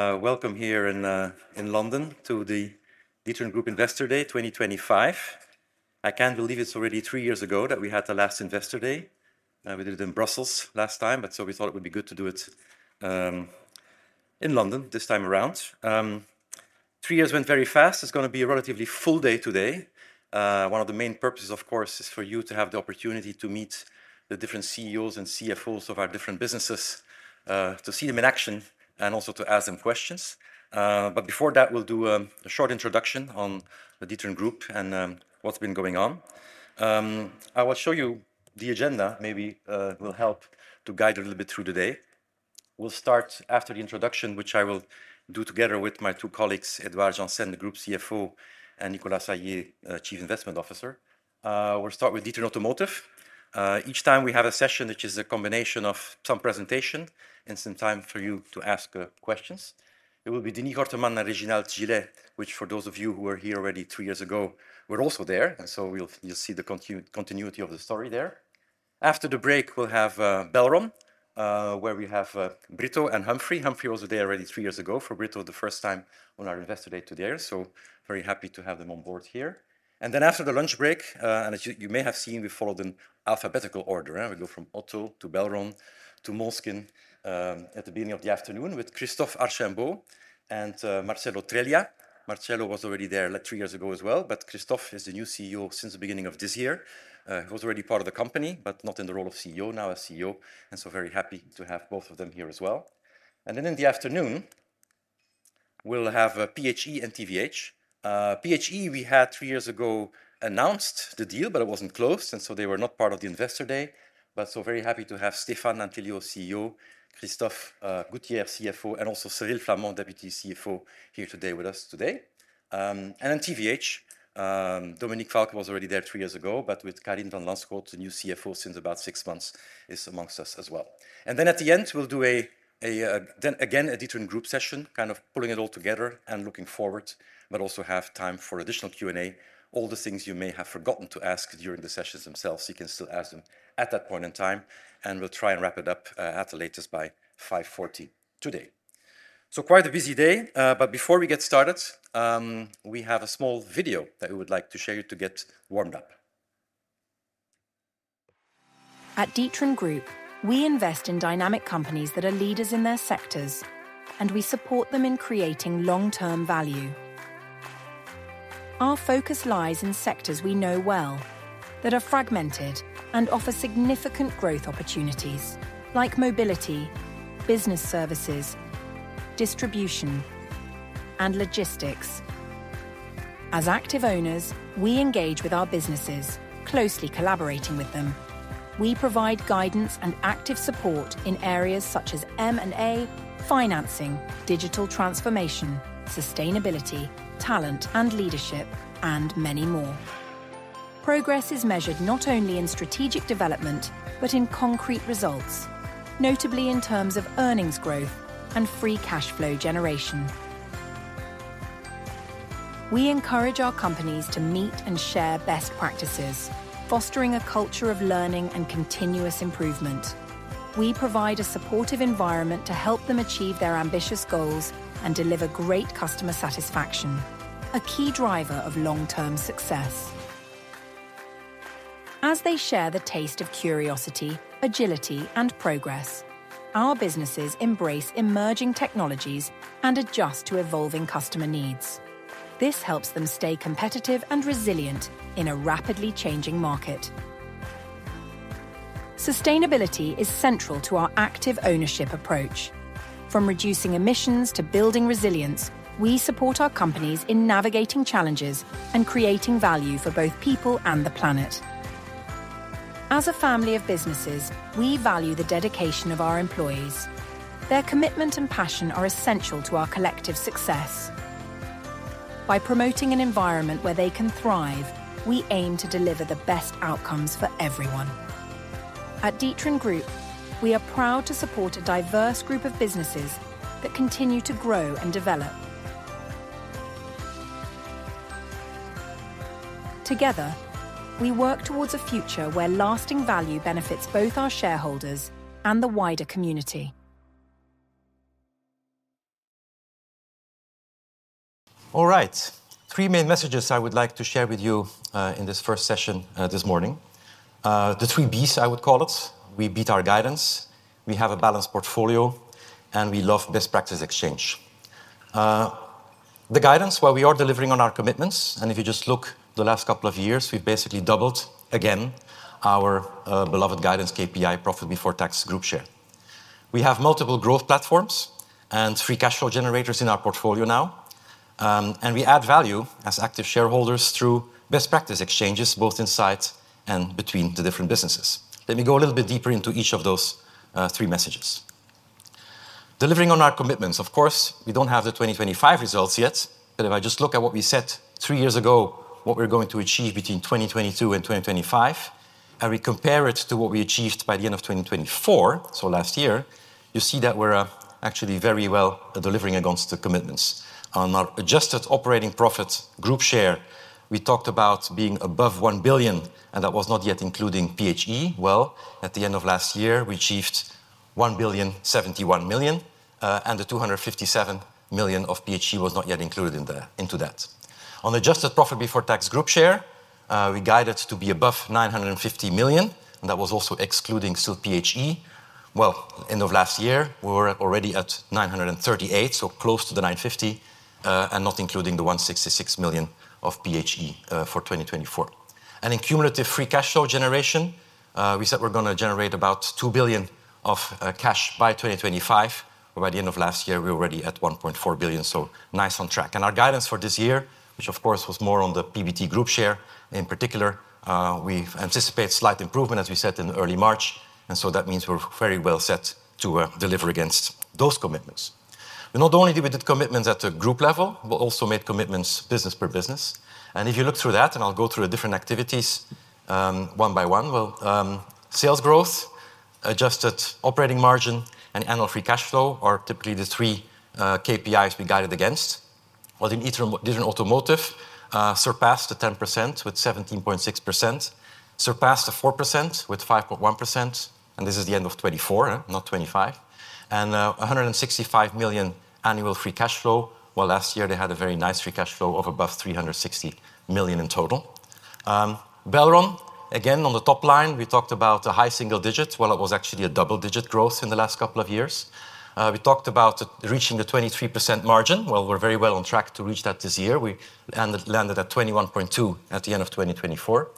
Welcome here in London to the D'Ieteren Group Investor Day 2025. I can't believe it's already three years ago that we had the last Investor Day. We did it in Brussels last time, but we thought it would be good to do it in London this time around. Three years went very fast. It's going to be a relatively full day today. One of the main purposes, of course, is for you to have the opportunity to meet the different CEOs and CFOs of our different businesses, to see them in action, and also to ask them questions. Before that, we'll do a short introduction on the D'Ieteren Group and what's been going on. I will show you the agenda. Maybe it will help to guide a little bit through the day. We'll start after the introduction, which I will do together with my two colleagues, Édouard Janssen, the Group CFO, and Nicolas Saillez, Chief Investment Officer. We'll start with D'Ieteren Automotive. Each time we have a session, which is a combination of some presentation and some time for you to ask questions. It will be Denis Gorteman and Réginald Gillet, which for those of you who were here already three years ago, were also there. You will see the continuity of the story there. After the break, we'll have Belron, where we have Brito and Humphrey. Humphrey was there already three years ago, for Brito the first time on our Investor Day today. Very happy to have them on board here. After the lunch break, and as you may have seen, we followed an alphabetical order. We go from Otto to Belron to Moleskine at the beginning of the afternoon with Christophe Archaimbault and Marcello Treglia. Marcello was already there three years ago as well, but Christophe is the new CEO since the beginning of this year. He was already part of the company, but not in the role of CEO, now a CEO. Very happy to have both of them here as well. In the afternoon, we'll have PHE and TVH. PHE, we had three years ago announced the deal, but it was not closed. They were not part of the Investor Day. Very happy to have Stéphane Antelliot, CEO, Christophe Gouttier, CFO, and also Cyril Flamand, Deputy CFO, here today with us today. TVH, Dominiek Valcke was already there three years ago, but with Carine Van Landschoot, the new CFO since about six months, is amongst us as well. At the end, we'll do again a D'Ieteren Group session, kind of pulling it all together and looking forward, but also have time for additional Q&A. All the things you may have forgotten to ask during the sessions themselves, you can still ask them at that point in time. We'll try and wrap it up at the latest by 5:40 P.M. today. Quite a busy day. Before we get started, we have a small video that we would like to share with you to get warmed up. At D'Ieteren Group, we invest in dynamic companies that are leaders in their sectors, and we support them in creating long-term value. Our focus lies in sectors we know well, that are fragmented and offer significant growth opportunities, like mobility, business services, distribution, and logistics. As active owners, we engage with our businesses, closely collaborating with them. We provide guidance and active support in areas such as M&A, financing, digital transformation, sustainability, talent and leadership, and many more. Progress is measured not only in strategic development, but in concrete results, notably in terms of earnings growth and free cash flow generation. We encourage our companies to meet and share best practices, fostering a culture of learning and continuous improvement. We provide a supportive environment to help them achieve their ambitious goals and deliver great customer satisfaction, a key driver of long-term success. As they share the taste of curiosity, agility, and progress, our businesses embrace emerging technologies and adjust to evolving customer needs. This helps them stay competitive and resilient in a rapidly changing market. Sustainability is central to our active ownership approach. From reducing emissions to building resilience, we support our companies in navigating challenges and creating value for both people and the planet. As a family of businesses, we value the dedication of our employees. Their commitment and passion are essential to our collective success. By promoting an environment where they can thrive, we aim to deliver the best outcomes for everyone. At D'Ieteren Group, we are proud to support a diverse group of businesses that continue to grow and develop. Together, we work towards a future where lasting value benefits both our shareholders and the wider community. All right, three main messages I would like to share with you in this first session this morning. The three Bs, I would call it. We beat our guidance. We have a balanced portfolio, and we love best practice exchange. The guidance, while we are delivering on our commitments, and if you just look at the last couple of years, we have basically doubled again our beloved guidance KPI, Profit Before Tax Group Share. We have multiple growth platforms and free cash flow generators in our portfolio now. We add value as active shareholders through best practice exchanges, both inside and between the different businesses. Let me go a little bit deeper into each of those three messages. Delivering on our commitments, of course, we do not have the 2025 results yet, but if I just look at what we set three years ago, what we are going to achieve between 2022 and 2025, and we compare it to what we achieved by the end of 2024, so last year, you see that we are actually very well delivering against the commitments. On our adjusted operating profit group share, we talked about being above 1 billion, and that was not yet including PHE. At the end of last year, we achieved 1.071 billion, and the 257 million of PHE was not yet included into that. On adjusted profit before tax group share, we guided to be above 950 million, and that was also excluding still PHE. End of last year, we were already at 938 million, so close to the 950 million, and not including the 166 million of PHE for 2024. In cumulative free cash flow generation, we said we are going to generate about 2 billion of cash by 2025, but by the end of last year, we were already at 1.4 billion, so nice on track. Our guidance for this year, which of course was more on the PBT group share in particular, we anticipate slight improvement, as we said in early March. That means we are very well set to deliver against those commitments. We not only did commitments at the group level, but also made commitments business per business. If you look through that, and I'll go through the different activities one by one, sales growth, adjusted operating margin, and annual free cash flow are typically the three KPIs we guided against. In D'Ieteren Automotive, surpassed the 10% with 17.6%, surpassed the 4% with 5.1%, and this is the end of 2024, not 2025, and 165 million annual free cash flow, while last year they had a very nice free cash flow of above 360 million in total. Belron, again, on the top line, we talked about a high single digit. It was actually a double-digit growth in the last couple of years. We talked about reaching the 23% margin. We're very well on track to reach that this year. We landed at 21.2% at the end of 2024.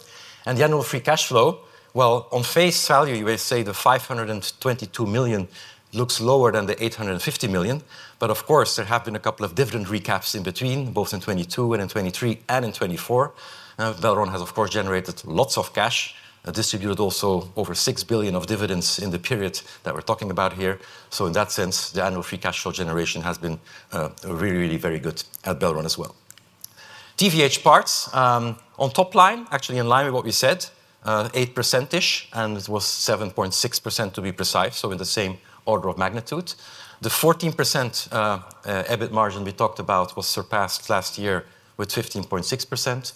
The annual free cash flow, on face value, you may say the 522 million looks lower than the 850 million, but of course, there have been a couple of dividend recaps in between, both in 2022 and in 2023 and in 2024. Belron has, of course, generated lots of cash, distributed also over 6 billion of dividends in the period that we're talking about here. In that sense, the annual free cash flow generation has been really, really very good at Belron as well. TVH parts, on top line, actually in line with what we said, 8%-ish, and it was 7.6% to be precise, in the same order of magnitude. The 14% EBIT margin we talked about was surpassed last year with 15.6%.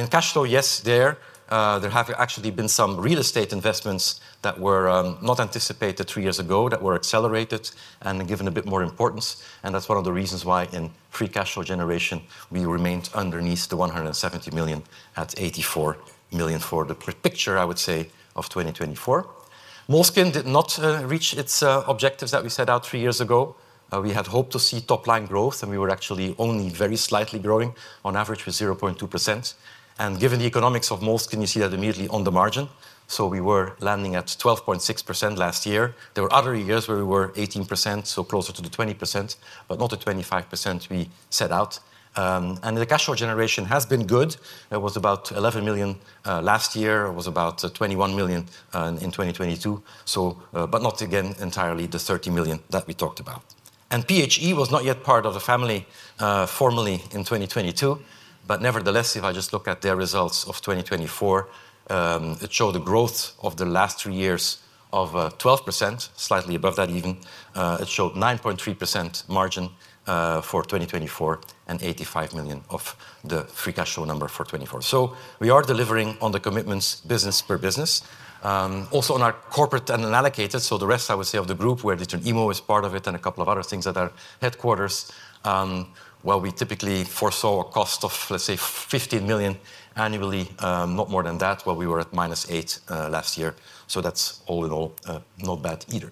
In cash flow, yes, there have actually been some real estate investments that were not anticipated three years ago that were accelerated and given a bit more importance. That is one of the reasons why in free cash flow generation, we remained underneath the 170 million at 84 million for the picture, I would say, of 2024. Moleskine did not reach its objectives that we set out three years ago. We had hoped to see top-line growth, and we were actually only very slightly growing on average with 0.2%. Given the economics of Moleskine, you see that immediately on the margin. We were landing at 12.6% last year. There were other years where we were 18%, so closer to the 20%, but not the 25% we set out. The cash flow generation has been good. It was about 11 million last year. It was about 21 million in 2022, but not again entirely the 30 million that we talked about. PHE was not yet part of the family formally in 2022, but nevertheless, if I just look at their results of 2024, it showed the growth of the last three years of 12%, slightly above that even. It showed 9.3% margin for 2024 and 85 million of the free cash flow number for 2024. We are delivering on the commitments business per business. Also on our corporate and allocated, so the rest, I would say, of the group where D'Ieteren Immo is part of it and a couple of other things at our headquarters, we typically foresaw a cost of, let's say, 15 million annually, not more than that, while we were at minus 8 million last year. That is all in all not bad either.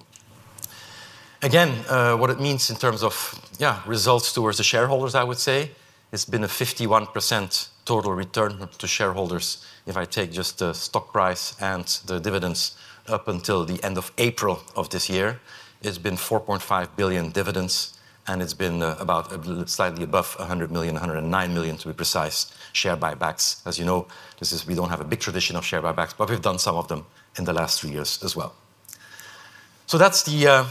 Again, what it means in terms of results towards the shareholders, I would say, it's been a 51% total return to shareholders. If I take just the stock price and the dividends up until the end of April of this year, it's been 4.5 billion dividends, and it's been about slightly above 100 million, 109 million to be precise, share buybacks. As you know, we don't have a big tradition of share buybacks, but we've done some of them in the last three years as well. That's the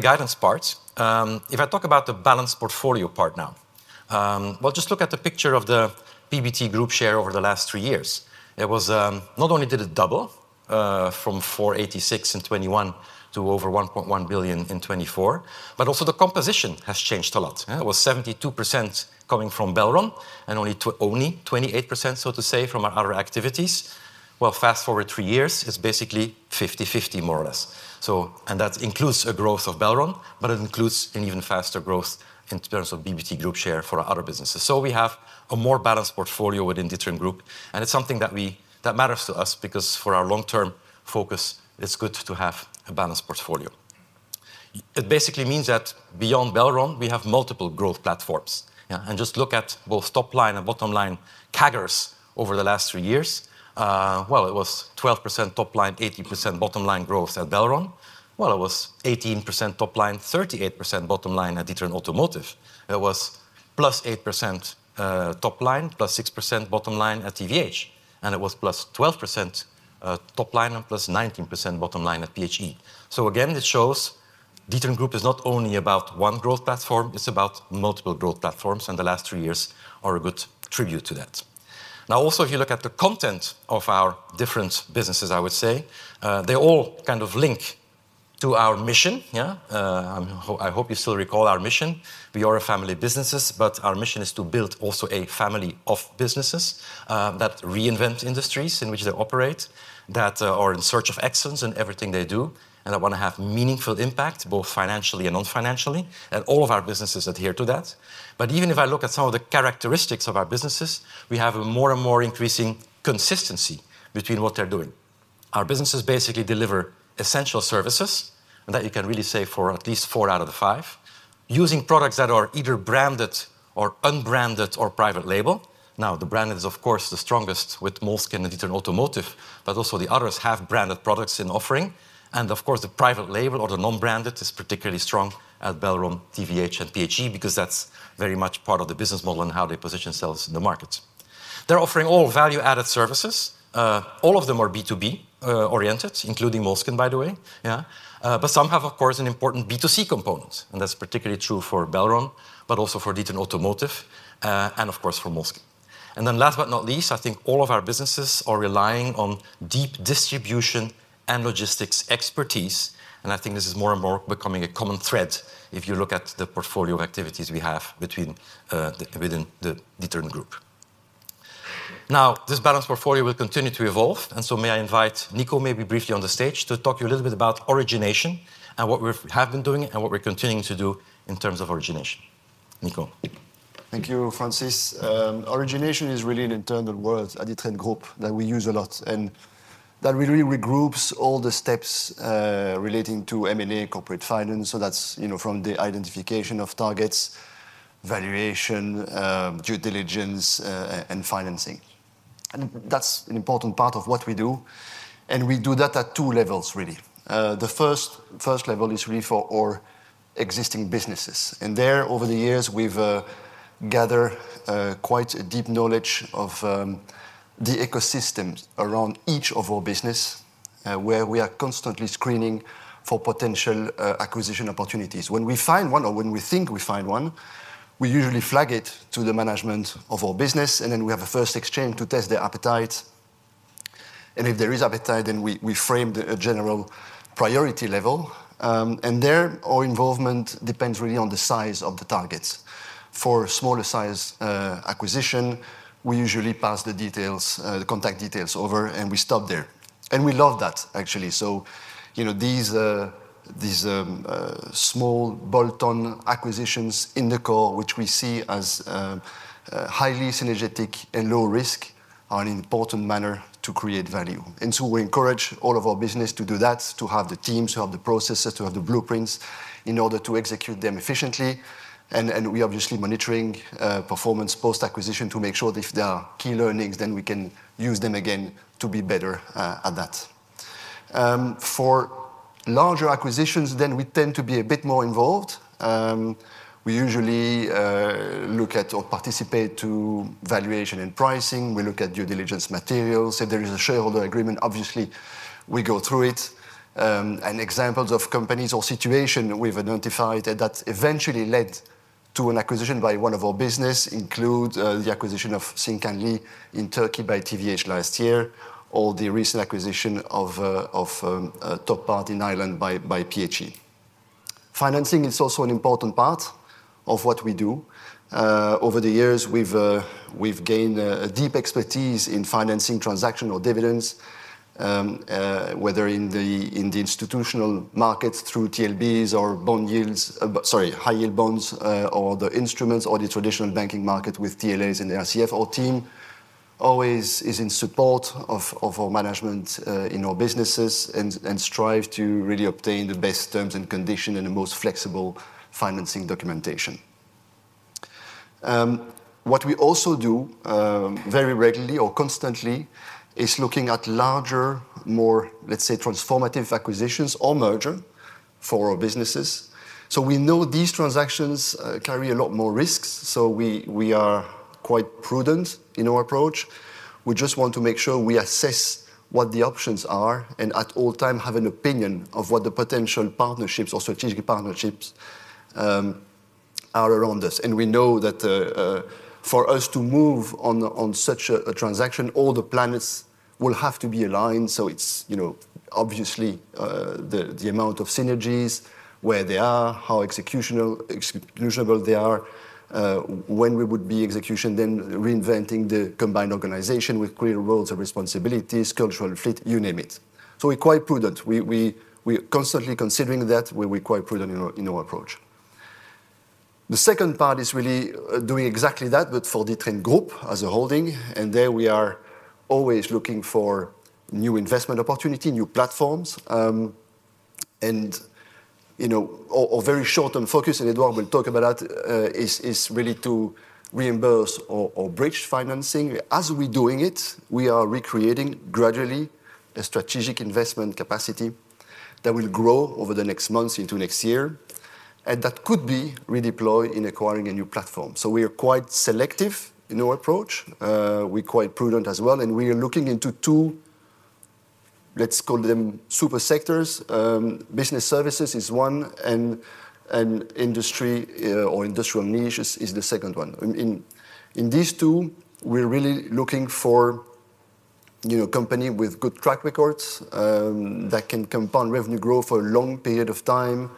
guidance part. If I talk about the balanced portfolio part now, just look at the picture of the PBT group share over the last three years. Not only did it double from 486 million in 2021 to over 1.1 billion in 2024, but also the composition has changed a lot. It was 72% coming from Belron and only 28%, so to say, from our other activities. Fast forward three years, it's basically 50-50, more or less. That includes a growth of Belron, but it includes an even faster growth in terms of PBT group share for our other businesses. We have a more balanced portfolio within D'Ieteren Group, and it's something that matters to us because for our long-term focus, it's good to have a balanced portfolio. It basically means that beyond Belron, we have multiple growth platforms. Just look at both top line and bottom line CAGRs over the last three years. It was 12% top line, 80% bottom line growth at Belron. It was 18% top line, 38% bottom line at D'Ieteren Automotive. It was plus 8% top line, plus 6% bottom line at TVH, and it was plus 12% top line and plus 19% bottom line at PHE. Again, it shows D'Ieteren Group is not only about one growth platform, it's about multiple growth platforms, and the last three years are a good tribute to that. Now, also if you look at the content of our different businesses, I would say, they all kind of link to our mission. I hope you still recall our mission. We are a family of businesses, but our mission is to build also a family of businesses that reinvent industries in which they operate, that are in search of excellence in everything they do, and that want to have meaningful impact, both financially and non-financially, and all of our businesses adhere to that. Even if I look at some of the characteristics of our businesses, we have a more and more increasing consistency between what they're doing. Our businesses basically deliver essential services, and that you can really say for at least four out of the five, using products that are either branded or unbranded or private label. The branded is, of course, the strongest with Moleskine and D'Ieteren Automotive, but also the others have branded products in offering. Of course, the private label or the non-branded is particularly strong at Belron, TVH, and PHE because that's very much part of the business model and how they position themselves in the market. They're offering all value-added services. All of them are B2B oriented, including Moleskine, by the way. Some have, of course, an important B2C component, and that's particularly true for Belron, but also for D'Ieteren Automotive and, of course, for Moleskine. Last but not least, I think all of our businesses are relying on deep distribution and logistics expertise, and I think this is more and more becoming a common thread if you look at the portfolio of activities we have within the D'Ieteren Group. Now, this balanced portfolio will continue to evolve, and so may I invite Nico, maybe briefly on the stage, to talk to you a little bit about origination and what we have been doing and what we're continuing to do in terms of origination. Nico. Thank you, Francis. Origination is really an internal word at D'Ieteren Group that we use a lot and that really regroups all the steps relating to M&A and corporate finance. That's from the identification of targets, valuation, due diligence, and financing. That's an important part of what we do, and we do that at two levels, really. The first level is really for our existing businesses. There, over the years, we've gathered quite a deep knowledge of the ecosystems around each of our business, where we are constantly screening for potential acquisition opportunities. When we find one or when we think we find one, we usually flag it to the management of our business, and then we have a first exchange to test their appetite. If there is appetite, then we frame the general priority level. Our involvement depends really on the size of the targets. For smaller size acquisition, we usually pass the details, the contact details over, and we stop there. We love that, actually. These small bolt-on acquisitions in the core, which we see as highly synergetic and low risk, are an important manner to create value. We encourage all of our business to do that, to have the teams, to have the processes, to have the blueprints in order to execute them efficiently. We are obviously monitoring performance post-acquisition to make sure if there are key learnings, then we can use them again to be better at that. For larger acquisitions, we tend to be a bit more involved. We usually look at or participate in valuation and pricing. We look at due diligence materials. If there is a shareholder agreement, obviously, we go through it. Examples of companies or situations we've identified that eventually led to an acquisition by one of our businesses include the acquisition of Sin Canli in Turkey by TVH last year, or the recent acquisition of Top Part in Ireland by PHE. Financing is also an important part of what we do. Over the years, we've gained a deep expertise in financing transactional dividends, whether in the institutional market through TLBs or high-yield bonds or the instruments or the traditional banking market with TLAs and RCF. Our team always is in support of our management in our businesses and strives to really obtain the best terms and conditions and the most flexible financing documentation. What we also do very regularly or constantly is looking at larger, more, let's say, transformative acquisitions or mergers for our businesses. We know these transactions carry a lot more risks, so we are quite prudent in our approach. We just want to make sure we assess what the options are and at all times have an opinion of what the potential partnerships or strategic partnerships are around us. We know that for us to move on such a transaction, all the planets will have to be aligned. It is obviously the amount of synergies, where they are, how executable they are, when we would be execution, then reinventing the combined organization with clear roles and responsibilities, cultural fit, you name it. We are quite prudent. We are constantly considering that. We are quite prudent in our approach. The second part is really doing exactly that, but for D'Ieteren Group as a holding, and there we are always looking for new investment opportunities, new platforms, and our very short-term focus, and Édouard will talk about that, is really to reimburse or bridge financing. As we're doing it, we are recreating gradually a strategic investment capacity that will grow over the next months into next year, and that could be redeployed in acquiring a new platform. We are quite selective in our approach. We're quite prudent as well, and we are looking into two, let's call them super sectors. Business services is one, and industry or industrial niches is the second one. In these two, we're really looking for a company with good track records that can compound revenue growth for a long period of time,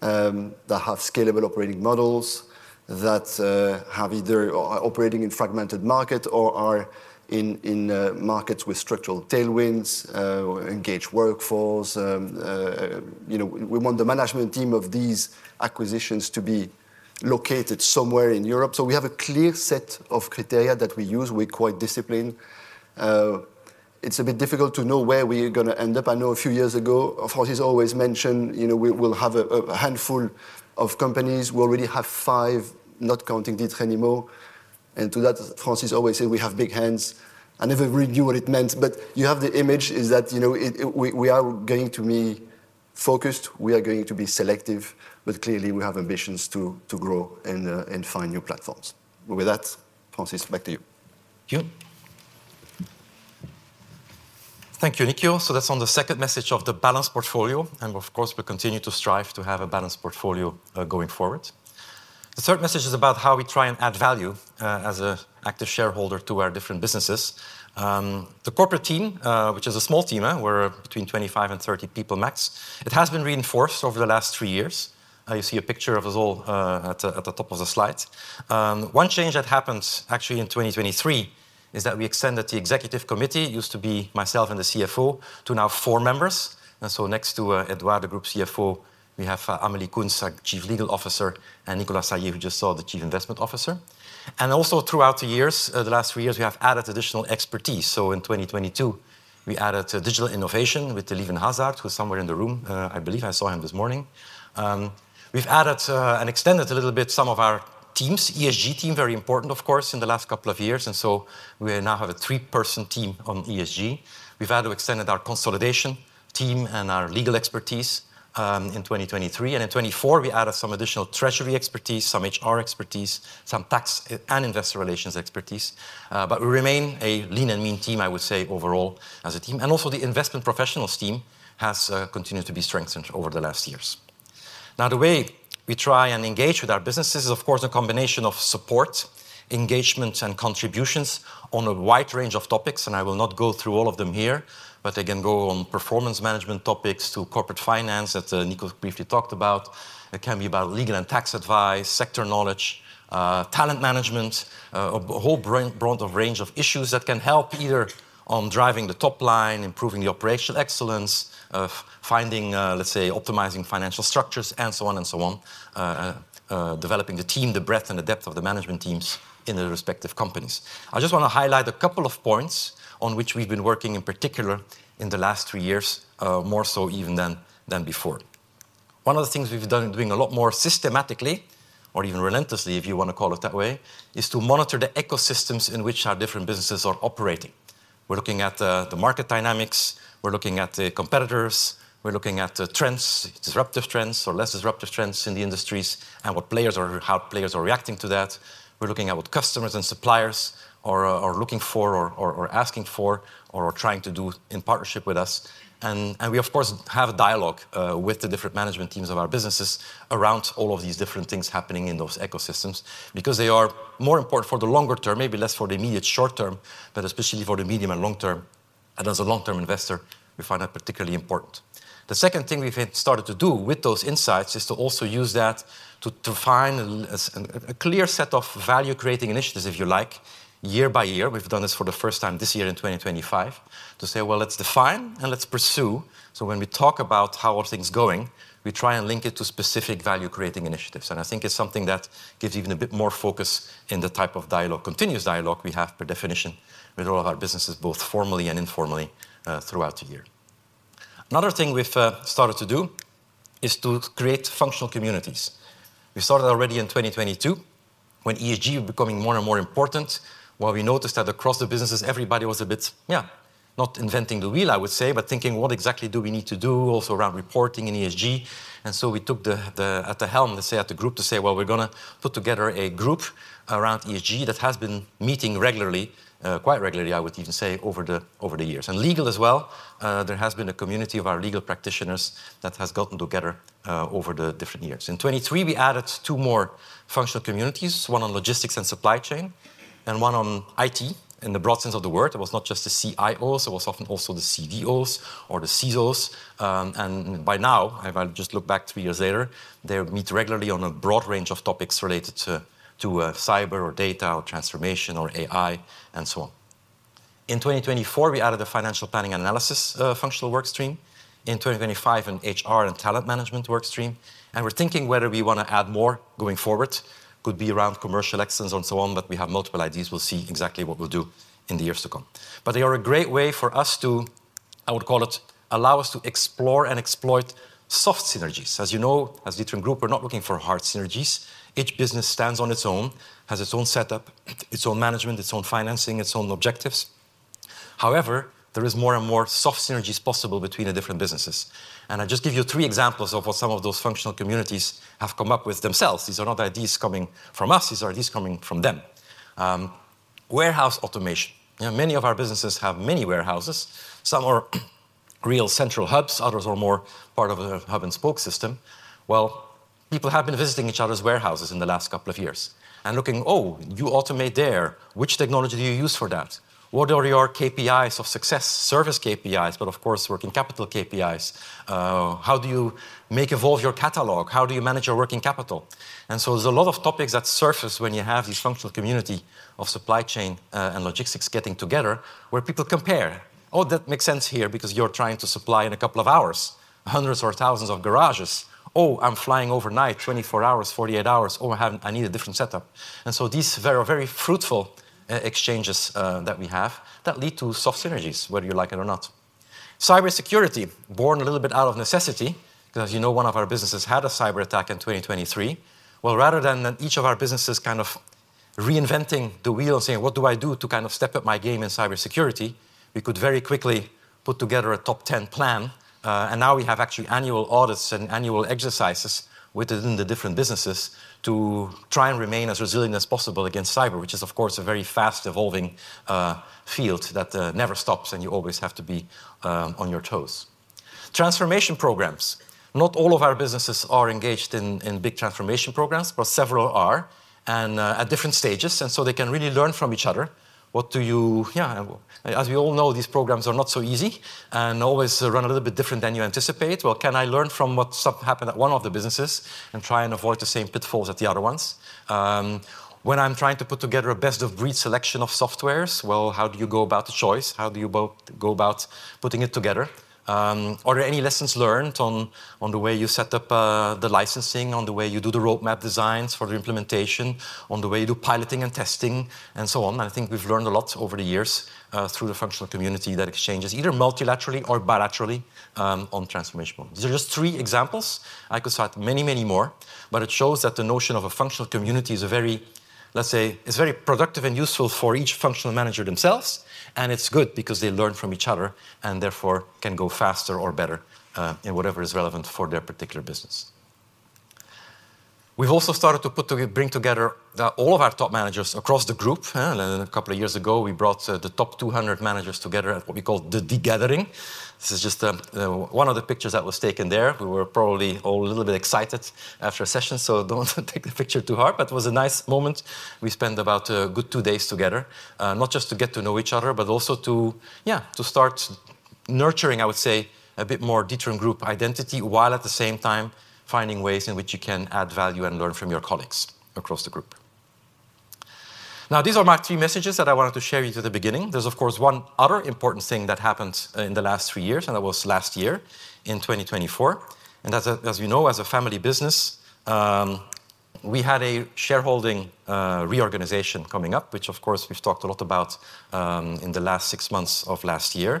that have scalable operating models, that are either operating in fragmented markets or are in markets with structural tailwinds, engaged workforce. We want the management team of these acquisitions to be located somewhere in Europe. So we have a clear set of criteria that we use. We're quite disciplined. It's a bit difficult to know where we're going to end up. I know a few years ago, Francis always mentioned we'll have a handful of companies. We already have five, not counting D'Ieteren Immo. And to that, Francis always said, we have big hands. I never really knew what it meant, but you have the image that we are going to be focused. We are going to be selective, but clearly we have ambitions to grow and find new platforms. With that, Francis, back to you. Thank you. Thank you, Nico. That is on the second message of the balanced portfolio, and of course, we continue to strive to have a balanced portfolio going forward. The third message is about how we try and add value as an active shareholder to our different businesses. The corporate team, which is a small team, we are between 25 and 30 people max. It has been reinforced over the last three years. You see a picture of us all at the top of the slide. One change that happened actually in 2023 is that we extended the executive committee. It used to be myself and the CFO to now four members. Next to Édouard, the Group CFO, we have Amélie Coens, Chief Legal Officer, and Nicolas Saillez, who you just saw, the Chief Investment Officer. Also, throughout the years, the last three years, we have added additional expertise. In 2022, we added digital innovation with Leven Hazard, who's somewhere in the room, I believe. I saw him this morning. We've added and extended a little bit some of our teams, ESG team, very important, of course, in the last couple of years. We now have a three-person team on ESG. We've added or extended our consolidation team and our legal expertise in 2023. In 2024, we added some additional treasury expertise, some HR expertise, some tax and investor relations expertise. We remain a lean and mean team, I would say, overall as a team. Also, the investment professionals team has continued to be strengthened over the last years. Now, the way we try and engage with our businesses is, of course, a combination of support, engagement, and contributions on a wide range of topics. I will not go through all of them here, but they can go on performance management topics to corporate finance that Nico briefly talked about. It can be about legal and tax advice, sector knowledge, talent management, a whole broad range of issues that can help either on driving the top line, improving the operational excellence, finding, let's say, optimizing financial structures, and so on and so on, developing the team, the breadth, and the depth of the management teams in the respective companies. I just want to highlight a couple of points on which we've been working in particular in the last three years, more so even than before. One of the things we've done is doing a lot more systematically, or even relentlessly, if you want to call it that way, is to monitor the ecosystems in which our different businesses are operating. We're looking at the market dynamics. We're looking at the competitors. We're looking at the trends, disruptive trends or less disruptive trends in the industries, and what players are reacting to that. We're looking at what customers and suppliers are looking for or asking for or trying to do in partnership with us. We, of course, have a dialogue with the different management teams of our businesses around all of these different things happening in those ecosystems because they are more important for the longer term, maybe less for the immediate short term, but especially for the medium and long term. As a long-term investor, we find that particularly important. The second thing we've started to do with those insights is to also use that to define a clear set of value-creating initiatives, if you like, year by year. We've done this for the first time this year in 2025 to say, let's define and let's pursue. When we talk about how are things going, we try and link it to specific value-creating initiatives. I think it's something that gives even a bit more focus in the type of continuous dialogue we have per definition with all of our businesses, both formally and informally throughout the year. Another thing we've started to do is to create functional communities. We started already in 2022 when ESG was becoming more and more important, while we noticed that across the businesses, everybody was a bit, yeah, not inventing the wheel, I would say, but thinking, what exactly do we need to do also around reporting in ESG? We took the helm, let's say, at the Group to say, well, we're going to put together a group around ESG that has been meeting regularly, quite regularly, I would even say, over the years. Legal as well, there has been a community of our legal practitioners that has gotten together over the different years. In 2023, we added two more functional communities, one on logistics and supply chain and one on IT in the broad sense of the word. It was not just the CIOs, it was often also the CVOs or the CISOs. By now, if I just look back three years later, they meet regularly on a broad range of topics related to cyber or data or transformation or AI and so on. In 2024, we added a financial planning analysis functional workstream. In 2025, an HR and talent management workstream. We're thinking whether we want to add more going forward. It could be around commercial excellence and so on, but we have multiple ideas. We'll see exactly what we'll do in the years to come. They are a great way for us to, I would call it, allow us to explore and exploit soft synergies. As you know, as D'Ieteren Group, we're not looking for hard synergies. Each business stands on its own, has its own setup, its own management, its own financing, its own objectives. However, there are more and more soft synergies possible between the different businesses. I'll just give you three examples of what some of those functional communities have come up with themselves. These are not ideas coming from us. These are ideas coming from them. Warehouse automation. Many of our businesses have many warehouses. Some are real central hubs. Others are more part of a hub-and-spoke system. People have been visiting each other's warehouses in the last couple of years and looking, oh, you automate there. Which technology do you use for that? What are your KPIs of success, service KPIs, but of course, working capital KPIs? How do you evolve your catalog? How do you manage your working capital? There are a lot of topics that surface when you have these functional communities of supply chain and logistics getting together where people compare, oh, that makes sense here because you're trying to supply in a couple of hours hundreds or thousands of garages. Oh, I'm flying overnight, 24 hours, 48 hours, or I need a different setup. These are very fruitful exchanges that we have that lead to soft synergies, whether you like it or not. Cybersecurity, born a little bit out of necessity, because as you know, one of our businesses had a cyber attack in 2023. Rather than each of our businesses kind of reinventing the wheel and saying, what do I do to kind of step up my game in cybersecurity, we could very quickly put together a top-10 plan. Now we have actually annual audits and annual exercises within the different businesses to try and remain as resilient as possible against cyber, which is, of course, a very fast-evolving field that never stops, and you always have to be on your toes. Transformation programs. Not all of our businesses are engaged in big transformation programs, but several are at different stages. They can really learn from each other. Yeah, as we all know, these programs are not so easy and always run a little bit different than you anticipate. Can I learn from what happened at one of the businesses and try and avoid the same pitfalls at the other ones? When I'm trying to put together a best-of-breed selection of softwares, how do you go about the choice? How do you go about putting it together? Are there any lessons learned on the way you set up the licensing, on the way you do the roadmap designs for the implementation, on the way you do piloting and testing, and so on? I think we've learned a lot over the years through the functional community that exchanges either multilaterally or bilaterally on transformation problems. These are just three examples. I could cite many, many more, but it shows that the notion of a functional community is a very, let's say, it's very productive and useful for each functional manager themselves. It is good because they learn from each other and therefore can go faster or better in whatever is relevant for their particular business. We have also started to bring together all of our top managers across the group. A couple of years ago, we brought the top 200 managers together at what we call the degathering. This is just one of the pictures that was taken there. We were probably all a little bit excited after a session, so do not take the picture too hard, but it was a nice moment. We spent about a good two days together, not just to get to know each other, but also to, yeah, to start nurturing, I would say, a bit more D'Ieteren Group identity while at the same time finding ways in which you can add value and learn from your colleagues across the group. Now, these are my three messages that I wanted to share you at the beginning. There is, of course, one other important thing that happened in the last three years, and that was last year in 2024. As you know, as a family business, we had a shareholding reorganization coming up, which, of course, we have talked a lot about in the last six months of last year.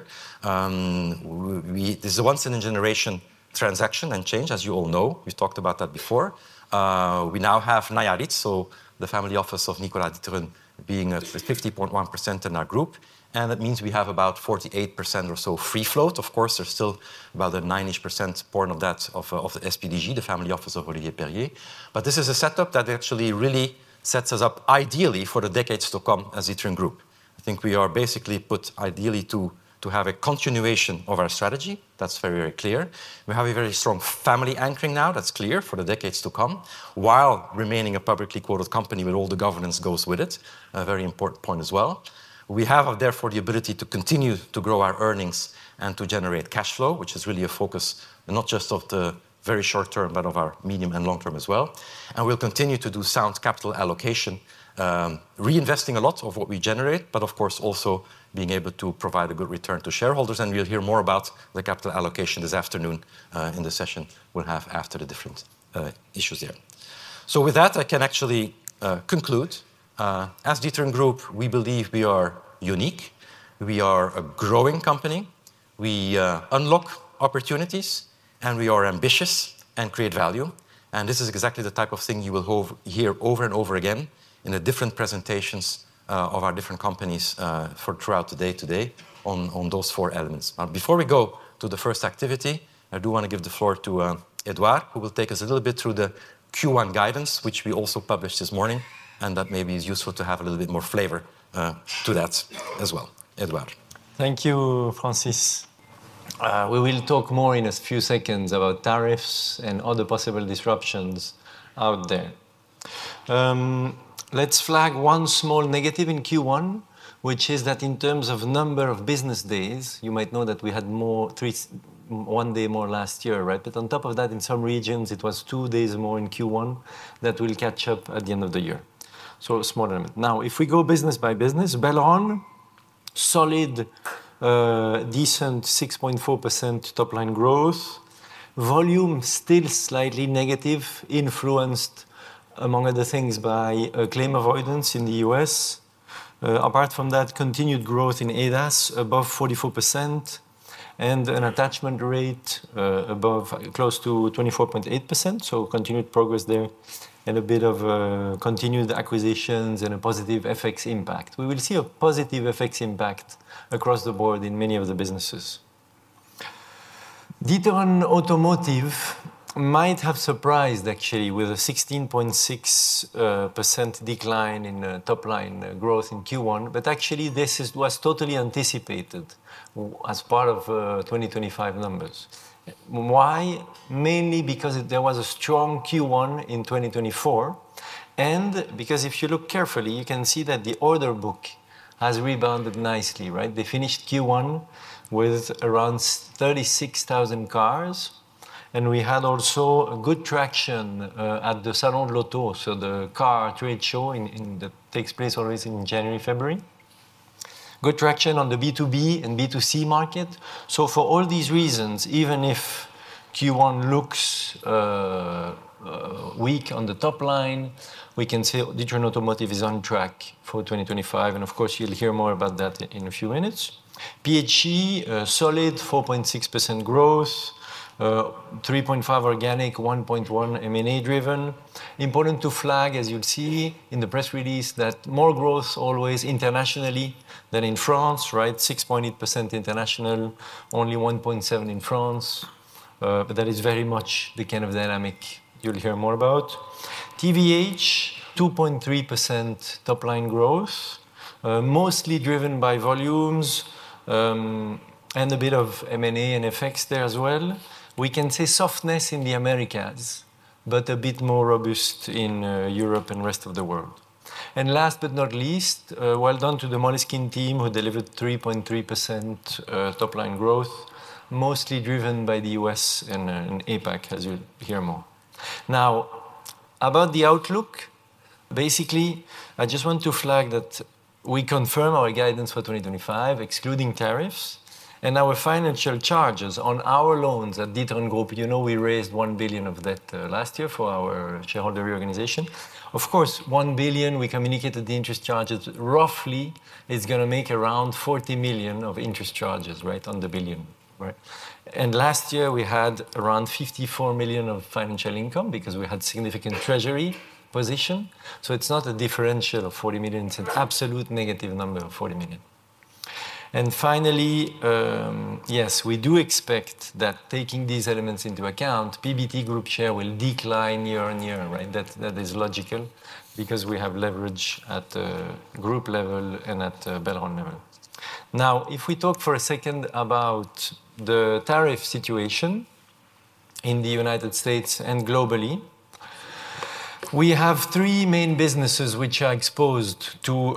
This is a once-in-a-generation transaction and change, as you all know. We have talked about that before. We now have Naiaritz, so the family office of Nicolas D'Ieteren, being at 50.1% in our group. That means we have about 48% or so free float. Of course, there is still about a nine-ish % portion of that of the SPDG, the family office of Olivier Perrier. This is a setup that actually really sets us up ideally for the decades to come as D'Ieteren Group. I think we are basically put ideally to have a continuation of our strategy. That is very, very clear. We have a very strong family anchoring now. That is clear for the decades to come, while remaining a publicly quoted company with all the governance that goes with it. A very important point as well. We have, therefore, the ability to continue to grow our earnings and to generate cash flow, which is really a focus not just of the very short term, but of our medium and long term as well. We will continue to do sound capital allocation, reinvesting a lot of what we generate, but of course, also being able to provide a good return to shareholders. We will hear more about the capital allocation this afternoon in the session we will have after the different issues there. With that, I can actually conclude. As D'Ieteren Group, we believe we are unique. We are a growing company. We unlock opportunities, and we are ambitious and create value. This is exactly the type of thing you will hear over and over again in the different presentations of our different companies throughout the day today on those four elements. Before we go to the first activity, I do want to give the floor to Édouard, who will take us a little bit through the Q1 guidance, which we also published this morning, and that maybe is useful to have a little bit more flavor to that as well. Édouard. Thank you, Francis. We will talk more in a few seconds about tariffs and other possible disruptions out there. Let's flag one small negative in Q1, which is that in terms of number of business days, you might know that we had one day more last year, right? On top of that, in some regions, it was two days more in Q1 that will catch up at the end of the year. A small element. Now, if we go business by business, Belron, solid, decent 6.4% top-line growth. Volume still slightly negative, influenced, among other things, by claim avoidance in the U.S. Apart from that, continued growth in ADAS above 44% and an attachment rate close to 24.8%. Continued progress there and a bit of continued acquisitions and a positive FX impact. We will see a positive FX impact across the board in many of the businesses. D'Ieteren Automotive might have surprised, actually, with a 16.6% decline in top-line growth in Q1, but actually, this was totally anticipated as part of 2025 numbers. Why? Mainly because there was a strong Q1 in 2024. If you look carefully, you can see that the order book has rebounded nicely, right? They finished Q1 with around 36,000 cars. We had also good traction at the Salon de l'Auto, the car trade show that takes place always in January, February. Good traction on the B2B and B2C market. For all these reasons, even if Q1 looks weak on the top line, we can say D'Ieteren Automotive is on track for 2025. Of course, you'll hear more about that in a few minutes. PHE, solid 4.6% growth, 3.5% organic, 1.1% M&A driven. Important to flag, as you'll see in the press release, that more growth always internationally than in France, right? 6.8% international, only 1.7% in France. That is very much the kind of dynamic you'll hear more about. TVH, 2.3% top-line growth, mostly driven by volumes and a bit of M&A and FX there as well. We can say softness in the Americas, but a bit more robust in Europe and the rest of the world. Last but not least, well done to the Moleskine team who delivered 3.3% top-line growth, mostly driven by the US and APAC, as you'll hear more. Now, about the outlook, basically, I just want to flag that we confirm our guidance for 2025, excluding tariffs, and our financial charges on our loans at D'Ieteren Group. You know we raised 1 billion of debt last year for our shareholder reorganization. Of course, 1 billion, we communicated the interest charges roughly, it's going to make around 40 million of interest charges, right, on the billion, right? Last year, we had around 54 million of financial income because we had significant treasury position. So it's not a differential of 40 million, it's an absolute negative number of 40 million. Finally, yes, we do expect that taking these elements into account, PBT Group share will decline year on year, right? That is logical because we have leverage at the group level and at Belron level. Now, if we talk for a second about the tariff situation in the United States and globally, we have three main businesses which are exposed to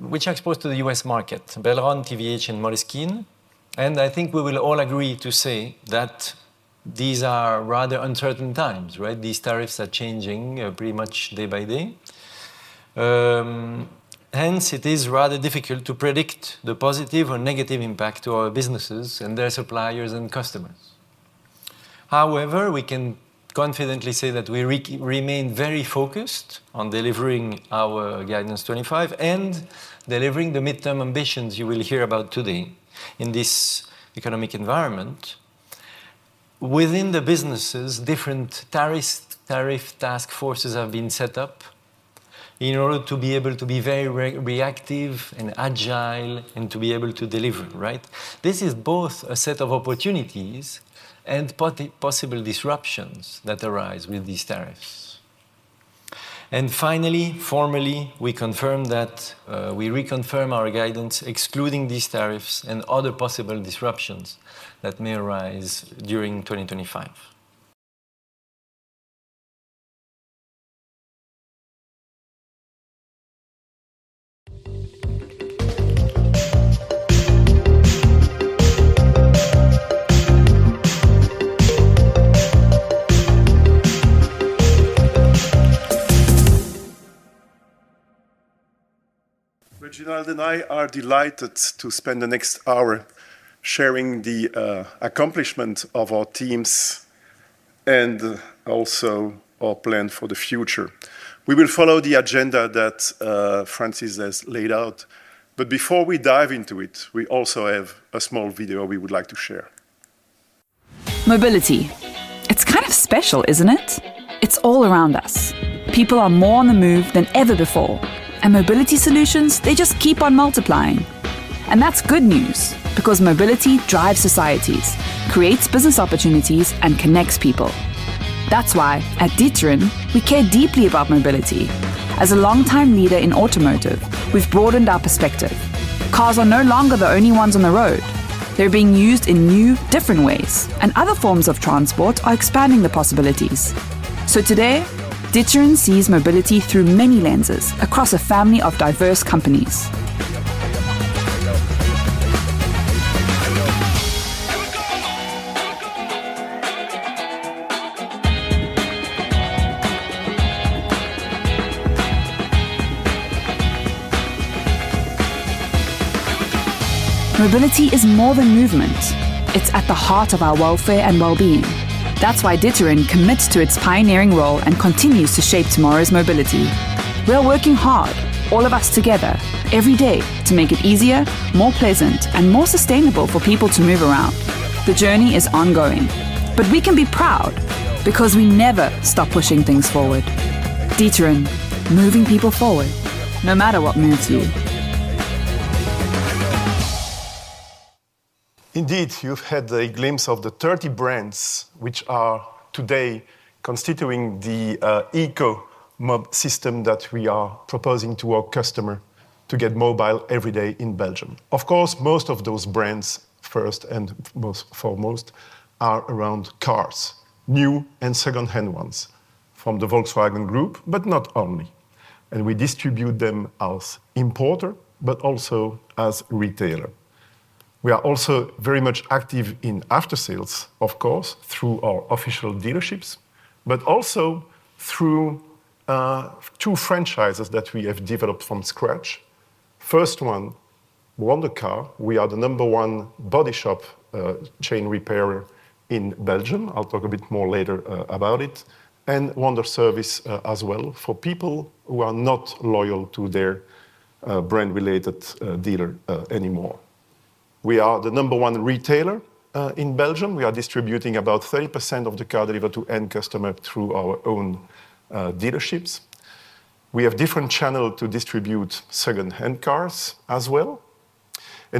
the U.S. market: Belron, TVH, and Moleskine. I think we will all agree to say that these are rather uncertain times, right? These tariffs are changing pretty much day by day. Hence, it is rather difficult to predict the positive or negative impact to our businesses and their suppliers and customers. However, we can confidently say that we remain very focused on delivering our guidance 2025 and delivering the midterm ambitions you will hear about today in this economic environment. Within the businesses, different tariff task forces have been set up in order to be able to be very reactive and agile and to be able to deliver, right? This is both a set of opportunities and possible disruptions that arise with these tariffs. Finally, formally, we confirm that we reconfirm our guidance, excluding these tariffs and other possible disruptions that may arise during 2025. Réginald and I are delighted to spend the next hour sharing the accomplishment of our teams and also our plan for the future. We will follow the agenda that Francis has laid out. Before we dive into it, we also have a small video we would like to share. Mobility. It's kind of special, isn't it? It's all around us. People are more on the move than ever before. And mobility solutions, they just keep on multiplying. That's good news because mobility drives societies, creates business opportunities, and connects people. That's why at D'Ieteren, we care deeply about mobility. As a longtime leader in automotive, we've broadened our perspective. Cars are no longer the only ones on the road. They're being used in new, different ways, and other forms of transport are expanding the possibilities. Today, D'Ieteren sees mobility through many lenses across a family of diverse companies. Mobility is more than movement. It's at the heart of our welfare and well-being. That's why D'Ieteren commits to its pioneering role and continues to shape tomorrow's mobility. We're working hard, all of us together, every day to make it easier, more pleasant, and more sustainable for people to move around. The journey is ongoing, but we can be proud because we never stop pushing things forward. D'Ieteren, moving people forward, no matter what moves you. Indeed, you've had a glimpse of the 30 brands which are today constituting the eco-mob system that we are proposing to our customer to get mobile every day in Belgium. Of course, most of those brands, first and foremost, are around cars, new and second-hand ones from the Volkswagen Group, but not only. We distribute them as importer, but also as retailer. We are also very much active in after-sales, of course, through our official dealerships, but also through two franchises that we have developed from scratch. First one, Wonder Car. We are the number one body shop chain repair in Belgium. I'll talk a bit more later about it. Wonder Service as well for people who are not loyal to their brand-related dealer anymore. We are the number one retailer in Belgium. We are distributing about 30% of the cars delivered to end customers through our own dealerships. We have different channels to distribute second-hand cars as well.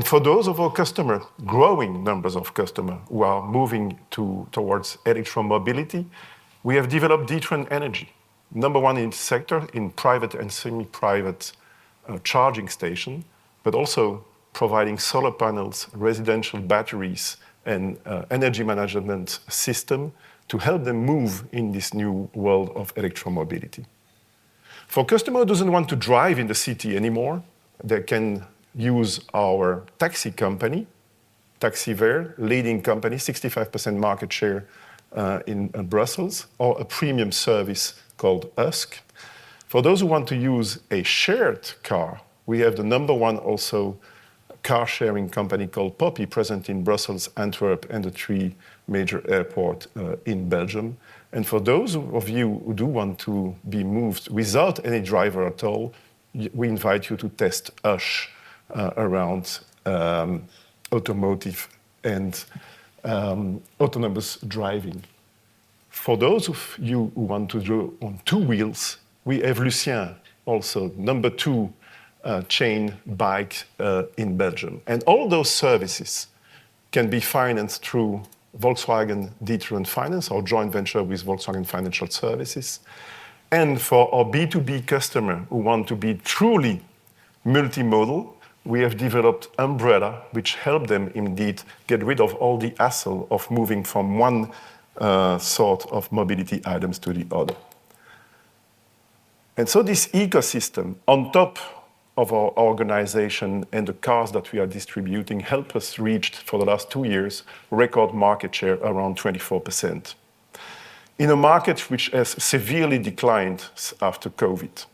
For those of our customers, growing numbers of customers who are moving towards electromobility, we have developed D'Ieteren Energy, number one in the sector in private and semi-private charging stations, but also providing solar panels, residential batteries, and energy management systems to help them move in this new world of electromobility. For customers who do not want to drive in the city anymore, they can use our taxi company, TaxiVere, leading company, 65% market share in Brussels, or a premium service called Husk. For those who want to use a shared car, we have the number one also car-sharing company called Poppy, present in Brussels, Antwerp, and the three major airports in Belgium. For those of you who do want to be moved without any driver at all, we invite you to test Husk around automotive and autonomous driving. For those of you who want to drive on two wheels, we have Lucien, also number two chain bike in Belgium. All those services can be financed through Volkswagen D'Ieteren Finance, our joint venture with Volkswagen Financial Services. For our B2B customers who want to be truly multimodal, we have developed Umbrella, which helps them indeed get rid of all the hassle of moving from one sort of mobility items to the other. This ecosystem on top of our organization and the cars that we are distributing helped us reach for the last two years record market share around 24% in a market which has severely declined after COVID.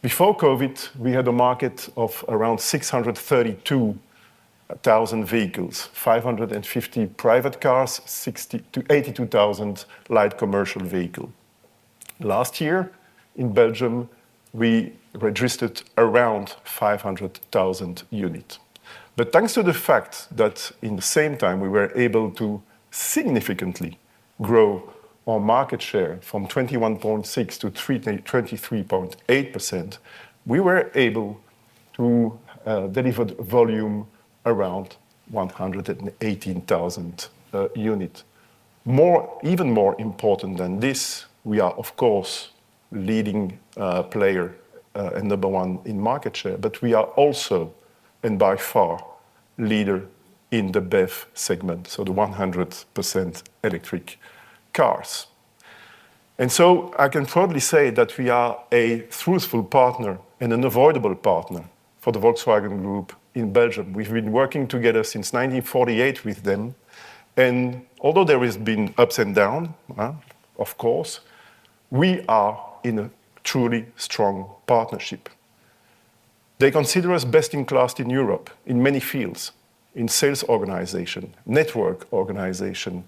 Before COVID, we had a market of around 632,000 vehicles, 550,000 private cars, 82,000 light commercial vehicles. Last year, in Belgium, we registered around 500,000 units. Thanks to the fact that in the same time, we were able to significantly grow our market share from 21.6% to 23.8%, we were able to deliver volume around 118,000 units. Even more important than this, we are, of course, a leading player and number one in market share, but we are also and by far leader in the BEV segment, so the 100% electric cars. I can proudly say that we are a truthful partner and an unavoidable partner for the Volkswagen Group in Belgium. We've been working together since 1948 with them. Although there have been ups and downs, of course, we are in a truly strong partnership. They consider us best in class in Europe in many fields, in sales organization, network organization,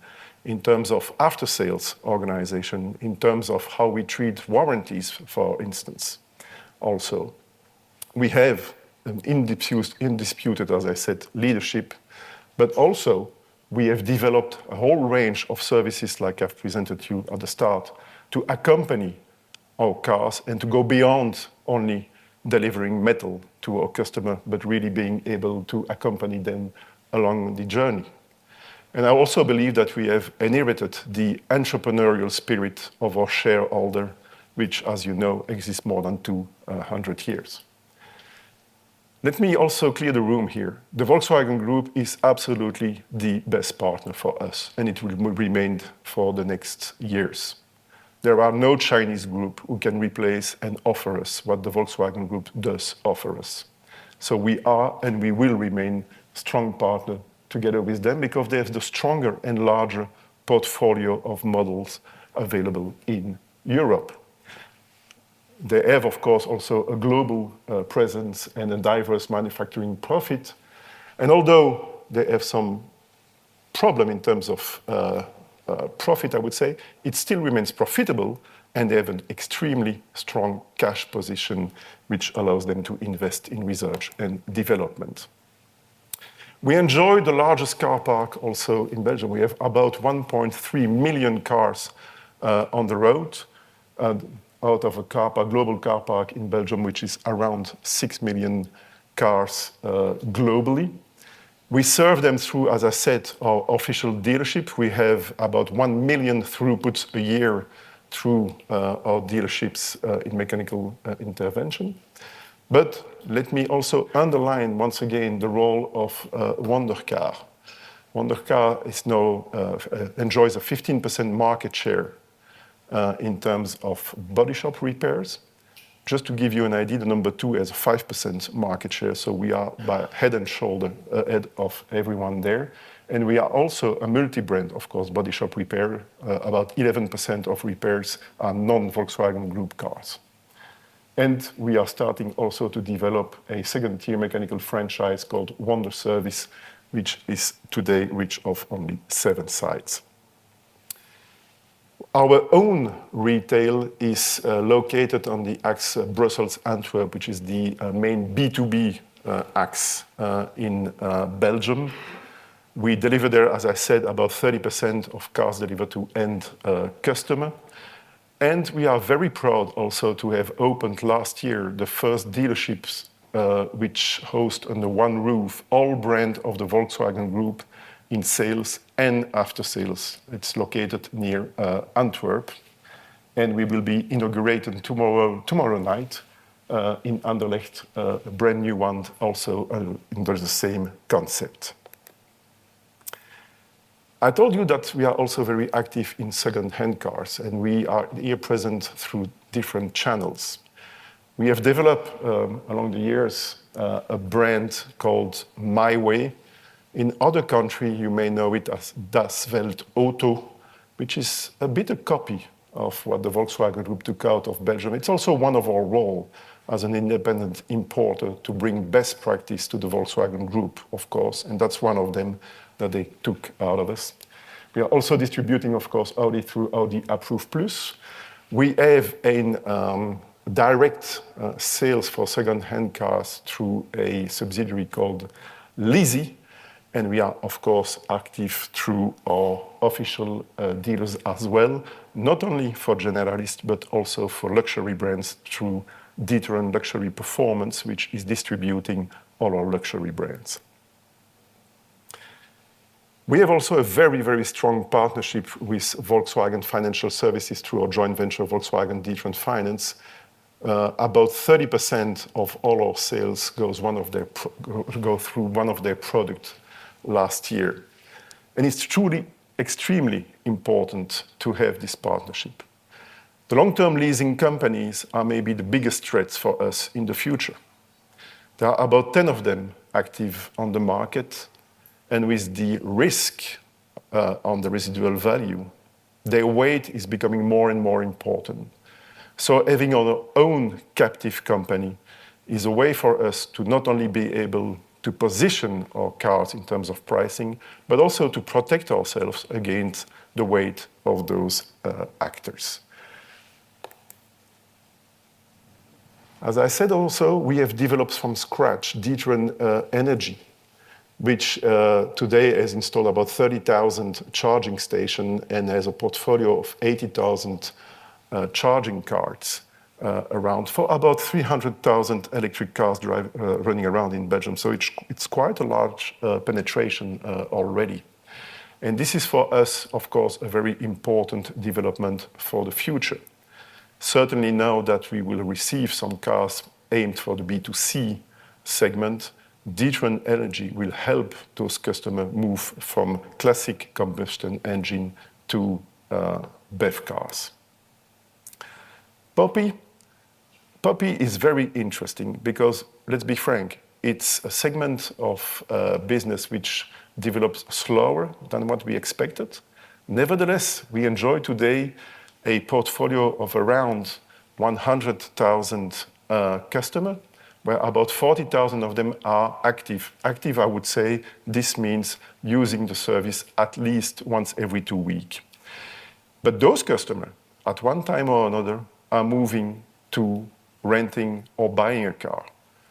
in terms of after-sales organization, in terms of how we treat warranties, for instance. Also, we have an indisputable, as I said, leadership, but also we have developed a whole range of services, like I've presented to you at the start, to accompany our cars and to go beyond only delivering metal to our customers, but really being able to accompany them along the journey. I also believe that we have inherited the entrepreneurial spirit of our shareholders, which, as you know, exists for more than 200 years. Let me also clear the room here. The Volkswagen Group is absolutely the best partner for us, and it will remain for the next years. There are no Chinese groups who can replace and offer us what the Volkswagen Group does offer us. We are and we will remain a strong partner together with them because they have the stronger and larger portfolio of models available in Europe. They have, of course, also a global presence and a diverse manufacturing profit. Although they have some problems in terms of profit, I would say, it still remains profitable, and they have an extremely strong cash position, which allows them to invest in research and development. We enjoy the largest car park also in Belgium. We have about 1.3 million cars on the road out of a global car park in Belgium, which is around 6 million cars globally. We serve them through, as I said, our official dealerships. We have about 1 million throughputs a year through our dealerships in mechanical intervention. Let me also underline once again the role of Wonder Car. Wonder Car enjoys a 15% market share in terms of body shop repairs. Just to give you an idea, the number two has a 5% market share. We are head and shoulder ahead of everyone there. We are also a multi-brand, of course, body shop repair. About 11% of repairs are non-Volkswagen Group cars. We are starting also to develop a second-tier mechanical franchise called Wonder Service, which is today rich of only seven sites. Our own retail is located on the axis, Brussels Antwerp, which is the main B2B axis in Belgium. We deliver there, as I said, about 30% of cars delivered to end customers. We are very proud also to have opened last year the first dealerships which host under one roof all brands of the Volkswagen Group in sales and after-sales. It's located near Antwerp, and we will be inaugurating tomorrow night in Anderlecht, a brand new one also under the same concept. I told you that we are also very active in second-hand cars, and we are here present through different channels. We have developed along the years a brand called My Way. In other countries, you may know it as Das Welt Auto, which is a bit of a copy of what the Volkswagen Group took out of Belgium. It's also one of our roles as an independent importer to bring best practice to the Volkswagen Group, of course, and that's one of them that they took out of us. We are also distributing, of course, only through Audi Approved Plus. We have a direct sales for second-hand cars through a subsidiary called Lizzie, and we are, of course, active through our official dealers as well, not only for generalists, but also for luxury brands through D'Ieteren Luxury Performance, which is distributing all our luxury brands. We have also a very, very strong partnership with Volkswagen Financial Services through our joint venture, Volkswagen D'Ieteren Finance. About 30% of all our sales goes through one of their products last year. It is truly extremely important to have this partnership. The long-term leasing companies are maybe the biggest threats for us in the future. There are about 10 of them active on the market, and with the risk on the residual value, their weight is becoming more and more important. Having our own captive company is a way for us to not only be able to position our cars in terms of pricing, but also to protect ourselves against the weight of those actors. As I said also, we have developed from scratch D'Ieteren Energy, which today has installed about 30,000 charging stations and has a portfolio of 80,000 charging cards around for about 300,000 electric cars running around in Belgium. It is quite a large penetration already. This is for us, of course, a very important development for the future. Certainly now that we will receive some cars aimed for the B2C segment, D'Ieteren Energy will help those customers move from classic combustion engine to BEV cars. Poppy is very interesting because, let's be frank, it is a segment of business which develops slower than what we expected. Nevertheless, we enjoy today a portfolio of around 100,000 customers, where about 40,000 of them are active. Active, I would say, this means using the service at least once every two weeks. Those customers, at one time or another, are moving to renting or buying a car.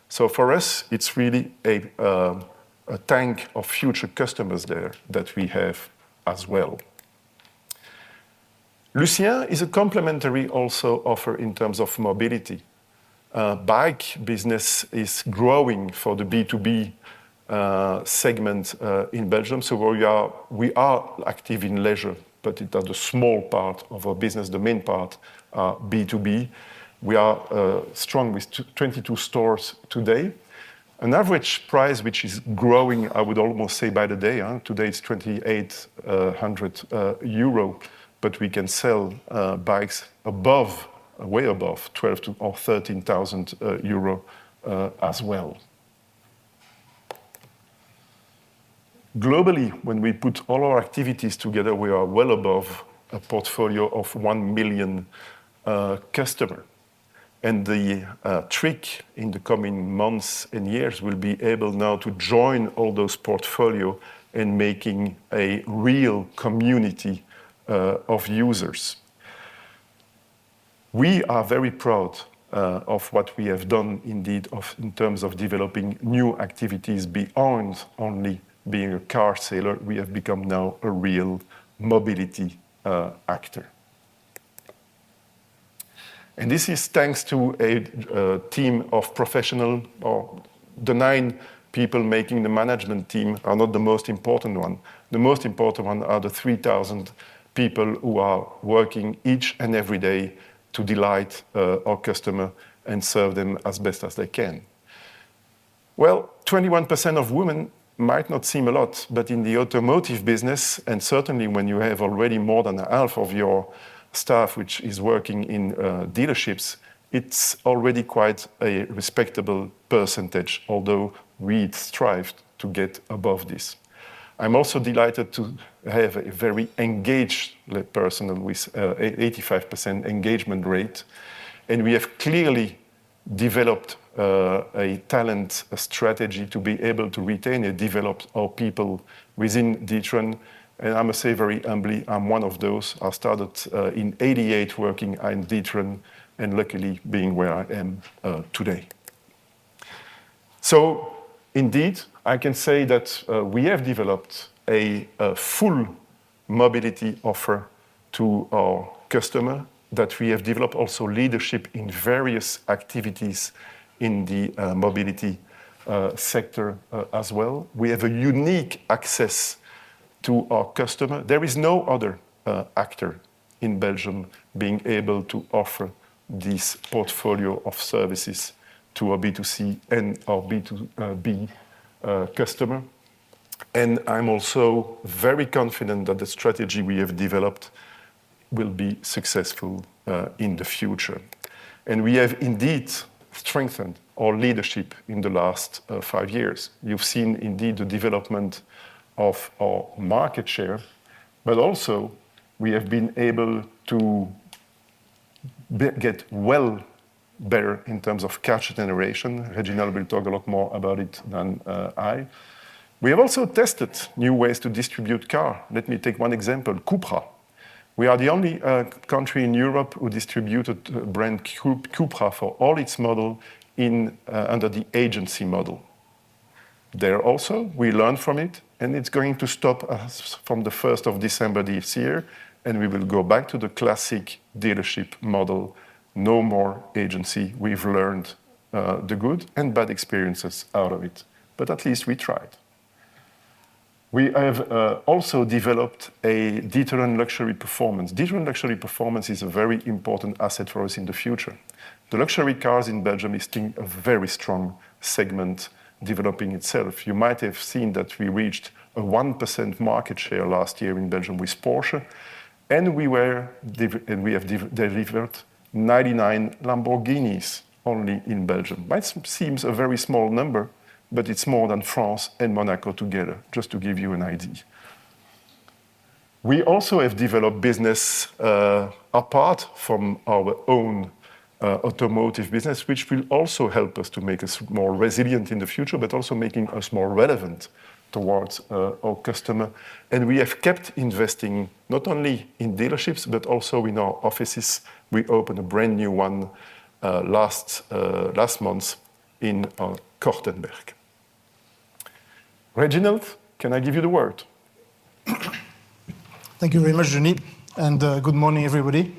For us, it's really a tank of future customers there that we have as well. Lucien is a complementary also offer in terms of mobility. Bike business is growing for the B2B segment in Belgium. We are active in leisure, but it is a small part of our business. The main part is B2B. We are strong with 22 stores today. An average price, which is growing, I would almost say by the day. Today, it's 2,800 euro, but we can sell bikes way above 12,000 or 13,000 euro as well. Globally, when we put all our activities together, we are well above a portfolio of 1 million customers. The trick in the coming months and years will be able now to join all those portfolios and make a real community of users. We are very proud of what we have done indeed in terms of developing new activities beyond only being a car seller. We have become now a real mobility actor. This is thanks to a team of professionals. The nine people making the management team are not the most important one. The most important one are the 3,000 people who are working each and every day to delight our customers and serve them as best as they can. Twenty-one percent of women might not seem a lot, but in the automotive business, and certainly when you have already more than half of your staff which is working in dealerships, it's already quite a respectable percentage, although we strive to get above this. I'm also delighted to have a very engaged person with an 85% engagement rate. We have clearly developed a talent strategy to be able to retain and develop our people within D'Ieteren. I must say very humbly, I'm one of those. I started in 1988 working in D'Ieteren and luckily being where I am today. Indeed, I can say that we have developed a full mobility offer to our customers, that we have developed also leadership in various activities in the mobility sector as well. We have a unique access to our customers. There is no other actor in Belgium being able to offer this portfolio of services to our B2C and our B2B customers. I am also very confident that the strategy we have developed will be successful in the future. We have indeed strengthened our leadership in the last five years. You have seen indeed the development of our market share, but also we have been able to get well better in terms of cash generation. Réginald will talk a lot more about it than I. We have also tested new ways to distribute cars. Let me take one example, Cupra. We are the only country in Europe who distributed a brand Cupra for all its models under the agency model. There also, we learned from it, and it is going to stop from the 1st of December this year, and we will go back to the classic dealership model. No more agency. We've learned the good and bad experiences out of it, but at least we tried. We have also developed D'Ieteren Luxury Performance. D'Ieteren Luxury Performance is a very important asset for us in the future. The luxury cars in Belgium are a very strong segment developing itself. You might have seen that we reached a 1% market share last year in Belgium with Porsche, and we have delivered 99 Lamborghinis only in Belgium. That seems a very small number, but it's more than France and Monaco together, just to give you an idea. We also have developed business apart from our own automotive business, which will also help us to make us more resilient in the future, but also making us more relevant towards our customers. We have kept investing not only in dealerships, but also in our offices. We opened a brand new one last month in Cortenberg. Réginald, can I give you the word? Thank you very much, Denis, and good morning, everybody.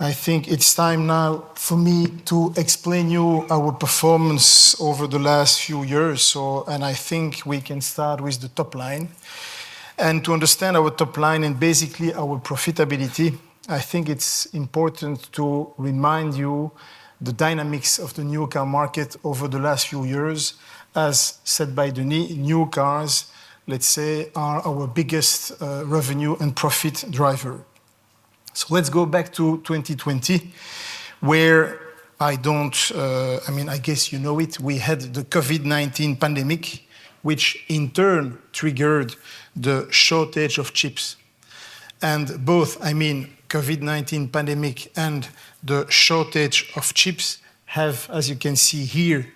I think it's time now for me to explain to you our performance over the last few years. I think we can start with the top line. To understand our top line and basically our profitability, I think it's important to remind you of the dynamics of the new car market over the last few years. As said by Denis, new cars, let's say, are our biggest revenue and profit driver. Let's go back to 2020, where I don't, I mean, I guess you know it, we had the COVID-19 pandemic, which in turn triggered the shortage of chips. Both, I mean, the COVID-19 pandemic and the shortage of chips have, as you can see here,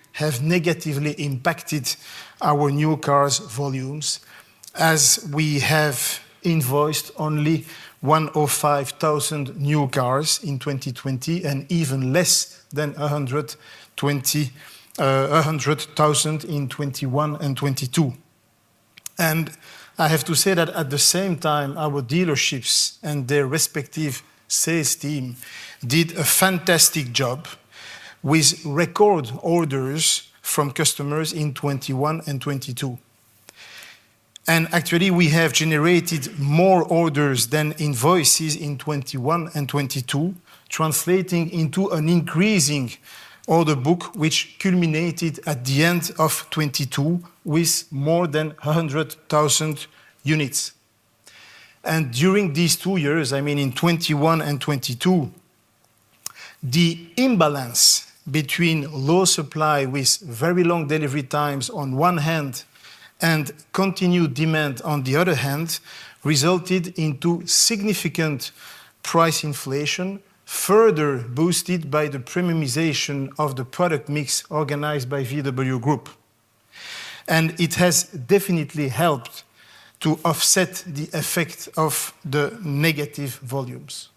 negatively impacted our new cars' volumes, as we have invoiced only 105,000 new cars in 2020 and even less than 100,000 in 2021 and 2022. I have to say that at the same time, our dealerships and their respective sales teams did a fantastic job with record orders from customers in 2021 and 2022. Actually, we have generated more orders than invoices in 2021 and 2022, translating into an increasing order book, which culminated at the end of 2022 with more than 100,000 units. During these two years, I mean, in 2021 and 2022, the imbalance between low supply with very long delivery times on one hand and continued demand on the other hand resulted in significant price inflation, further boosted by the premiumization of the product mix organized by VW Group. It has definitely helped to offset the effect of the negative volumes.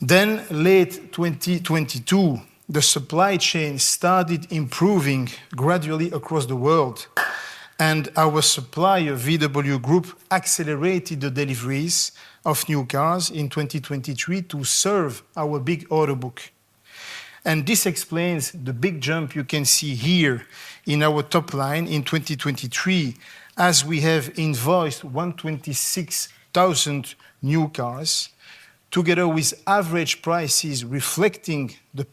Late 2022, the supply chain started improving gradually across the world, and our supplier, VW Group, accelerated the deliveries of new cars in 2023 to serve our big order book. This explains the big jump you can see here in our top line in 2023, as we have invoiced 126,000 new cars, together with average prices reflecting the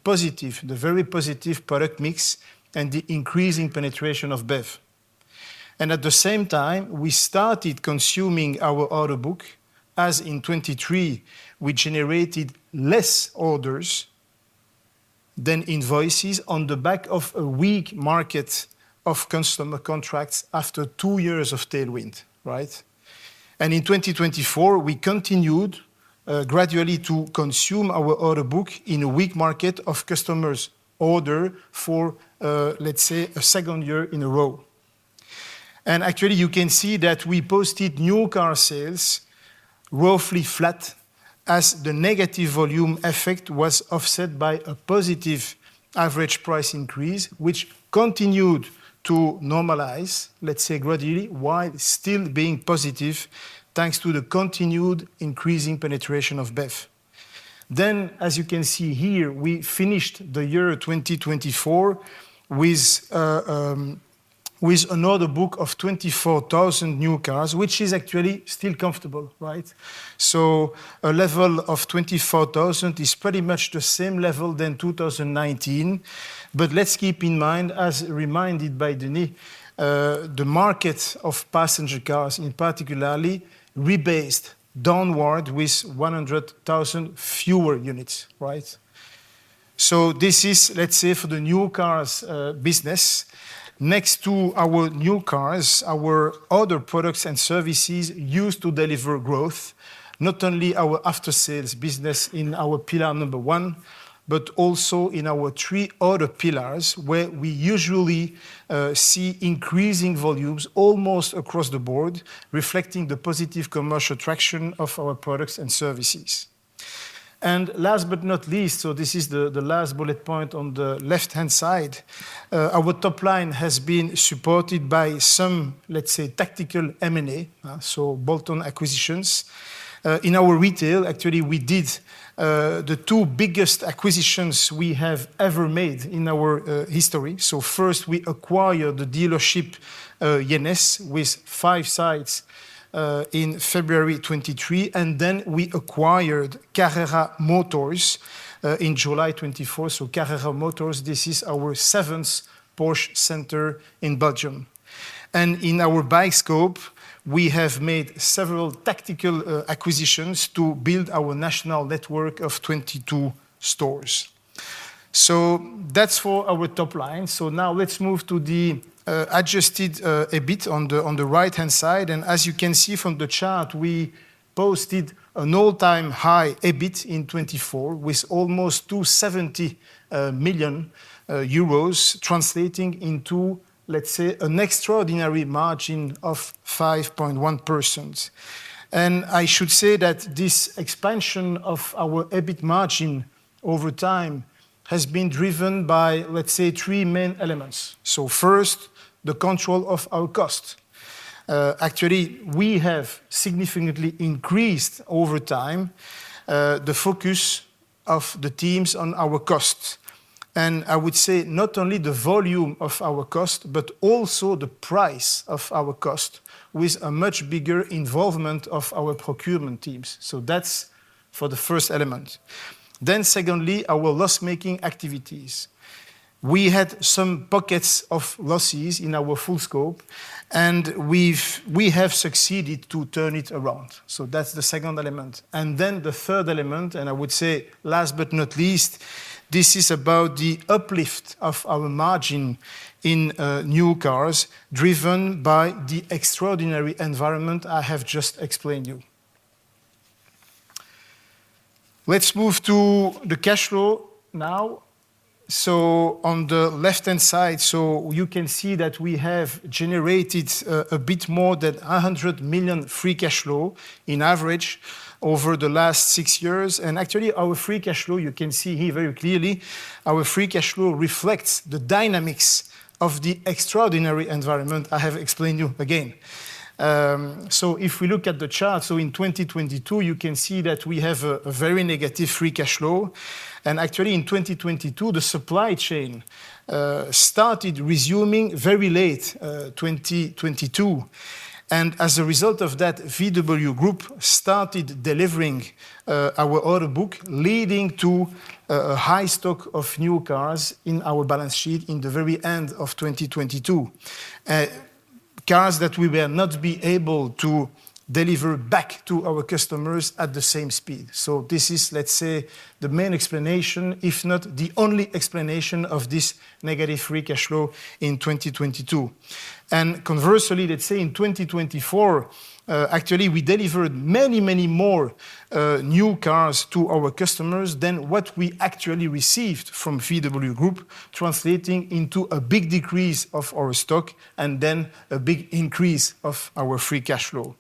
very positive product mix and the increasing penetration of BEV. At the same time, we started consuming our order book, as in 2023, we generated fewer orders than invoices on the back of a weak market of customer contracts after two years of tailwind, right? In 2024, we continued gradually to consume our order book in a weak market of customers' orders for, let's say, a second year in a row. Actually, you can see that we posted new car sales roughly flat as the negative volume effect was offset by a positive average price increase, which continued to normalize, let's say, gradually, while still being positive thanks to the continued increasing penetration of BEV. As you can see here, we finished the year 2024 with an order book of 24,000 new cars, which is actually still comfortable, right? A level of 24,000 is pretty much the same level as 2019. Let's keep in mind, as reminded by Denis, the market of passenger cars, in particular, rebased downward with 100,000 fewer units, right? This is, let's say, for the new cars business. Next to our new cars, our other products and services used to deliver growth, not only our after-sales business in our pillar number one, but also in our three other pillars where we usually see increasing volumes almost across the board, reflecting the positive commercial traction of our products and services. Last but not least, this is the last bullet point on the left-hand side, our top line has been supported by some, let's say, tactical M&A, so bolt-on acquisitions. In our retail, actually, we did the two biggest acquisitions we have ever made in our history. First, we acquired the dealership Yenes with five sites in February 2023, and then we acquired Carrera Motors in July 2024. Carrera Motors is our seventh Porsche center in Belgium. In our bike scope, we have made several tactical acquisitions to build our national network of 22 stores. That is for our top line. Now let's move to the adjusted EBIT on the right-hand side. As you can see from the chart, we posted an all-time high EBIT in 2024 with almost 270 million euros, translating into, let's say, an extraordinary margin of 5.1%. I should say that this expansion of our EBIT margin over time has been driven by, let's say, three main elements. First, the control of our cost. Actually, we have significantly increased over time the focus of the teams on our cost. I would say not only the volume of our cost, but also the price of our cost with a much bigger involvement of our procurement teams. That is for the first element. Secondly, our loss-making activities. We had some pockets of losses in our full scope, and we have succeeded to turn it around. That is the second element. The third element, and I would say last but not least, this is about the uplift of our margin in new cars driven by the extraordinary environment I have just explained to you. Let's move to the cash flow now. On the left-hand side, you can see that we have generated a bit more than 100 million free cash flow on average over the last six years. Actually, our free cash flow, you can see here very clearly, our free cash flow reflects the dynamics of the extraordinary environment I have explained to you again. If we look at the chart, in 2022, you can see that we have a very negative free cash flow. Actually, in 2022, the supply chain started resuming very late in 2022. As a result of that, Volkswagen Group started delivering our order book, leading to a high stock of new cars in our balance sheet at the very end of 2022. Cars that we will not be able to deliver back to our customers at the same speed. This is, let's say, the main explanation, if not the only explanation of this negative free cash flow in 2022. Conversely, let's say in 2024, actually, we delivered many, many more new cars to our customers than what we actually received from VW Group, translating into a big decrease of our stock and then a big increase of our free cash flow.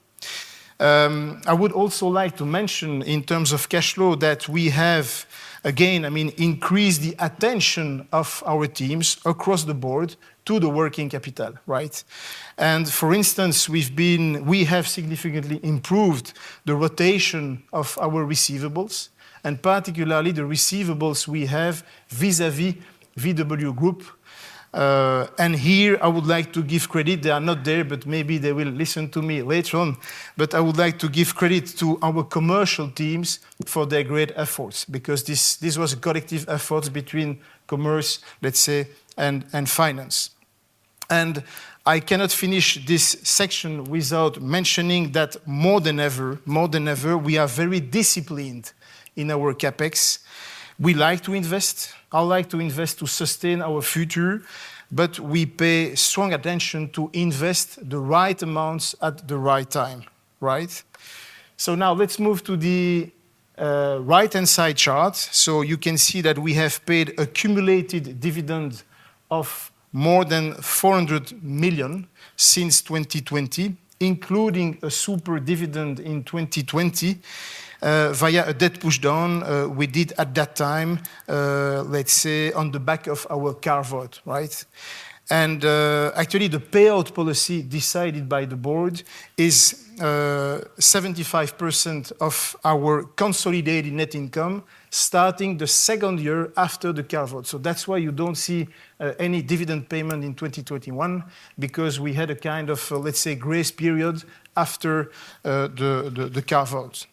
I would also like to mention in terms of cash flow that we have, again, I mean, increased the attention of our teams across the board to the working capital, right? For instance, we have significantly improved the rotation of our receivables, and particularly the receivables we have vis-à-vis VW Group. Here, I would like to give credit, they are not there, but maybe they will listen to me later on, but I would like to give credit to our commercial teams for their great efforts, because this was a collective effort between commerce, let's say, and finance. I cannot finish this section without mentioning that more than ever, more than ever, we are very disciplined in our CapEx. We like to invest. I like to invest to sustain our future, but we pay strong attention to invest the right amounts at the right time, right? Now let's move to the right-hand side chart. You can see that we have paid accumulated dividend of more than 400 million since 2020, including a super dividend in 2020 via a debt pushdown we did at that time, let's say, on the back of our carve-out, right? Actually, the payout policy decided by the board is 75% of our consolidated net income starting the second year after the carve-out. That's why you don't see any dividend payment in 2021, because we had a kind of, let's say, grace period after the carve-out. Given,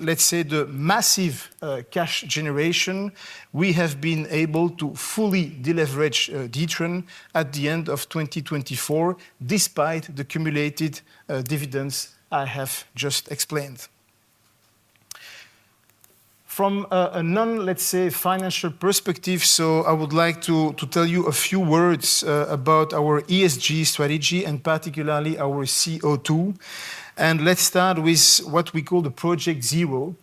let's say, the massive cash generation, we have been able to fully deleverage D'Ieteren at the end of 2024, despite the cumulated dividends I have just explained. From a non, let's say, financial perspective, I would like to tell you a few words about our ESG strategy and particularly our CO2. Let's start with what we call the Project Zero.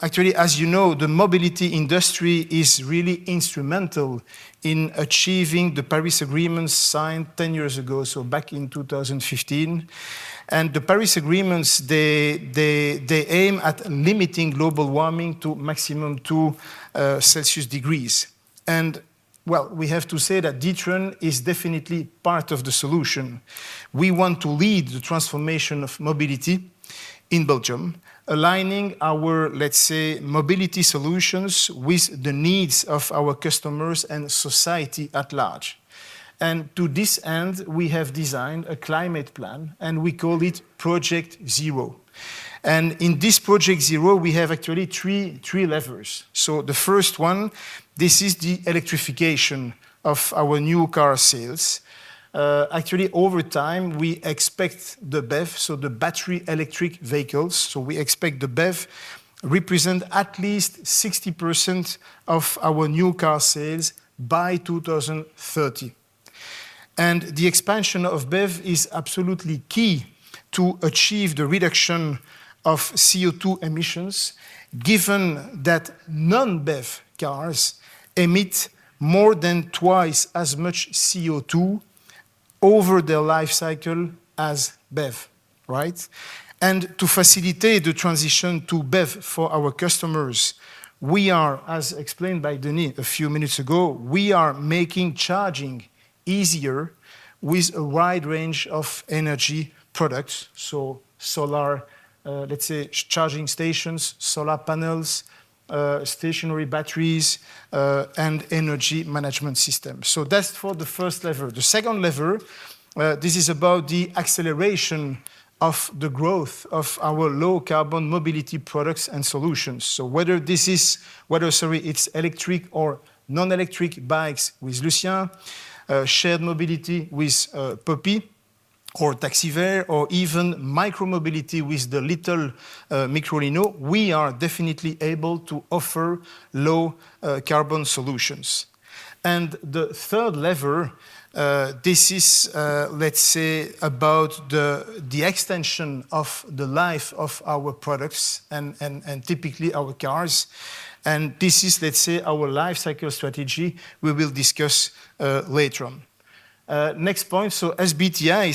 Actually, as you know, the mobility industry is really instrumental in achieving the Paris Agreement signed 10 years ago, back in 2015. The Paris Agreement aims at limiting global warming to maximum 2 degrees Celsius. D'Ieteren is definitely part of the solution. We want to lead the transformation of mobility in Belgium, aligning our, let's say, mobility solutions with the needs of our customers and society at large. To this end, we have designed a climate plan, and we call it Project Zero. In this Project Zero, we have actually three levers. The first one is the electrification of our new car sales. Over time, we expect the BEV, so the battery electric vehicles, we expect the BEV represents at least 60% of our new car sales by 2030. The expansion of BEV is absolutely key to achieve the reduction of CO2 emissions, given that non-BEV cars emit more than twice as much CO2 over their life cycle as BEV, right? To facilitate the transition to BEV for our customers, as explained by Denis a few minutes ago, we are making charging easier with a wide range of energy products, solar charging stations, solar panels, stationary batteries, and energy management systems. That's for the first lever. The second lever is about the acceleration of the growth of our low-carbon mobility products and solutions. Whether it's electric or non-electric bikes with Lucien, shared mobility with Poppy or TaxiVere, or even micro-mobility with the little Microlino, we are definitely able to offer low-carbon solutions. The third lever is about the extension of the life of our products and typically our cars. This is our life cycle strategy we will discuss later on. Next point, SBTi,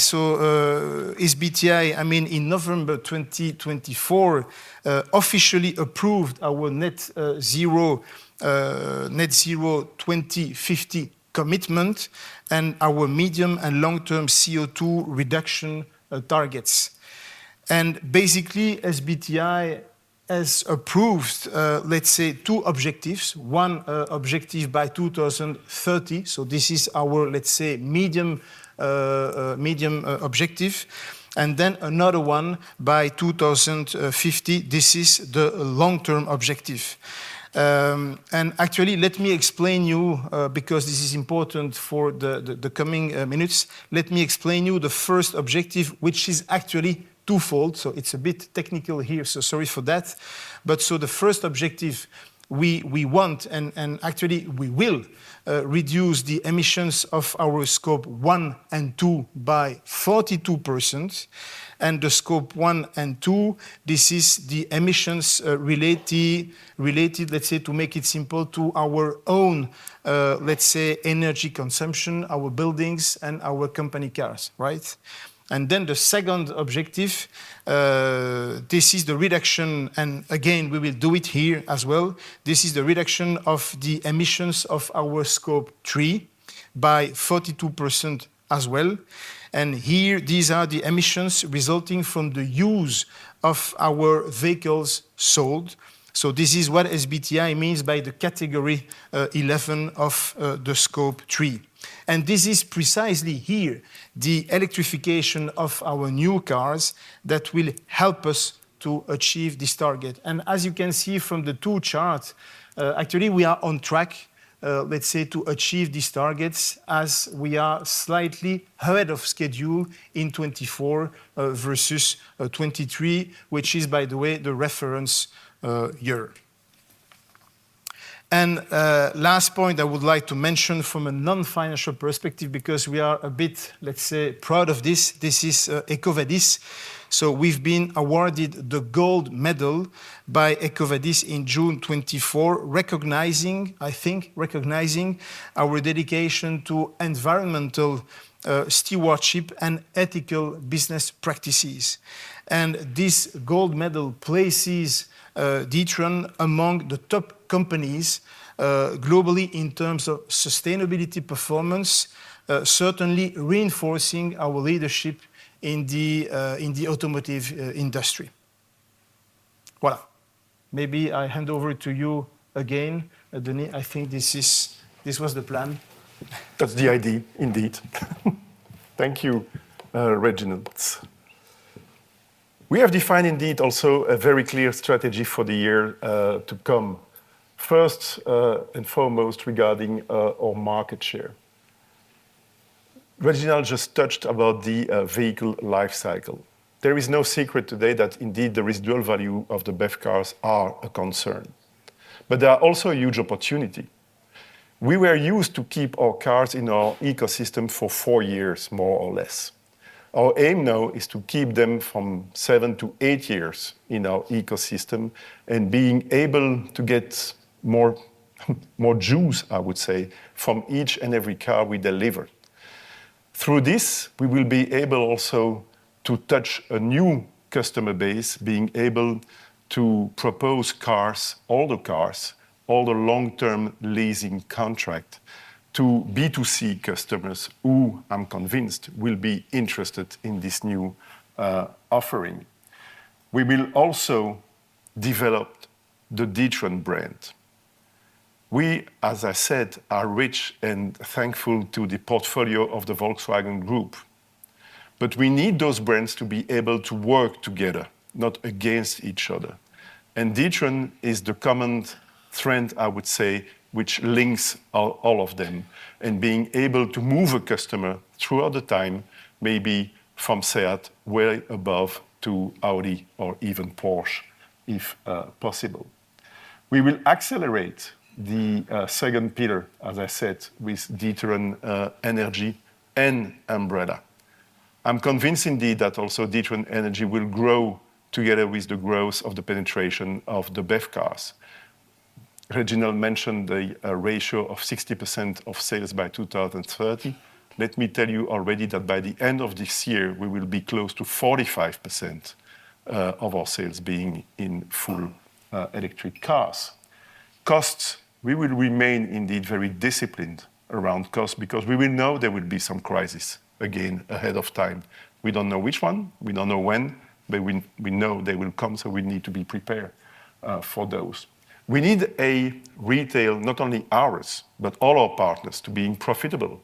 in November 2024, officially approved our net zero 2050 commitment and our medium and long-term CO2 reduction targets. Basically, SBTi has approved two objectives. One objective by 2030, so this is our medium objective. Another one by 2050, this is the long-term objective. Actually, let me explain to you, because this is important for the coming minutes, let me explain to you the first objective, which is actually twofold. It's a bit technical here, sorry for that. The first objective we want, and actually we will, is to reduce the emissions of our scope one and two by 42%. Scope one and two, this is the emissions related, let's say, to make it simple, to our own, let's say, energy consumption, our buildings, and our company cars, right? The second objective, this is the reduction, and again, we will do it here as well. This is the reduction of the emissions of our scope three by 42% as well. Here, these are the emissions resulting from the use of our vehicles sold. This is what SBTi means by the category 11 of the scope three. This is precisely here, the electrification of our new cars that will help us to achieve this target. As you can see from the two charts, actually, we are on track, let's say, to achieve these targets as we are slightly ahead of schedule in 2024 versus 2023, which is, by the way, the reference year. The last point I would like to mention from a non-financial perspective, because we are a bit, let's say, proud of this, this is EcoVadis. We have been awarded the gold medal by EcoVadis in June 2024, recognizing, I think, recognizing our dedication to environmental stewardship and ethical business practices. This gold medal places D'Ieteren among the top companies globally in terms of sustainability performance, certainly reinforcing our leadership in the automotive industry. Voilà. Maybe I hand over to you again, Denis. I think this was the plan. That's the idea, indeed. Thank you, Réginald. We have defined indeed also a very clear strategy for the year to come. First and foremost regarding our market share. Réginald just touched about the vehicle life cycle. There is no secret today that indeed the residual value of the BEV cars are a concern. There are also huge opportunities. We were used to keep our cars in our ecosystem for four years, more or less. Our aim now is to keep them from seven to eight years in our ecosystem and being able to get more juice, I would say, from each and every car we deliver. Through this, we will be able also to touch a new customer base, being able to propose cars, all the cars, all the long-term leasing contract to B2C customers who I'm convinced will be interested in this new offering. We will also develop the D'Ieteren brand. We, as I said, are rich and thankful to the portfolio of the Volkswagen Group. We need those brands to be able to work together, not against each other. D'Ieteren is the common thread, I would say, which links all of them and being able to move a customer throughout the time, maybe from SEAT way above to Audi or even Porsche, if possible. We will accelerate the second pillar, as I said, with D'Ieteren Energy and Umbrella. I'm convinced indeed that also D'Ieteren Energy will grow together with the growth of the penetration of the BEV cars. Réginald mentioned the ratio of 60% of sales by 2030. Let me tell you already that by the end of this year, we will be close to 45% of our sales being in full electric cars. Costs, we will remain indeed very disciplined around costs because we will know there will be some crisis again ahead of time. We do not know which one, we do not know when, but we know they will come, so we need to be prepared for those. We need a retail, not only ours, but all our partners to be profitable.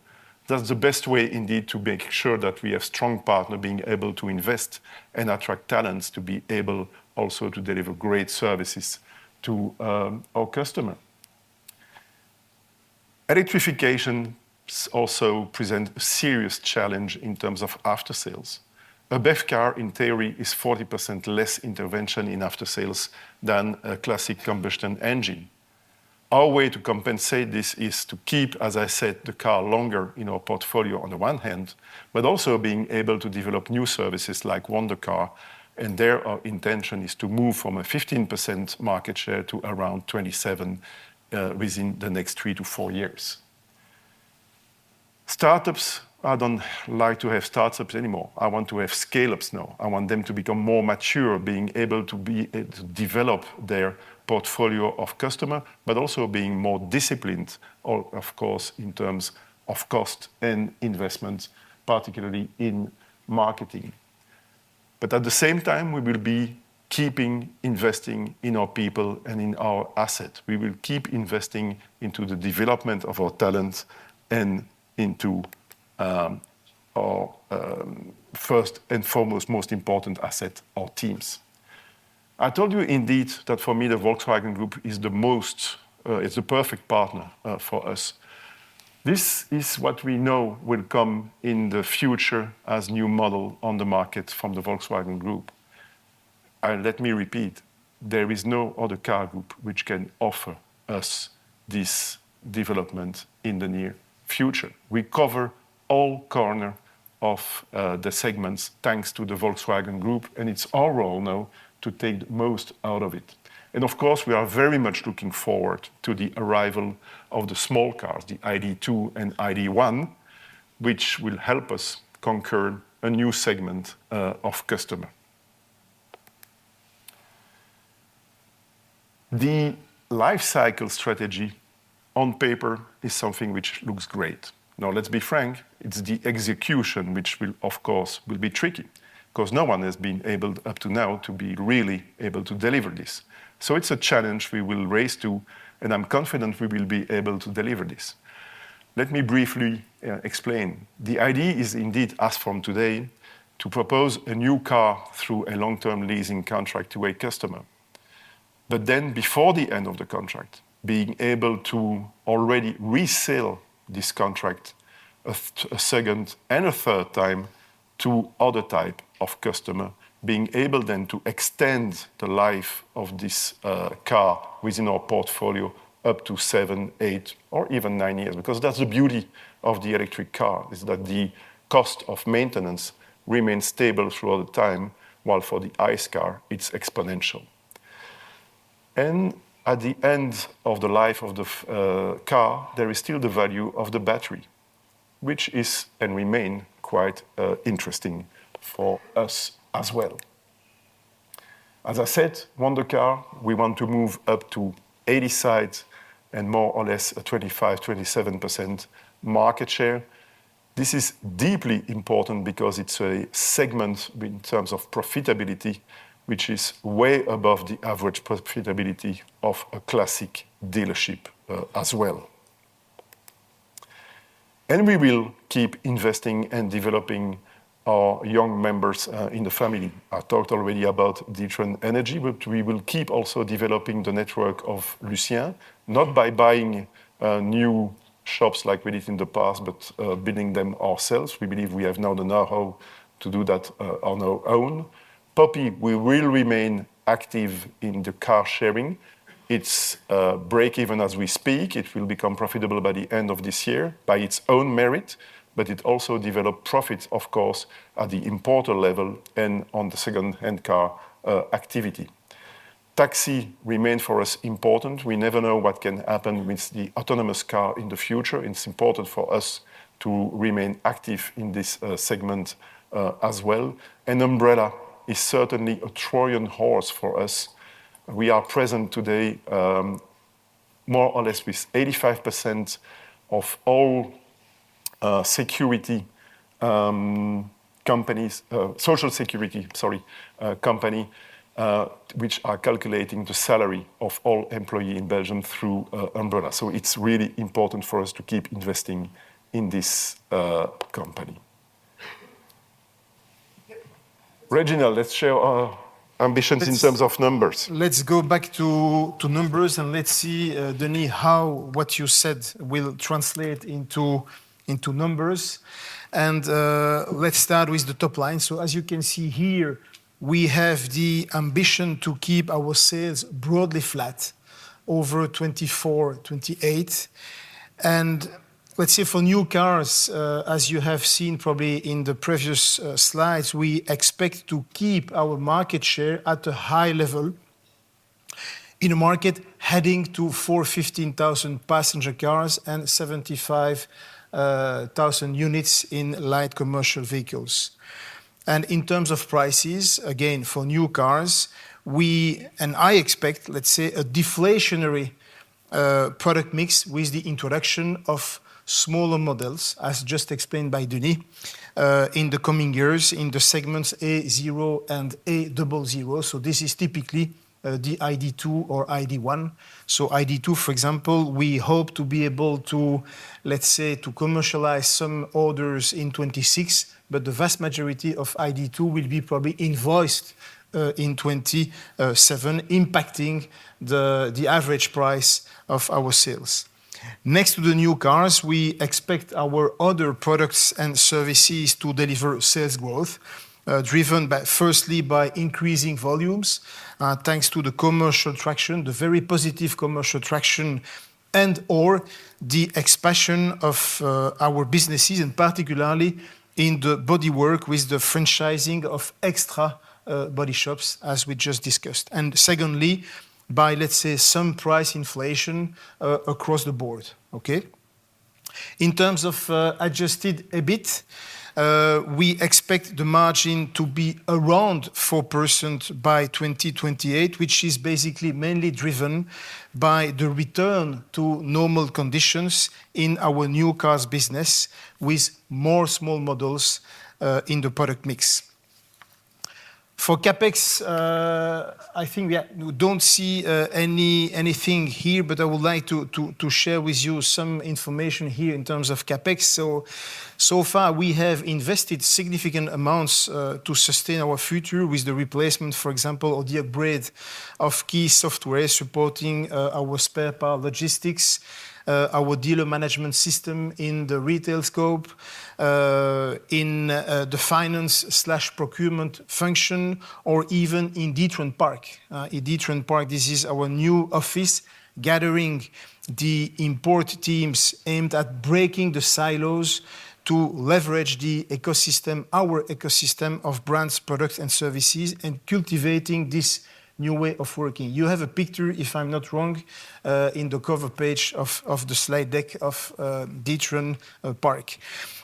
That is the best way indeed to make sure that we have strong partners being able to invest and attract talents to be able also to deliver great services to our customers. Electrification also presents a serious challenge in terms of after-sales. A BEV car, in theory, is 40% less intervention in after-sales than a classic combustion engine. Our way to compensate this is to keep, as I said, the car longer in our portfolio on the one hand, but also being able to develop new services like Wonder Car. Their intention is to move from a 15% market share to around 27% within the next three to four years. Startups, I do not like to have startups anymore. I want to have scale-ups now. I want them to become more mature, being able to develop their portfolio of customers, but also being more disciplined, of course, in terms of cost and investment, particularly in marketing. At the same time, we will be keeping investing in our people and in our assets. We will keep investing into the development of our talents and into our first and foremost, most important asset, our teams. I told you indeed that for me, the Volkswagen Group is the most, it's the perfect partner for us. This is what we know will come in the future as a new model on the market from the Volkswagen Group. Let me repeat, there is no other car group which can offer us this development in the near future. We cover all corners of the segments thanks to the Volkswagen Group, and it's our role now to take the most out of it. Of course, we are very much looking forward to the arrival of the small cars, the ID.2 and ID.1, which will help us conquer a new segment of customers. The life cycle strategy on paper is something which looks great. Now, let's be frank, it's the execution which will, of course, be tricky because no one has been able up to now to be really able to deliver this. It is a challenge we will race to, and I'm confident we will be able to deliver this. Let me briefly explain. The idea is indeed asked from today to propose a new car through a long-term leasing contract to a customer. Then before the end of the contract, being able to already resell this contract a second and a third time to other types of customers, being able then to extend the life of this car within our portfolio up to seven, eight, or even nine years, because that's the beauty of the electric car, is that the cost of maintenance remains stable throughout the time, while for the ICE car, it's exponential. At the end of the life of the car, there is still the value of the battery, which is and remains quite interesting for us as well. As I said, Wonder Car, we want to move up to 80% and more or less a 25%-27% market share. This is deeply important because it is a segment in terms of profitability, which is way above the average profitability of a classic dealership as well. We will keep investing and developing our young members in the family. I talked already about D'Ieteren Energy, but we will keep also developing the network of Lucien, not by buying new shops like we did in the past, but building them ourselves. We believe we have now the know-how to do that on our own. Poppy, we will remain active in the car sharing. It is break-even as we speak. It will become profitable by the end of this year by its own merit, but it also develops profits, of course, at the importer level and on the second-hand car activity. Taxi remains for us important. We never know what can happen with the autonomous car in the future. It's important for us to remain active in this segment as well. Umbrella is certainly a Trojan horse for us. We are present today more or less with 85% of all social security companies which are calculating the salary of all employees in Belgium through Umbrella. It's really important for us to keep investing in this company. Réginald, let's share our ambitions in terms of numbers. Let's go back to numbers and let's see, Denis, how what you said will translate into numbers. Let's start with the top line. As you can see here, we have the ambition to keep our sales broadly flat over 2024-2028. Let's see for new cars, as you have seen probably in the previous slides, we expect to keep our market share at a high level in a market heading to 415,000 passenger cars and 75,000 units in light commercial vehicles. In terms of prices, again, for new cars, we, and I expect, a deflationary product mix with the introduction of smaller models, as just explained by Denis, in the coming years in the segments A0 and A00. This is typically the ID.2 or ID.1. ID.2, for example, we hope to be able to commercialize some orders in 2026, but the vast majority of ID.2 will probably be invoiced in 2027, impacting the average price of our sales. Next to the new cars, we expect our other products and services to deliver sales growth driven firstly by increasing volumes thanks to the commercial traction, the very positive commercial traction and/or the expansion of our businesses, particularly in the bodywork with the franchising of extra body shops, as we just discussed. Secondly, by, let's say, some price inflation across the board. Okay. In terms of adjusted EBIT, we expect the margin to be around 4% by 2028, which is basically mainly driven by the return to normal conditions in our new cars business with more small models in the product mix. For CapEx, I think we don't see anything here, but I would like to share with you some information here in terms of CapEx. We have invested significant amounts to sustain our future with the replacement, for example, of the upgrade of key software supporting our spare part logistics, our dealer management system in the retail scope, in the finance/procurement function, or even in D'Ieteren Park. In D'Ieteren Park, this is our new office gathering the import teams aimed at breaking the silos to leverage the ecosystem, our ecosystem of brands, products, and services, and cultivating this new way of working. You have a picture, if I'm not wrong, in the cover page of the slide deck of D'Ieteren Park.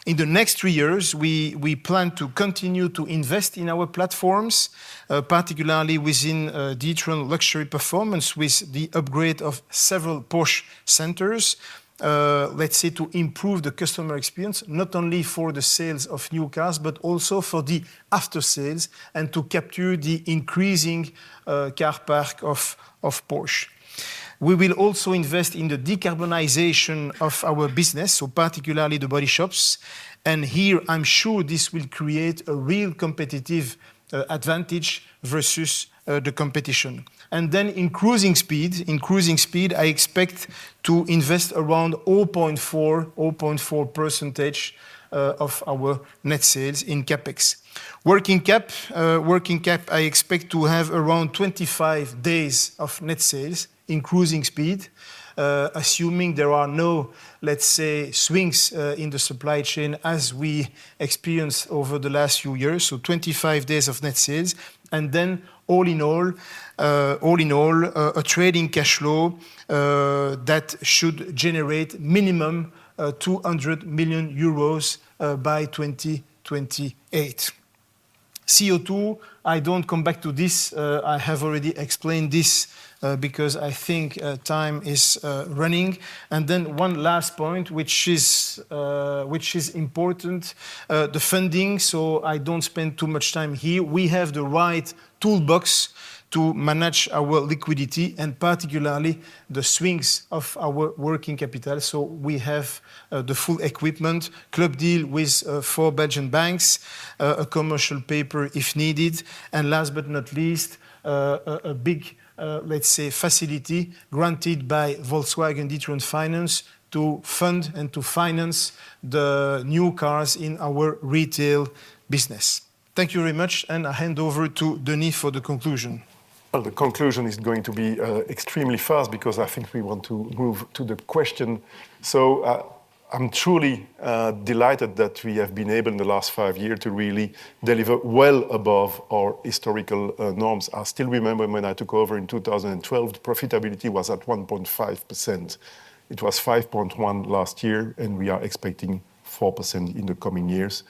In the next three years, we plan to continue to invest in our platforms, particularly within D'Ieteren Luxury Performance with the upgrade of several Porsche centers, let's say, to improve the customer experience, not only for the sales of new cars, but also for the after-sales and to capture the increasing car park of Porsche. We will also invest in the decarbonization of our business, so particularly the body shops. Here, I'm sure this will create a real competitive advantage versus the competition. In cruising speed, in cruising speed, I expect to invest around 0.4% of our net sales in CapEx. Working Cap, I expect to have around 25 days of net sales in cruising speed, assuming there are no, let's say, swings in the supply chain as we experienced over the last few years. 25 days of net sales. Then all in all, a trading cash flow that should generate minimum 200 million euros by 2028. CO2, I do not come back to this. I have already explained this because I think time is running. One last point, which is important, the funding. I do not spend too much time here. We have the right toolbox to manage our liquidity and particularly the swings of our working capital. We have the full equipment, Club Deal with four Belgian banks, a commercial paper if needed. Last but not least, a big, let's say, facility granted by Volkswagen D'Ieteren Finance to fund and to finance the new cars in our retail business. Thank you very much, and I hand over to Denis for the conclusion. The conclusion is going to be extremely fast because I think we want to move to the question. I'm truly delighted that we have been able in the last five years to really deliver well above our historical norms. I still remember when I took over in 2012, the profitability was at 1.5%. It was 5.1% last year, and we are expecting 4% in the coming years.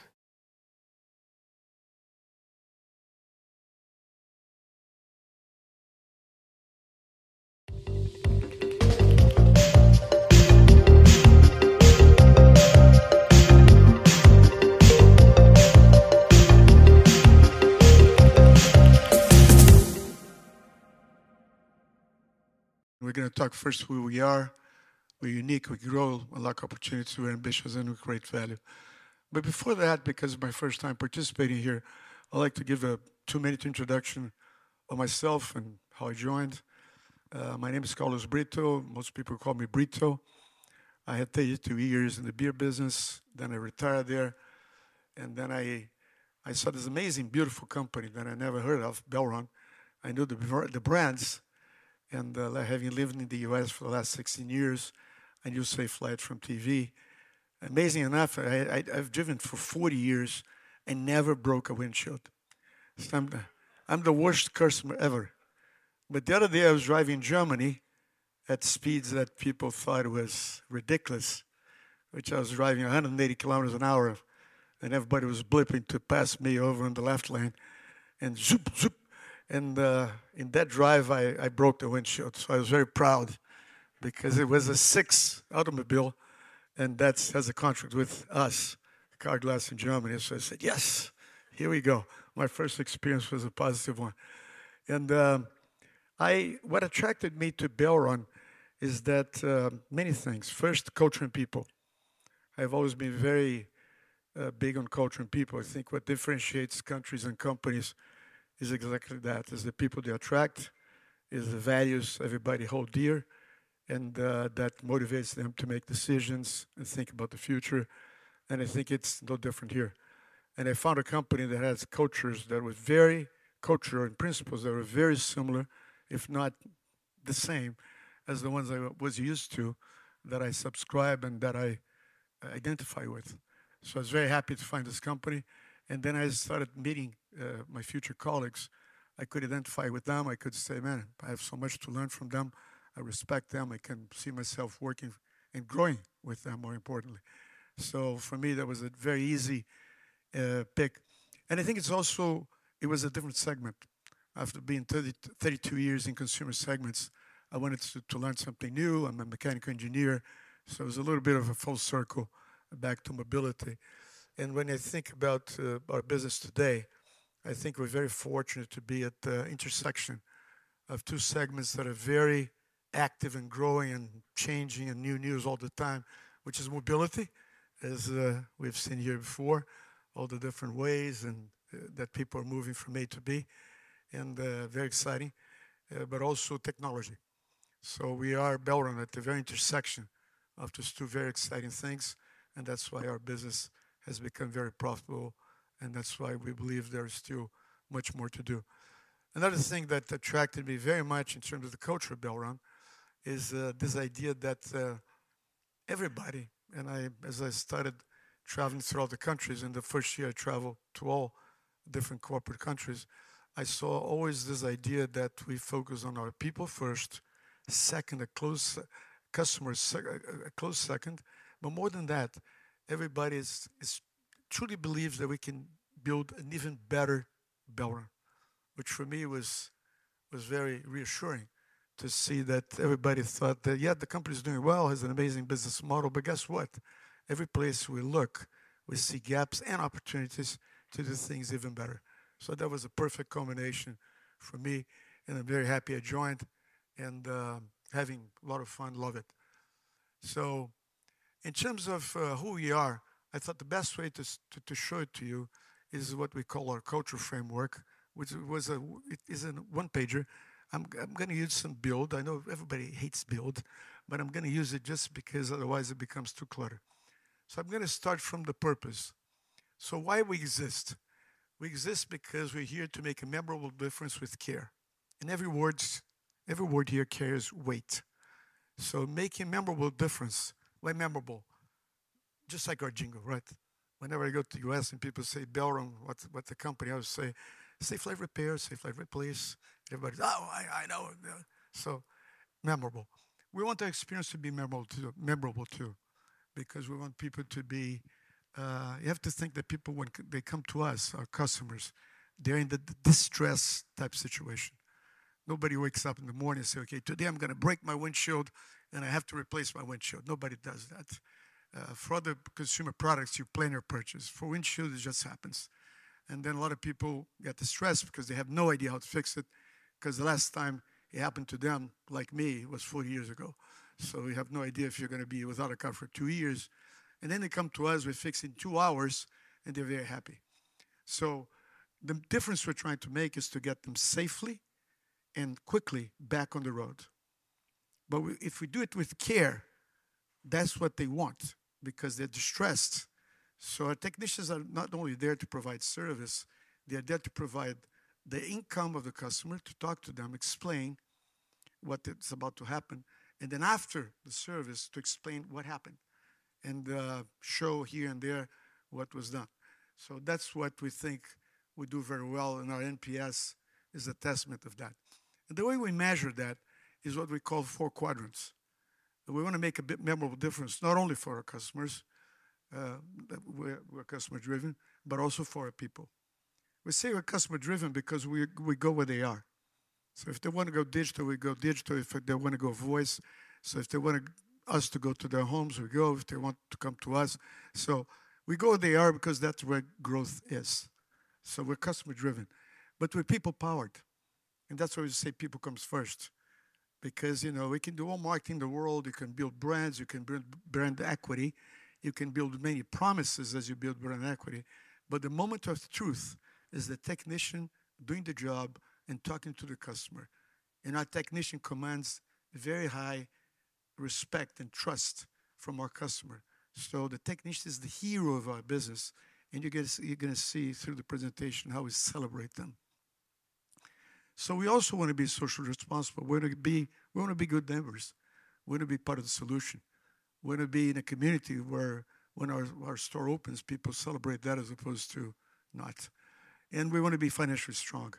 We're going to talk first where we are. We're unique. We grow, unlock opportunities. We're ambitious and we create value. Before that, because it's my first time participating here, I'd like to give a two-minute introduction of myself and how I joined. My name is Carlos Brito. Most people call me Brito. I had 32 years in the beer business. I retired there. I saw this amazing, beautiful company that I never heard of, Belron. I knew the brands. Having lived in the U.S. for the last 16 years, I knew Safelite from TV. Amazing enough, I've driven for 40 years and never broke a windshield. I'm the worst customer ever. The other day, I was driving in Germany at speeds that people thought were ridiculous, which I was driving 180 kilometers an hour, and everybody was blipping to pass me over in the left lane. In that drive, I broke the windshield. I was very proud because it was a SEAT automobile, and that has a contract with us, Carglass in Germany. I said, "Yes, here we go." My first experience was a positive one. What attracted me to Belron is many things. First, culture and people. I've always been very big on culture and people. I think what differentiates countries and companies is exactly that. It's the people they attract, it's the values everybody holds dear, and that motivates them to make decisions and think about the future. I think it's no different here. I found a company that has cultures that were very cultural and principles that were very similar, if not the same, as the ones I was used to that I subscribe and that I identify with. I was very happy to find this company. I started meeting my future colleagues. I could identify with them. I could say, "Man, I have so much to learn from them. I respect them. I can see myself working and growing with them, more importantly." For me, that was a very easy pick. I think it was a different segment. After being 32 years in consumer segments, I wanted to learn something new. I'm a mechanical engineer. It was a little bit of a full circle back to mobility. When I think about our business today, I think we're very fortunate to be at the intersection of two segments that are very active and growing and changing and new news all the time, which is mobility, as we've seen here before, all the different ways that people are moving from A to B, and very exciting, but also technology. We are Belron at the very intersection of these two very exciting things. That is why our business has become very profitable. That is why we believe there's still much more to do. Another thing that attracted me very much in terms of the culture of Belron is this idea that everybody, and as I started traveling throughout the countries, in the first year, I traveled to all different corporate countries, I saw always this idea that we focus on our people first, second, a close customer, a close second. More than that, everybody truly believes that we can build an even better Belron, which for me was very reassuring to see that everybody thought that, yeah, the company is doing well, has an amazing business model. Guess what? Every place we look, we see gaps and opportunities to do things even better. That was a perfect combination for me. I am very happy I joined. Having a lot of fun, love it. In terms of who we are, I thought the best way to show it to you is what we call our culture framework, which is a one-pager. I'm going to use some build. I know everybody hates build, but I'm going to use it just because otherwise it becomes too cluttered. I'm going to start from the purpose. Why do we exist? We exist because we're here to make a memorable difference with care. Every word here carries weight. Make a memorable difference. Why memorable? Just like our jingle, right? Whenever I go to the U.S. and people say, "Belron, what's the company?" I would say, "Safelite Repair, Safelite Replace." Everybody says, "Oh, I know." Memorable. We want the experience to be memorable too because we want people to be—you have to think that people, when they come to us, our customers, they're in the distress type situation. Nobody wakes up in the morning and says, "Okay, today I'm going to break my windshield and I have to replace my windshield." Nobody does that. For other consumer products, you plan your purchase. For windshield, it just happens. A lot of people get distressed because they have no idea how to fix it because the last time it happened to them, like me, was 40 years ago. You have no idea if you're going to be without a car for two years. They come to us, we fix it in two hours, and they're very happy. The difference we're trying to make is to get them safely and quickly back on the road. If we do it with care, that's what they want because they're distressed. Our technicians are not only there to provide service, they're there to provide the comfort of the customer, to talk to them, explain what's about to happen, and then after the service, to explain what happened and show here and there what was done. That's what we think we do very well and our NPS is a testament to that. The way we measure that is what we call four quadrants. We want to make a memorable difference not only for our customers, our customer-driven, but also for our people. We say we're customer-driven because we go where they are. If they want to go digital, we go digital. If they want to go voice, so if they want us to go to their homes, we go. If they want to come to us, we go where they are because that's where growth is. We're customer-driven, but we're people-powered. That's why we say people come first because we can do all marketing in the world. You can build brands, you can build brand equity, you can build many promises as you build brand equity. The moment of truth is the technician doing the job and talking to the customer. Our technician commands very high respect and trust from our customer. The technician is the hero of our business. You're going to see through the presentation how we celebrate them. We also want to be socially responsible. We want to be good neighbors. We want to be part of the solution. We want to be in a community where when our store opens, people celebrate that as opposed to not. We want to be financially strong.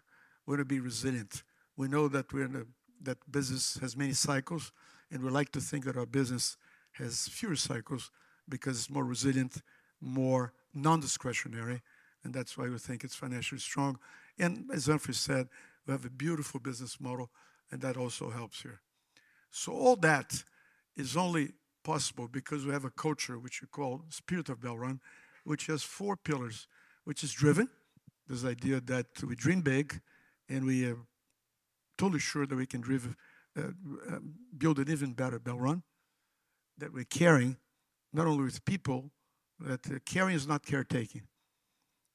We want to be resilient. We know that business has many cycles, and we like to think that our business has fewer cycles because it is more resilient, more non-discretionary. That is why we think it is financially strong. As Humphrey said, we have a beautiful business model, and that also helps here. All that is only possible because we have a culture, which we call the spirit of Belron, which has four pillars, which is driven, this idea that we dream big, and we are totally sure that we can build an even better Belron, that we are caring, not only with people, that caring is not caretaking.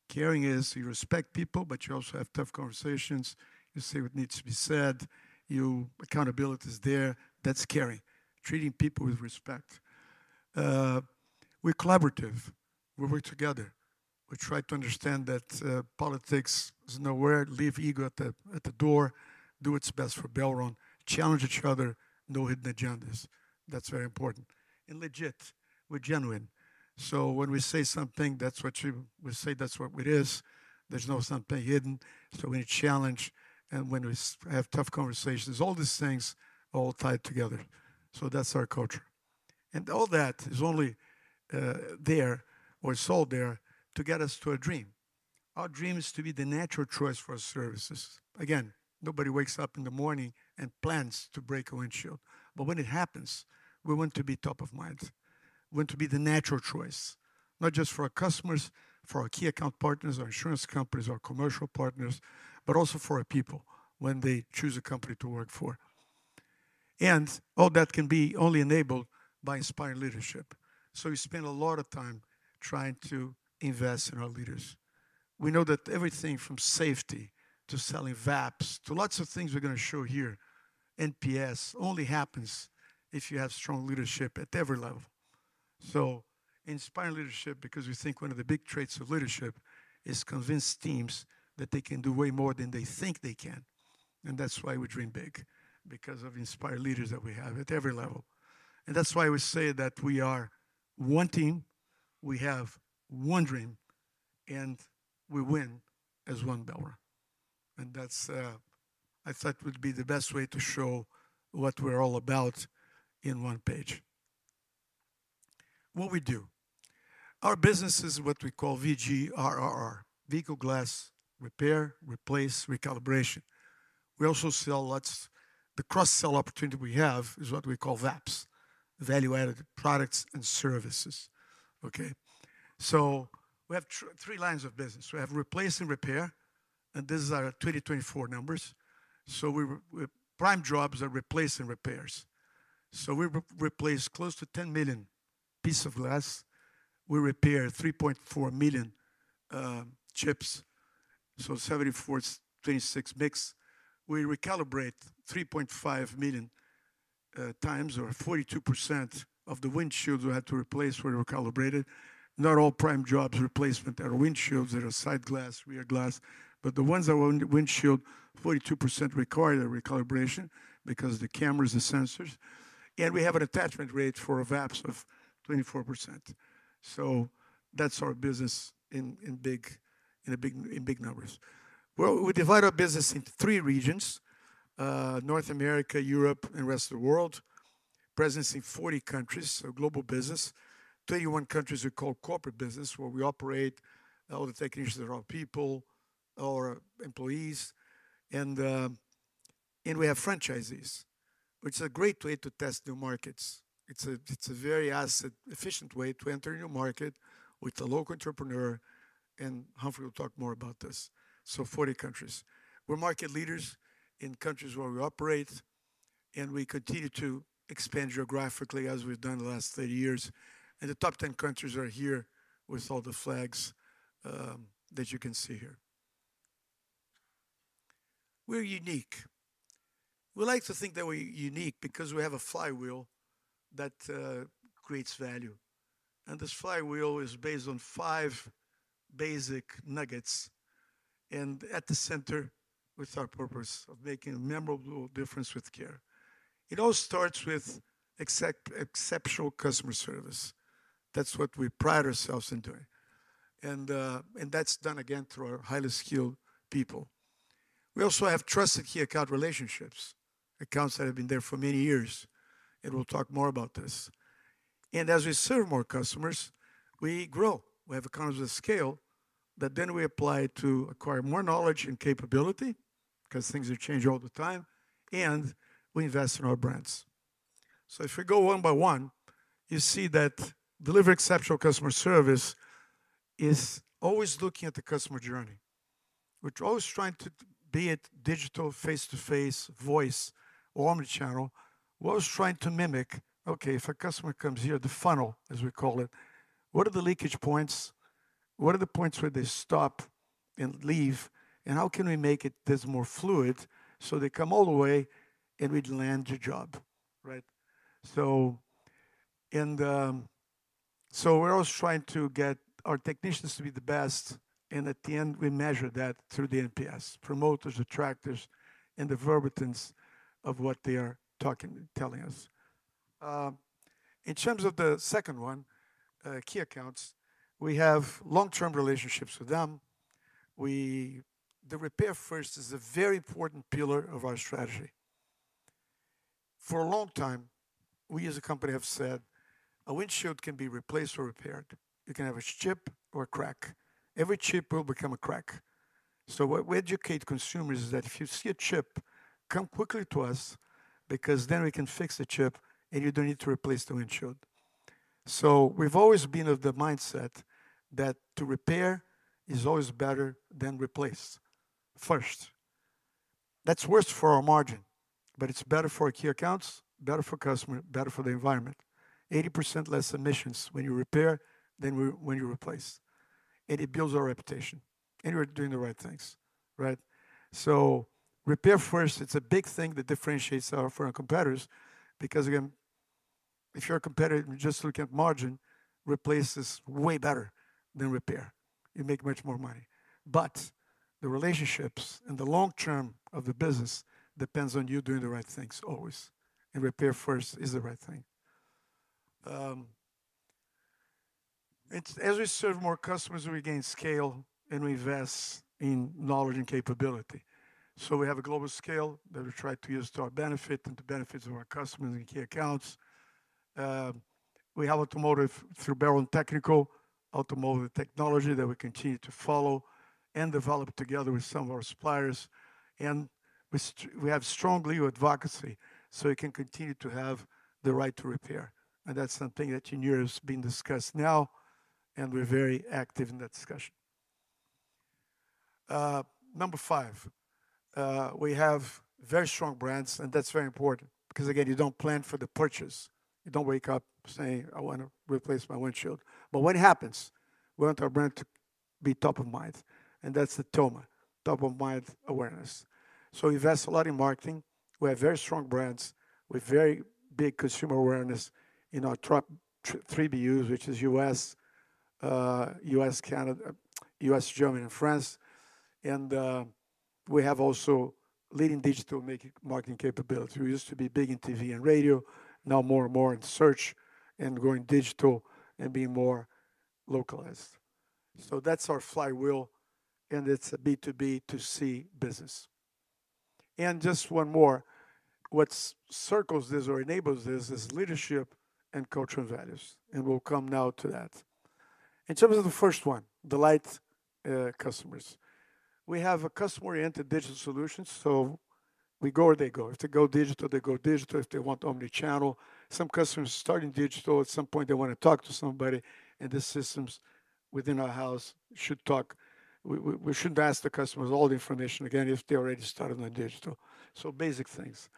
Caring is you respect people, but you also have tough conversations. You say what needs to be said. Your accountability is there. That is caring, treating people with respect. We are collaborative. We work together. We try to understand that politics is nowhere. Leave ego at the door. Do what is best for Belron. Challenge each other. No hidden agendas. That is very important. And legit. We are genuine. When we say something, that is what we say, that is what it is. There is no something hidden. When you challenge and when we have tough conversations, all these things all tie together. That is our culture. All that is only there or sold there to get us to a dream. Our dream is to be the natural choice for our services. Again, nobody wakes up in the morning and plans to break a windshield. When it happens, we want to be top of mind. We want to be the natural choice, not just for our customers, for our key account partners, our insurance companies, our commercial partners, but also for our people when they choose a company to work for. All that can be only enabled by inspiring leadership. We spend a lot of time trying to invest in our leaders. We know that everything from safety to selling VAPs to lots of things we are going to show here, NPS only happens if you have strong leadership at every level. Inspiring leadership, because we think one of the big traits of leadership is convince teams that they can do way more than they think they can. That is why we dream big, because of inspired leaders that we have at every level. That is why we say that we are one team. We have one dream, and we win as one Belron. I thought it would be the best way to show what we're all about in one page. What we do, our business is what we call VGRRR, Vehicle Glass Repair, Replace, Recalibration. We also sell lots of the cross-sell opportunity we have, which is what we call VAPs, Value-Added Products and Services. Okay? We have three lines of business. We have replace and repair, and these are our 2024 numbers. Prime jobs are replace and repair. We replace close to 10 million pieces of glass. We repair 3.4 million chips, so 74-26 mix. We recalibrate 3.5 million times, or 42% of the windshields we had to replace were recalibrated. Not all prime jobs replacement are windshields. There are side glass, rear glass, but the ones that were windshields, 42% required recalibration because of the cameras, the sensors. We have an attachment rate for VAPs of 24%. That is our business in big numbers. We divide our business into three regions: North America, Europe, and the rest of the world. Presence in 40 countries, so global business. Thirty-one countries we call corporate business, where we operate all the technicians that are our people or employees. We have franchisees, which is a great way to test new markets. It is a very asset-efficient way to enter a new market with a local entrepreneur. Humphrey will talk more about this. Forty countries. We are market leaders in countries where we operate, and we continue to expand geographically as we have done the last 30 years. The top 10 countries are here with all the flags that you can see here. We are unique. We like to think that we are unique because we have a flywheel that creates value. This flywheel is based on five basic nuggets. At the center is our purpose of making a memorable difference with care. It all starts with exceptional customer service. That is what we pride ourselves in doing. That is done again through our highly skilled people. We also have trusted key account relationships, accounts that have been there for many years. We will talk more about this. As we serve more customers, we grow. We have accounts that scale, that we then apply to acquire more knowledge and capability because things are changing all the time. We invest in our brands. If we go one by one, you see that delivering exceptional customer service is always looking at the customer journey, which we are always trying to be, whether digital, face-to-face, voice, or omnichannel. We're always trying to mimic, okay, if a customer comes here, the funnel, as we call it, what are the leakage points? What are the points where they stop and leave? How can we make this more fluid so they come all the way and we land your job, right? We're always trying to get our technicians to be the best. At the end, we measure that through the NPS, promoters, detractors, and the verbatims of what they are telling us. In terms of the second one, key accounts, we have long-term relationships with them. The repair first is a very important pillar of our strategy. For a long time, we as a company have said a windshield can be replaced or repaired. You can have a chip or a crack. Every chip will become a crack. What we educate consumers is that if you see a chip, come quickly to us because then we can fix the chip and you do not need to replace the windshield. We have always been of the mindset that to repair is always better than replace first. That is worse for our margin, but it is better for key accounts, better for customers, better for the environment. 80% less emissions when you repair than when you replace. It builds our reputation. We are doing the right things, right? Repair first, it is a big thing that differentiates us from our competitors because again, if you are a competitor and you are just looking at margin, replace is way better than repair. You make much more money. The relationships and the long term of the business depends on you doing the right things always. Repair first is the right thing. As we serve more customers, we gain scale and we invest in knowledge and capability. We have a global scale that we try to use to our benefit and the benefits of our customers and key accounts. We have automotive through Belron Technical, automotive technology that we continue to follow and develop together with some of our suppliers. We have strong legal advocacy so you can continue to have the right to repair. That is something that in Europe is being discussed now, and we are very active in that discussion. Number five, we have very strong brands, and that is very important because again, you do not plan for the purchase. You do not wake up saying, "I want to replace my windshield." When it happens, we want our brand to be top of mind. That is the TOMA, top of mind awareness. We invest a lot in marketing. We have very strong brands. We have very big consumer awareness in our top three BUs, which is U.S., U.S., Canada, U.S., Germany, and France. We have also leading digital marketing capability. We used to be big in TV and radio, now more and more in search and going digital and being more localized. That is our flywheel, and it is a B2B to C business. Just one more, what circles this or enables this is leadership and cultural values. We will come now to that. In terms of the first one, delight customers. We have customer-oriented digital solutions. We go where they go. If they go digital, they go digital. If they want omnichannel, some customers are starting digital. At some point, they want to talk to somebody. The systems within our house should talk. We shouldn't ask the customers all the information again if they already started on digital. Basic things.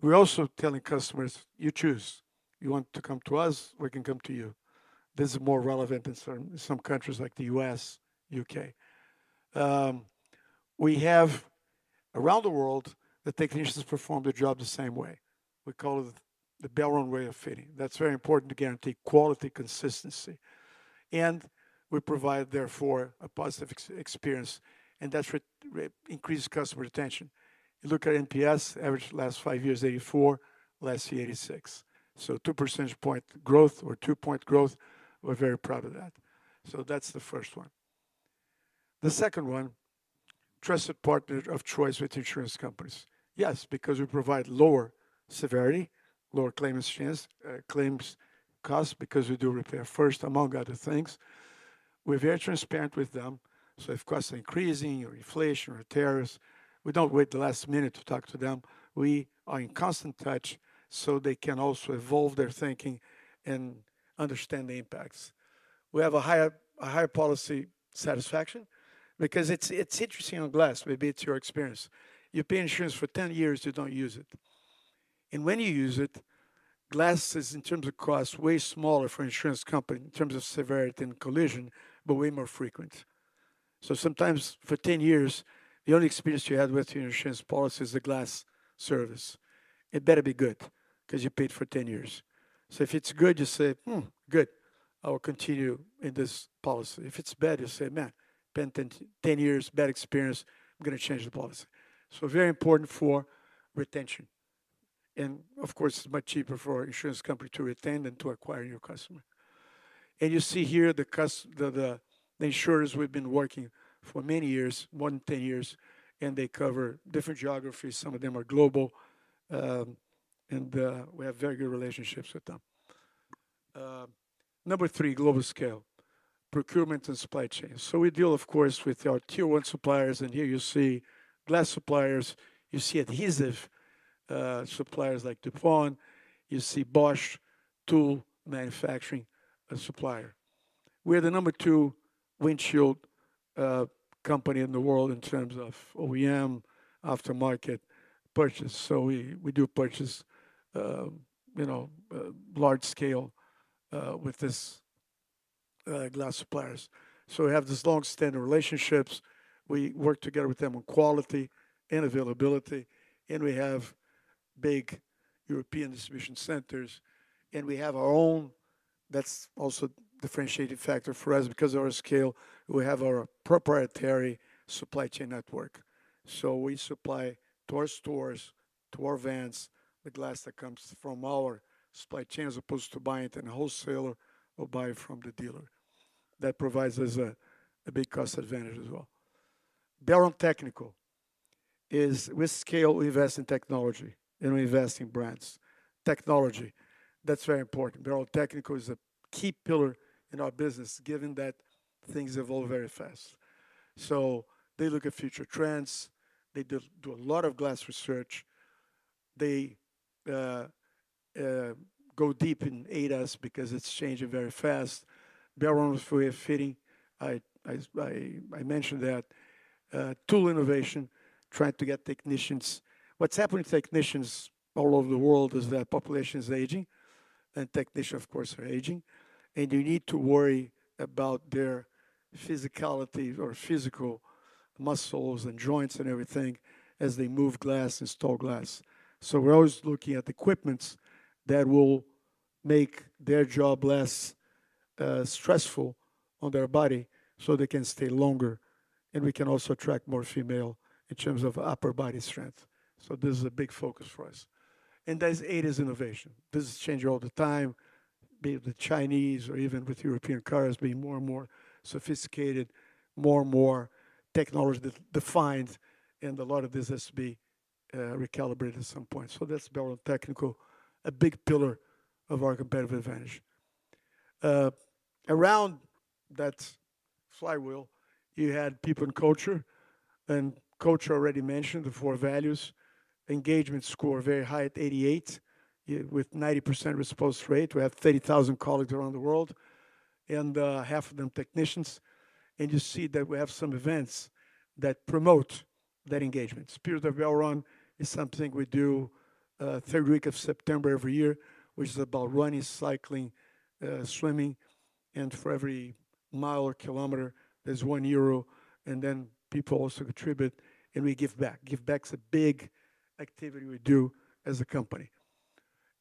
We're also telling customers, "You choose. You want to come to us, we can come to you." This is more relevant in some countries like the U.S., U.K. We have around the world that technicians perform their job the same way. We call it the Belron way of fitting. That's very important to guarantee quality, consistency. We provide, therefore, a positive experience, and that increases customer retention. You look at NPS, average last five years, 84, last year 86. Two percentage point growth or two-point growth. We're very proud of that. That's the first one. The second one, trusted partner of choice with insurance companies. Yes, because we provide lower severity, lower claims costs because we do repair first, among other things. We're very transparent with them. If costs are increasing or inflation or tariffs, we don't wait until the last minute to talk to them. We are in constant touch so they can also evolve their thinking and understand the impacts. We have a higher policy satisfaction because it's interesting on glass. Maybe it's your experience. You pay insurance for 10 years, you don't use it. And when you use it, glass is, in terms of cost, way smaller for an insurance company in terms of severity and collision, but way more frequent. Sometimes for 10 years, the only experience you had with your insurance policy is the glass service. It better be good because you paid for 10 years. If it's good, you say, good. I will continue in this policy. If it's bad, you say, man, spent 10 years, bad experience. I'm going to change the policy. Very important for retention. Of course, it's much cheaper for an insurance company to retain than to acquire a new customer. You see here the insurers we've been working for many years, more than 10 years, and they cover different geographies. Some of them are global. We have very good relationships with them. Number three, global scale, procurement and supply chain. We deal, of course, with our tier one suppliers. Here you see glass suppliers. You see adhesive suppliers like DuPont. You see Bosch tool manufacturing supplier. We are the number two windshield company in the world in terms of OEM aftermarket purchase. We do purchase large scale with these glass suppliers. We have these long-standing relationships. We work together with them on quality and availability. We have big European distribution centers. We have our own. That's also a differentiating factor for us because of our scale. We have our proprietary supply chain network. We supply to our stores, to our vans, the glass that comes from our supply chain as opposed to buying it in a wholesaler or buying it from the dealer. That provides us a big cost advantage as well. Belron Technical is, with scale, we invest in technology and we invest in brands. Technology, that's very important. Belron Technical is a key pillar in our business, given that things evolve very fast. They look at future trends. They do a lot of glass research. They go deep and aid us because it's changing very fast. Belron fitting, I mentioned that tool innovation, trying to get technicians. What's happening to technicians all over the world is that population is aging. Technicians, of course, are aging. You need to worry about their physicality or physical muscles and joints and everything as they move glass and install glass. We are always looking at equipment that will make their job less stressful on their body so they can stay longer. We can also attract more female in terms of upper body strength. This is a big focus for us. That is ADAS innovation. This is changing all the time, be it with Chinese or even with European cars being more and more sophisticated, more and more technology defined. A lot of this has to be recalibrated at some point. That is Belron Technical, a big pillar of our competitive advantage. Around that flywheel, you had people and culture. Culture already mentioned the four values. Engagement score very high at 88% with 90% response rate. We have 30,000 colleagues around the world, and half of them technicians. You see that we have some events that promote that engagement. Spirit of Belron is something we do third week of September every year, which is about running, cycling, swimming. For every mile or kilometer, there is 1 euro. People also contribute, and we give back. Give back is a big activity we do as a company.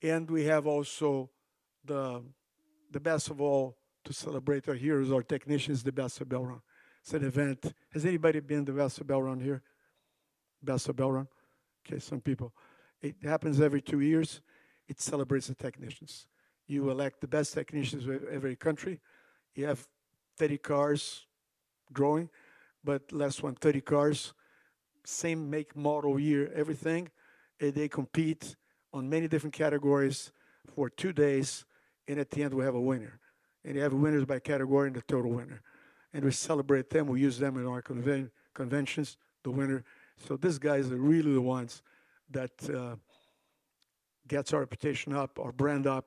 We have also the Best of Belron to celebrate our heroes, our technicians, the best of Belron. It is an event. Has anybody been to the Best of Belron here? Best of Belron? Okay, some people. It happens every two years. It celebrates the technicians. You elect the best technicians of every country. You have 30 cars growing, but less than 30 cars, same make, model, year, everything. They compete on many different categories for two days. At the end, we have a winner. You have winners by category and the total winner. We celebrate them. We use them in our conventions, the winner. These guys are really the ones that get our reputation up, our brand up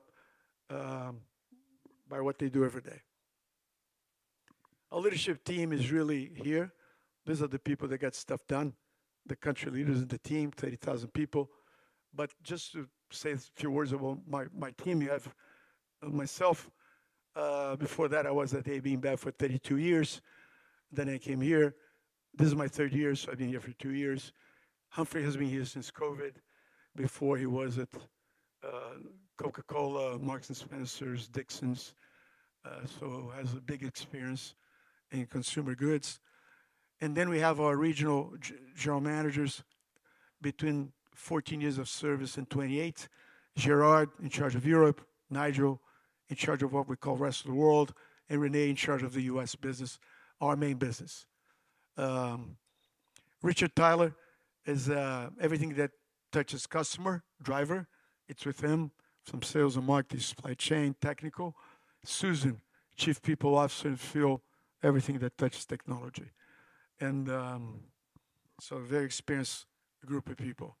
by what they do every day. Our leadership team is really here. These are the people that get stuff done, the country leaders and the team, 30,000 people. Just to say a few words about my team, you have myself. Before that, I was at AB InBev for 32 years. I came here. This is my third year, so I've been here for two years. Humphrey has been here since COVID. Before, he was at Coca-Cola, Marks and Spencer, Dixons. He has a big experience in consumer goods. We have our regional general managers between 14 years of service and 28. Gerard in charge of Europe, Nigel in charge of what we call rest of the world, and Renée in charge of the US business, our main business. Richard Tyler is everything that touches customer, driver. It's with him from sales and marketing, supply chain, technical. Susan, Chief People Officer in field, everything that touches technology. A very experienced group of people.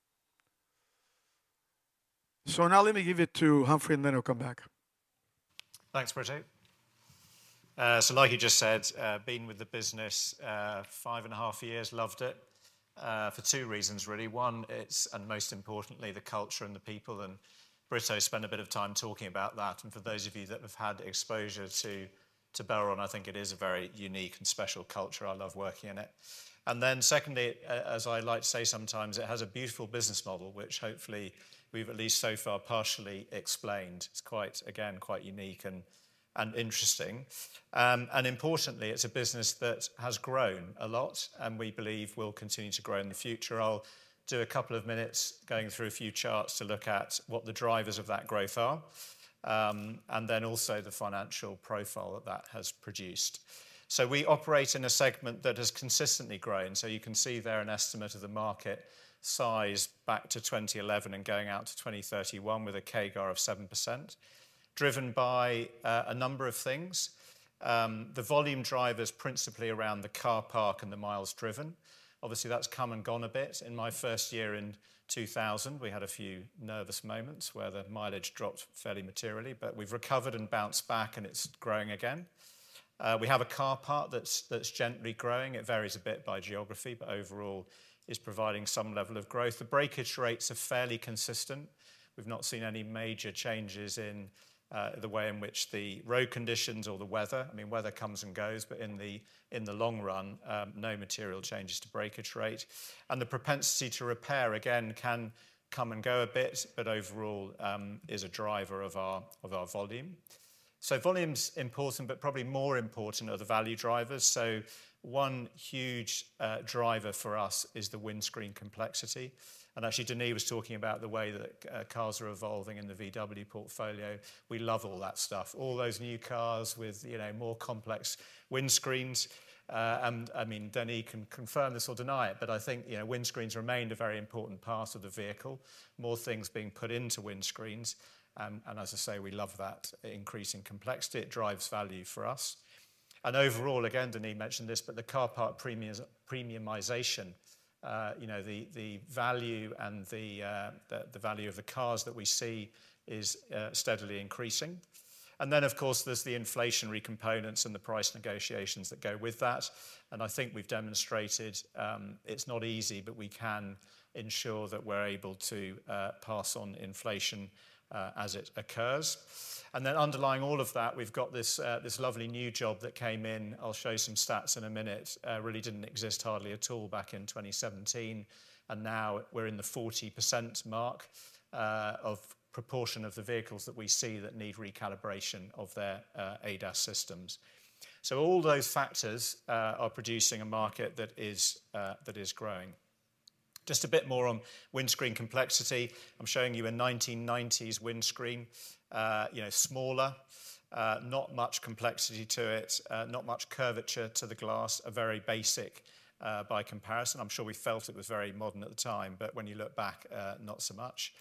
Let me give it to Humphrey, and then I'll come back. Thanks, Brito. Like you just said, been with the business five and a half years, loved it for two reasons, really. One, it's, and most importantly, the culture and the people. Brito, I spent a bit of time talking about that. For those of you that have had exposure to Belron, I think it is a very unique and special culture. I love working in it. Secondly, as I like to say sometimes, it has a beautiful business model, which hopefully we've at least so far partially explained. It's quite, again, quite unique and interesting. Importantly, it's a business that has grown a lot and we believe will continue to grow in the future. I'll do a couple of minutes going through a few charts to look at what the drivers of that growth are and also the financial profile that that has produced. We operate in a segment that has consistently grown. You can see there an estimate of the market size back to 2011 and going out to 2031 with a CAGR of 7%, driven by a number of things. The volume drive is principally around the car park and the miles driven. Obviously, that's come and gone a bit. In my first year in 2000, we had a few nervous moments where the mileage dropped fairly materially, but we've recovered and bounced back, and it's growing again. We have a car park that's gently growing. It varies a bit by geography, but overall is providing some level of growth. The breakage rates are fairly consistent. We've not seen any major changes in the way in which the road conditions or the weather. I mean, weather comes and goes, but in the long run, no material changes to breakage rate. And the propensity to repair, again, can come and go a bit, but overall is a driver of our volume. So volume's important, but probably more important are the value drivers. One huge driver for us is the windscreen complexity. Actually, Denis was talking about the way that cars are evolving in the VW portfolio. We love all that stuff. All those new cars with more complex windscreens. I mean, Denis can confirm this or deny it, but I think windscreens remain a very important part of the vehicle. More things being put into windscreens. As I say, we love that increasing complexity. It drives value for us. Overall, again, Denis mentioned this, but the car park premiumization, the value and the value of the cars that we see is steadily increasing. Of course, there are the inflationary components and the price negotiations that go with that. I think we've demonstrated it's not easy, but we can ensure that we're able to pass on inflation as it occurs. Underlying all of that, we've got this lovely new job that came in. I'll show you some stats in a minute. It really didn't exist hardly at all back in 2017. Now we're in the 40% mark of proportion of the vehicles that we see that need recalibration of their ADAS systems. All those factors are producing a market that is growing. Just a bit more on windscreen complexity. I'm showing you a 1990s windscreen, smaller, not much complexity to it, not much curvature to the glass, very basic by comparison. I'm sure we felt it was very modern at the time, but when you look back, not so much.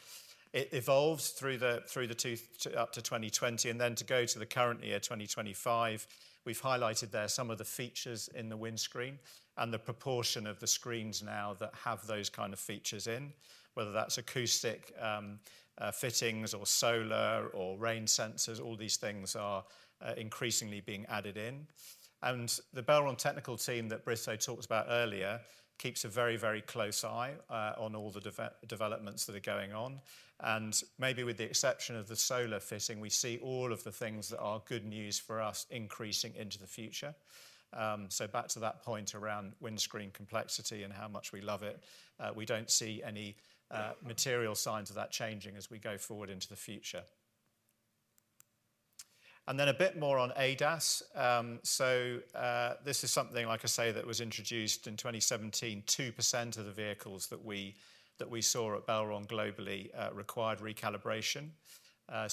It evolves through the two up to 2020. To go to the current year, 2025, we've highlighted there some of the features in the windscreen and the proportion of the screens now that have those kind of features in, whether that's acoustic fittings or solar or rain sensors. All these things are increasingly being added in. The Belron Technical team that Brito talked about earlier keeps a very, very close eye on all the developments that are going on. Maybe with the exception of the solar fitting, we see all of the things that are good news for us increasing into the future. Back to that point around windscreen complexity and how much we love it, we don't see any material signs of that changing as we go forward into the future. A bit more on ADAS. This is something, like I say, that was introduced in 2017. 2% of the vehicles that we saw at Belron globally required recalibration.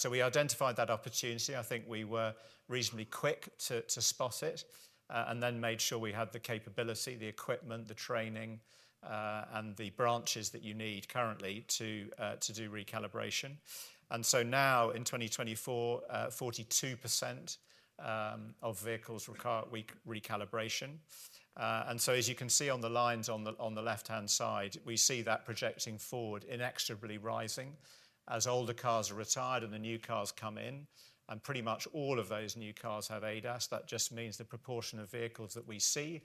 We identified that opportunity. I think we were reasonably quick to spot it and then made sure we had the capability, the equipment, the training, and the branches that you need currently to do recalibration. Now in 2024, 42% of vehicles require recalibration. As you can see on the lines on the left-hand side, we see that projecting forward inexorably rising as older cars are retired and the new cars come in. Pretty much all of those new cars have ADAS. That just means the proportion of vehicles that we see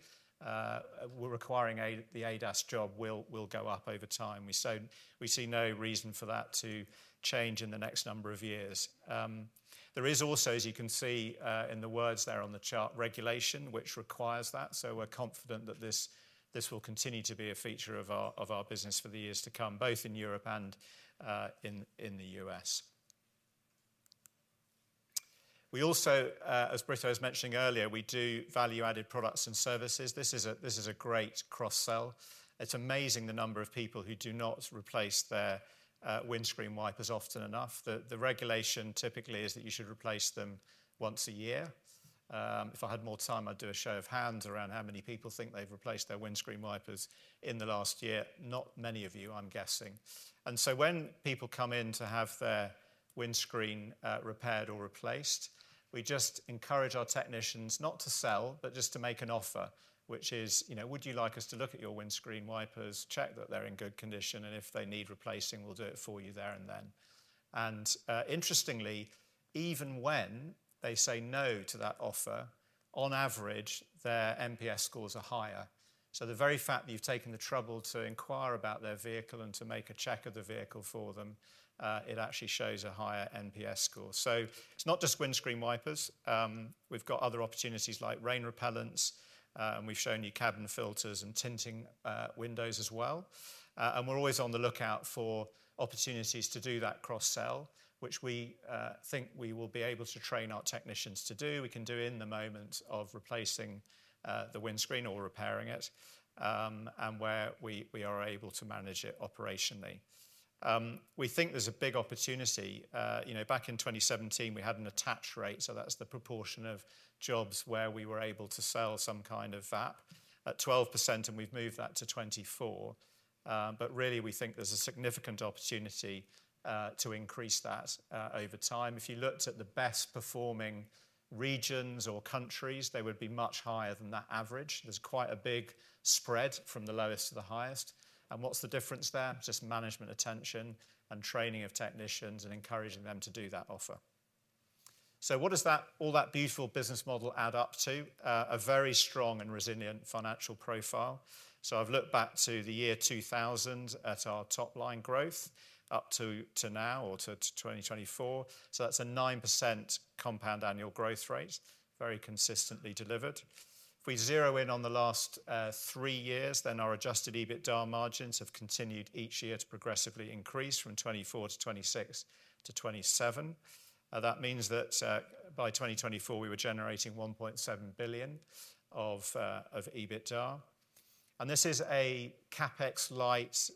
requiring the ADAS job will go up over time. We see no reason for that to change in the next number of years. There is also, as you can see in the words there on the chart, regulation which requires that. We're confident that this will continue to be a feature of our business for the years to come, both in Europe and in the US. We also, as Brito was mentioning earlier, we do value-added products and services. This is a great cross-sell. It's amazing the number of people who do not replace their windscreen wipers often enough. The regulation typically is that you should replace them once a year. If I had more time, I'd do a show of hands around how many people think they've replaced their windscreen wipers in the last year. Not many of you, I'm guessing. When people come in to have their windscreen repaired or replaced, we just encourage our technicians not to sell, but just to make an offer, which is, would you like us to look at your windscreen wipers, check that they're in good condition, and if they need replacing, we'll do it for you there and then. Interestingly, even when they say no to that offer, on average, their NPS scores are higher. The very fact that you've taken the trouble to inquire about their vehicle and to make a check of the vehicle for them actually shows a higher NPS score. It's not just windscreen wipers. We've got other opportunities like rain repellents. We've shown you cabin filters and tinting windows as well. We're always on the lookout for opportunities to do that cross-sell, which we think we will be able to train our technicians to do. We can do it in the moment of replacing the windscreen or repairing it and where we are able to manage it operationally. We think there's a big opportunity. Back in 2017, we had an attach rate, so that's the proportion of jobs where we were able to sell some kind of VAP at 12%, and we've moved that to 24%. Really, we think there's a significant opportunity to increase that over time. If you looked at the best performing regions or countries, they would be much higher than that average. There's quite a big spread from the lowest to the highest. What's the difference there? Just management attention and training of technicians and encouraging them to do that offer. What does all that beautiful business model add up to? A very strong and resilient financial profile. I've looked back to the year 2000 at our top-line growth up to now or to 2024. That is a 9% compound annual growth rate, very consistently delivered. If we zero in on the last three years, then our adjusted EBITDA margins have continued each year to progressively increase from 24% to 26% to 27%. That means that by 2024, we were generating 1.7 billion of EBITDA. This is a CapEx-light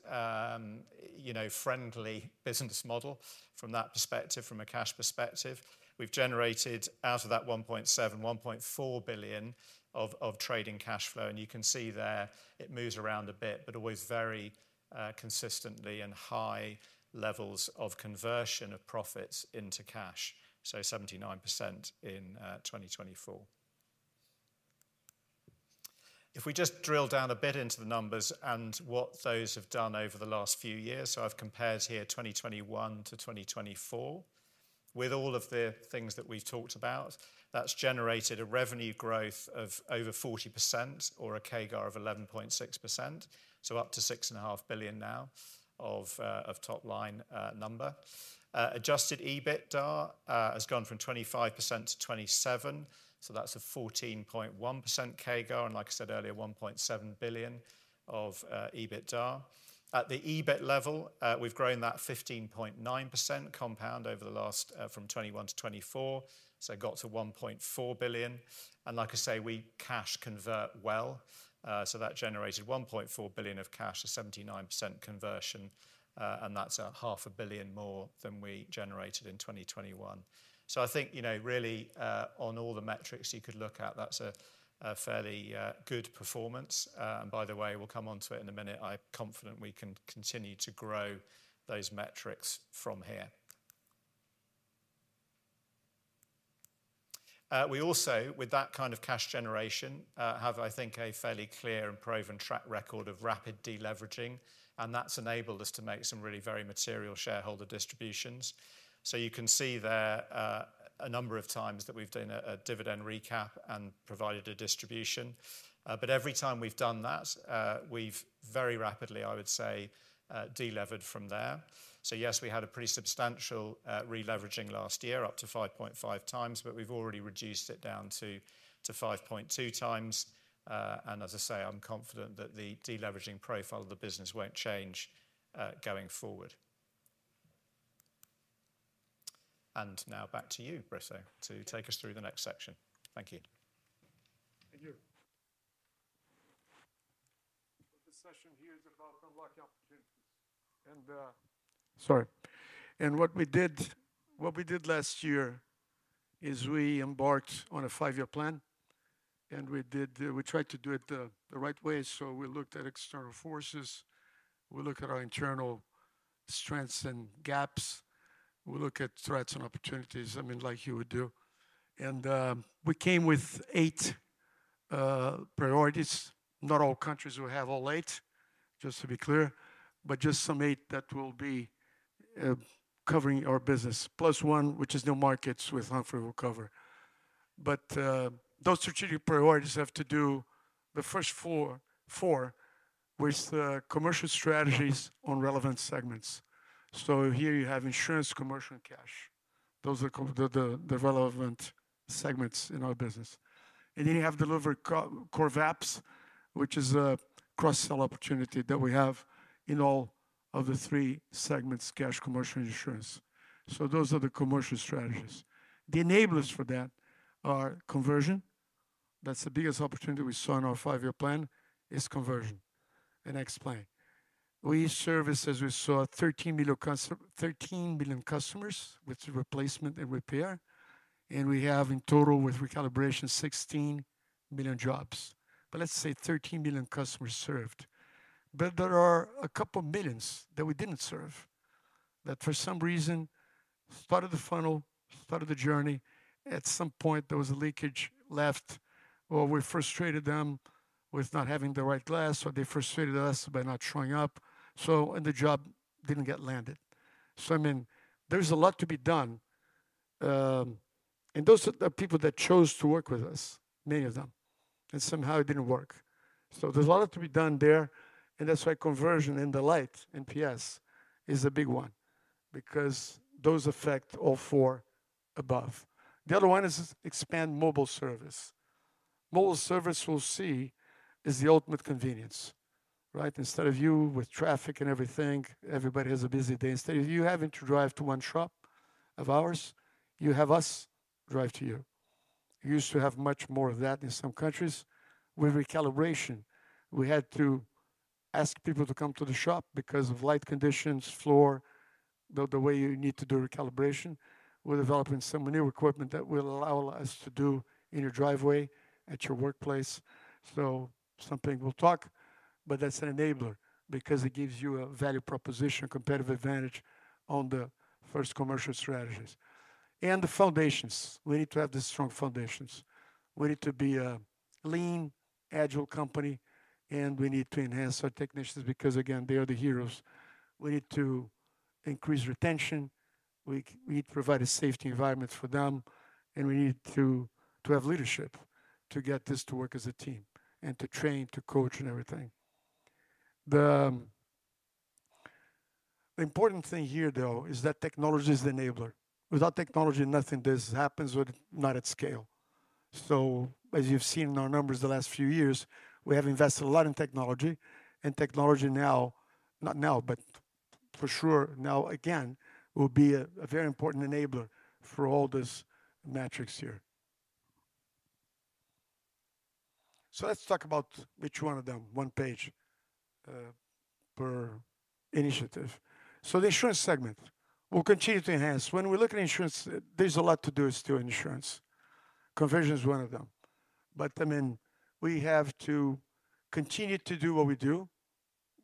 friendly business model from that perspective, from a cash perspective. We've generated out of that 1.7 billion, 1.4 billion of trading cash flow. You can see there it moves around a bit, but always very consistently and high levels of conversion of profits into cash. 79% in 2024. If we just drill down a bit into the numbers and what those have done over the last few years. I've compared here 2021 to 2024 with all of the things that we've talked about. That's generated a revenue growth of over 40% or a CAGR of 11.6%. Up to 6.5 billion now of top-line number. Adjusted EBITDA has gone from 25% to 27%. That's a 14.1% CAGR and like I said earlier, 1.7 billion of EBITDA. At the EBIT level, we've grown that 15.9% compound over the last from 2021 to 2024. Got to 1.4 billion. Like I say, we cash convert well. That generated 1.4 billion of cash, a 79% conversion. That's 500 million more than we generated in 2021. I think really on all the metrics you could look at, that's a fairly good performance. By the way, we'll come on to it in a minute. I'm confident we can continue to grow those metrics from here. We also, with that kind of cash generation, have, I think, a fairly clear and proven track record of rapid deleveraging. That has enabled us to make some really very material shareholder distributions. You can see there a number of times that we've done a dividend recap and provided a distribution. Every time we've done that, we've very rapidly, I would say, deleveraged from there. Yes, we had a pretty substantial releveraging last year, up to 5.5 times, but we've already reduced it down to 5.2 times. As I say, I'm confident that the deleveraging profile of the business won't change going forward. Now back to you, Brito, to take us through the next section. Thank you. Thank you. The session here is about unlocking opportunities. Sorry. What we did last year is we embarked on a five-year plan. We tried to do it the right way. We looked at external forces. We looked at our internal strengths and gaps. We looked at threats and opportunities, I mean, like you would do. We came with eight priorities. Not all countries will have all eight, just to be clear, but just some eight that will be covering our business, plus one, which is new markets with comfort we'll cover. Those strategic priorities have to do, the first four, with commercial strategies on relevant segments. Here you have insurance, commercial, and cash. Those are the relevant segments in our business. You have delivered core VAPs, which is a cross-sell opportunity that we have in all of the three segments, cash, commercial, and insurance. Those are the commercial strategies. The enablers for that are conversion. That's the biggest opportunity we saw in our five-year plan is conversion. I explain. We service, as we saw, 13 million customers with replacement and repair. We have in total with recalibration, 16 million jobs. Let's say 13 million customers served. There are a couple of millions that we didn't serve that for some reason started the funnel, started the journey. At some point, there was a leakage left, or we frustrated them with not having the right glass, or they frustrated us by not showing up. The job didn't get landed. I mean, there's a lot to be done. Those are the people that chose to work with us, many of them. Somehow it did not work. There is a lot to be done there. That is why conversion and delight in PS is a big one because those affect all four above. The other one is expand mobile service. Mobile service, we will see, is the ultimate convenience, right? Instead of you with traffic and everything, everybody has a busy day. Instead of you having to drive to one shop of ours, you have us drive to you. You used to have much more of that in some countries. With recalibration, we had to ask people to come to the shop because of light conditions, floor, the way you need to do recalibration. We are developing some new equipment that will allow us to do it in your driveway, at your workplace. Something we'll talk about, but that's an enabler because it gives you a value proposition, competitive advantage on the first commercial strategies. And the foundations. We need to have the strong foundations. We need to be a lean, agile company, and we need to enhance our technicians because, again, they are the heroes. We need to increase retention. We need to provide a safety environment for them, and we need to have leadership to get this to work as a team and to train, to coach, and everything. The important thing here, though, is that technology is the enabler. Without technology, none of this happens, not at scale. As you've seen in our numbers the last few years, we have invested a lot in technology. Technology now, not now, but for sure now again, will be a very important enabler for all these metrics here. Let's talk about each one of them, one page per initiative. The insurance segment will continue to enhance. When we look at insurance, there's a lot to do still in insurance. Conversion is one of them. I mean, we have to continue to do what we do,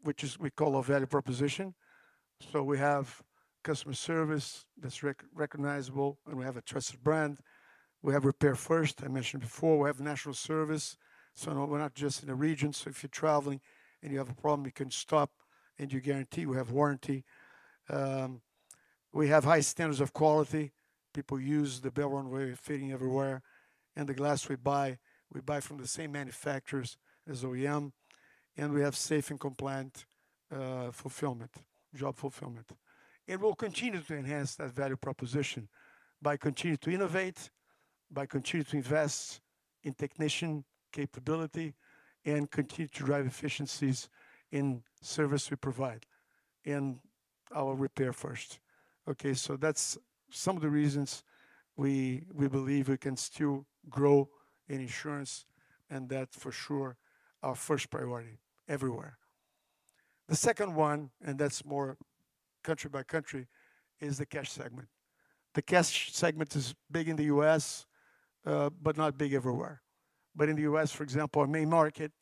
which is what we call a value proposition. We have customer service that's recognizable, and we have a trusted brand. We have repair first, I mentioned before. We have national service. We're not just in a region. If you're traveling and you have a problem, you can stop, and you are guaranteed we have warranty. We have high standards of quality. People use the Belron way of fitting everywhere. The glass we buy, we buy from the same manufacturers as OEM. We have safe and compliant job fulfillment. We will continue to enhance that value proposition by continuing to innovate, by continuing to invest in technician capability, and continue to drive efficiencies in service we provide and our repair first. Okay, so that's some of the reasons we believe we can still grow in insurance and that for sure our first priority everywhere. The second one, and that's more country by country, is the cash segment. The cash segment is big in the US, but not big everywhere. In the US, for example, our main market,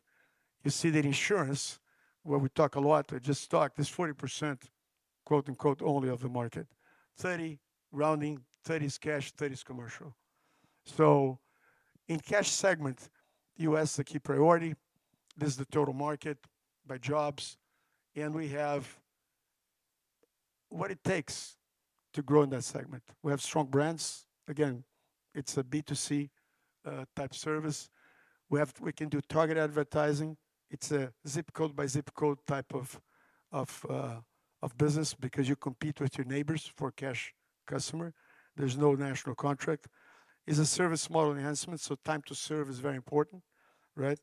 you see that insurance, where we talk a lot, we just talk, there's 40% quote unquote only of the market. Thirty rounding, thirty is cash, thirty is commercial. In cash segment, US is a key priority. This is the total market by jobs. We have what it takes to grow in that segment. We have strong brands. Again, it's a B2C type service. We can do target advertising. It's a zip code by zip code type of business because you compete with your neighbors for cash customer. There's no national contract. It's a service model enhancement. Time to service is very important, right?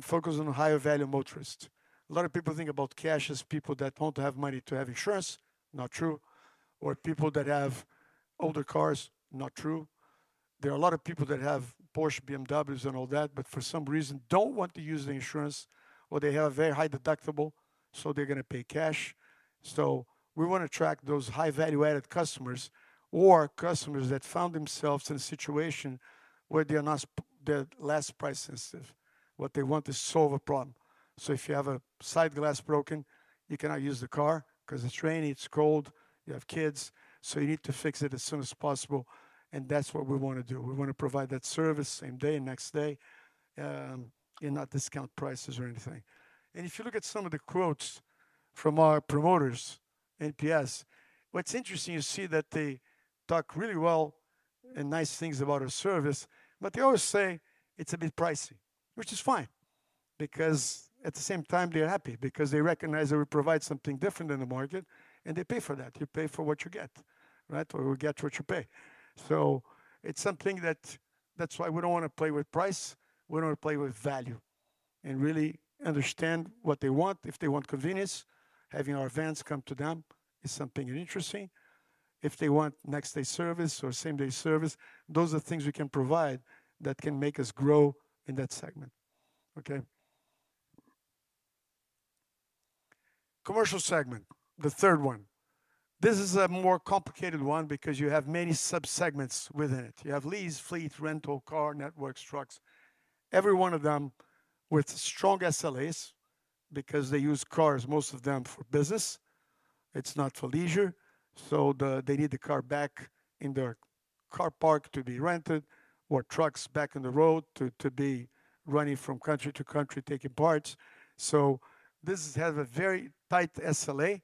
Focus on higher value motorist. A lot of people think about cash as people that want to have money to have insurance. Not true. Or people that have older cars. Not true. There are a lot of people that have Porsche, BMWs, and all that, but for some reason don't want to use the insurance or they have a very high deductible, so they're going to pay cash. We want to track those high value-added customers or customers that found themselves in a situation where they're not the last price sensitive, but they want to solve a problem. If you have a side glass broken, you cannot use the car because it is rainy, it is cold, you have kids. You need to fix it as soon as possible. That is what we want to do. We want to provide that service same day, next day, and not discount prices or anything. If you look at some of the quotes from our promoters, NPS, what is interesting, you see that they talk really well and nice things about our service, but they always say it is a bit pricey, which is fine because at the same time, they are happy because they recognize that we provide something different than the market and they pay for that. You pay for what you get, right? Or you get what you pay. It is something that is why we do not want to play with price. We do not want to play with value and really understand what they want. If they want convenience, having our vans come to them is something interesting. If they want next-day service or same-day service, those are things we can provide that can make us grow in that segment. Okay? Commercial segment, the third one. This is a more complicated one because you have many sub-segments within it. You have lease, fleet, rental, car, networks, trucks. Every one of them with strong SLAs because they use cars, most of them for business. It is not for leisure. They need the car back in their car park to be rented or trucks back on the road to be running from country to country, taking parts. This has a very tight SLA.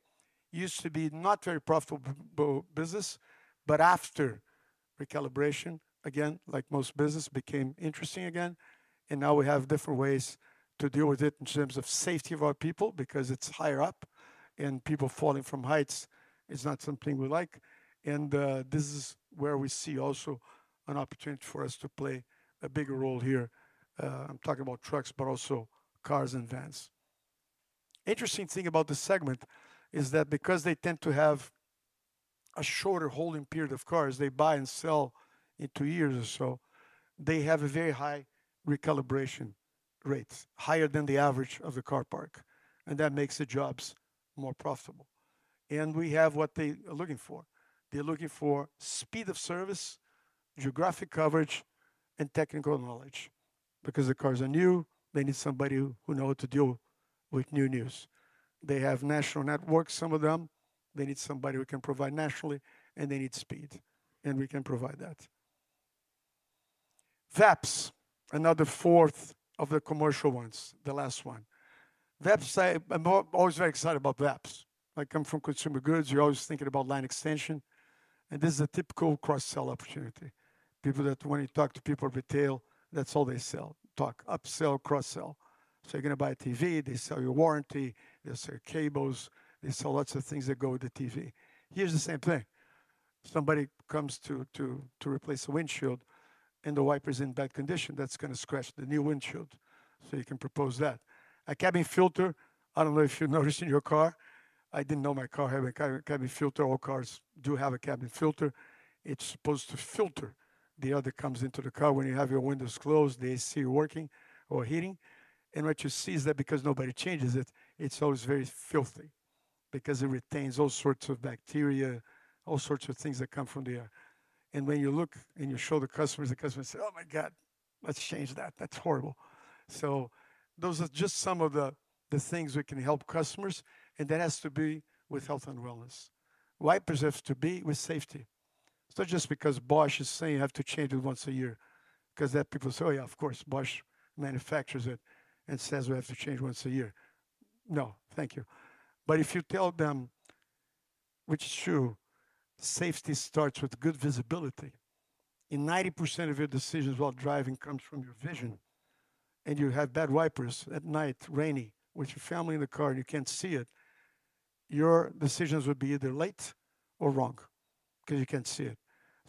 Used to be not very profitable business, but after recalibration, again, like most business, became interesting again. We have different ways to deal with it in terms of safety of our people because it's higher up and people falling from heights is not something we like. This is where we see also an opportunity for us to play a bigger role here. I'm talking about trucks, but also cars and vans. Interesting thing about the segment is that because they tend to have a shorter holding period of cars, they buy and sell in two years or so, they have a very high recalibration rates, higher than the average of the car park. That makes the jobs more profitable. We have what they are looking for. They're looking for speed of service, geographic coverage, and technical knowledge. Because the cars are new, they need somebody who knows how to deal with new news. They have national networks, some of them. They need somebody we can provide nationally, and they need speed. We can provide that. VAPs, another fourth of the commercial ones, the last one. VAPs, I'm always very excited about VAPs. I come from consumer goods. You're always thinking about line extension. This is a typical cross-sell opportunity. People that when you talk to people retail, that's all they sell. Talk upsell, cross-sell. You're going to buy a TV, they sell your warranty, they sell your cables, they sell lots of things that go with the TV. Here is the same thing. Somebody comes to replace a windshield and the wiper is in bad condition, that's going to scratch the new windshield. You can propose that. A cabin filter, I don't know if you've noticed in your car. I didn't know my car had a cabin filter. All cars do have a cabin filter. It's supposed to filter the air that comes into the car when you have your windows closed, the AC working or heating. What you see is that because nobody changes it, it's always very filthy because it retains all sorts of bacteria, all sorts of things that come from the air. When you look and you show the customers, the customer says, "Oh my God, let's change that. That's horrible." Those are just some of the things we can help customers. That has to be with health and wellness. Wipers have to be with safety. Just because Bosch is saying you have to change it once a year, people say, "Oh yeah, of course, Bosch manufactures it and says we have to change once a year." No, thank you. If you tell them, which is true, safety starts with good visibility. Ninety percent of your decisions while driving comes from your vision. You have bad wipers at night, rainy, with your family in the car and you cannot see it, your decisions would be either late or wrong because you cannot see it.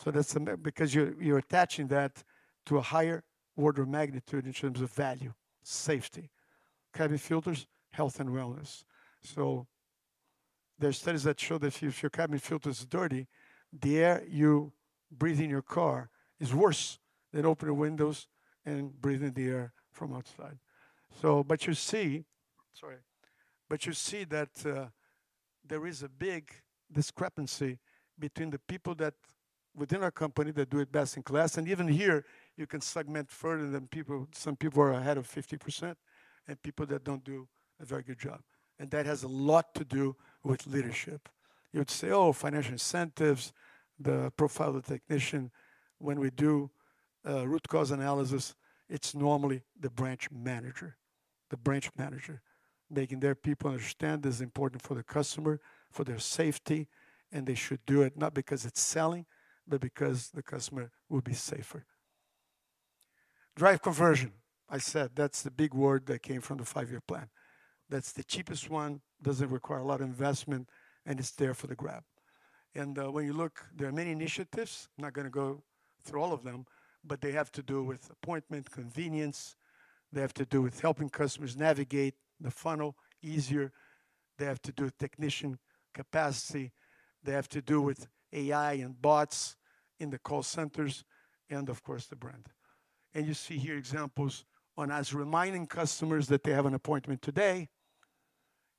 That is because you are attaching that to a higher order of magnitude in terms of value, safety. Cabin filters, health and wellness. There are studies that show that if your cabin filter is dirty, the air you breathe in your car is worse than opening windows and breathing the air from outside. You see, sorry, you see that there is a big discrepancy between the people that within our company that do it best in class. Even here, you can segment further than people. Some people are ahead of 50% and people that do not do a very good job. That has a lot to do with leadership. You would say, "Oh, financial incentives, the profile of the technician." When we do root cause analysis, it's normally the branch manager, the branch manager making their people understand this is important for the customer, for their safety, and they should do it not because it's selling, but because the customer will be safer. Drive conversion. I said that's the big word that came from the five-year plan. That's the cheapest one, doesn't require a lot of investment, and it's there for the grab. When you look, there are many initiatives. I'm not going to go through all of them, but they have to do with appointment convenience. They have to do with helping customers navigate the funnel easier. They have to do with technician capacity. They have to do with AI and bots in the call centers and, of course, the brand. You see here examples on us reminding customers that they have an appointment today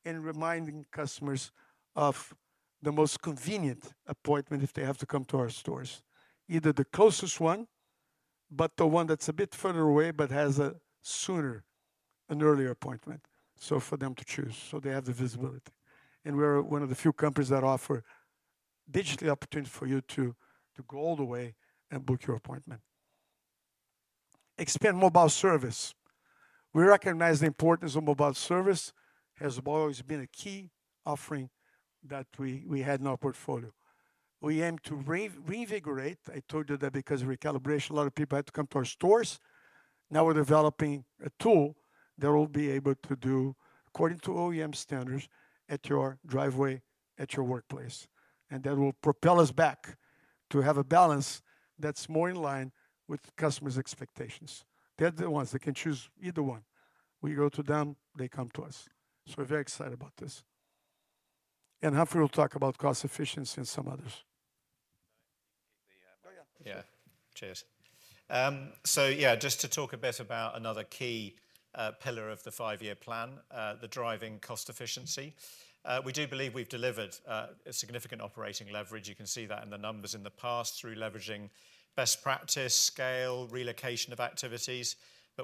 and reminding customers of the most convenient appointment if they have to come to our stores. Either the closest one, or the one that's a bit further away but has a sooner, an earlier appointment. For them to choose, so they have the visibility. We are one of the few companies that offer digital opportunities for you to go all the way and book your appointment. Expand mobile service. We recognize the importance of mobile service. It has always been a key offering that we had in our portfolio. We aim to reinvigorate. I told you that because of recalibration, a lot of people had to come to our stores. Now we're developing a tool that will be able to do according to OEM standards at your driveway, at your workplace. That will propel us back to have a balance that's more in line with customers' expectations. They're the ones that can choose either one. We go to them, they come to us. We're very excited about this. Humphrey will talk about cost efficiency and some others. Oh yeah. Yeah. Cheers. Yeah, just to talk a bit about another key pillar of the five-year plan, the driving cost efficiency. We do believe we've delivered a significant operating leverage. You can see that in the numbers in the past through leveraging best practice, scale, relocation of activities.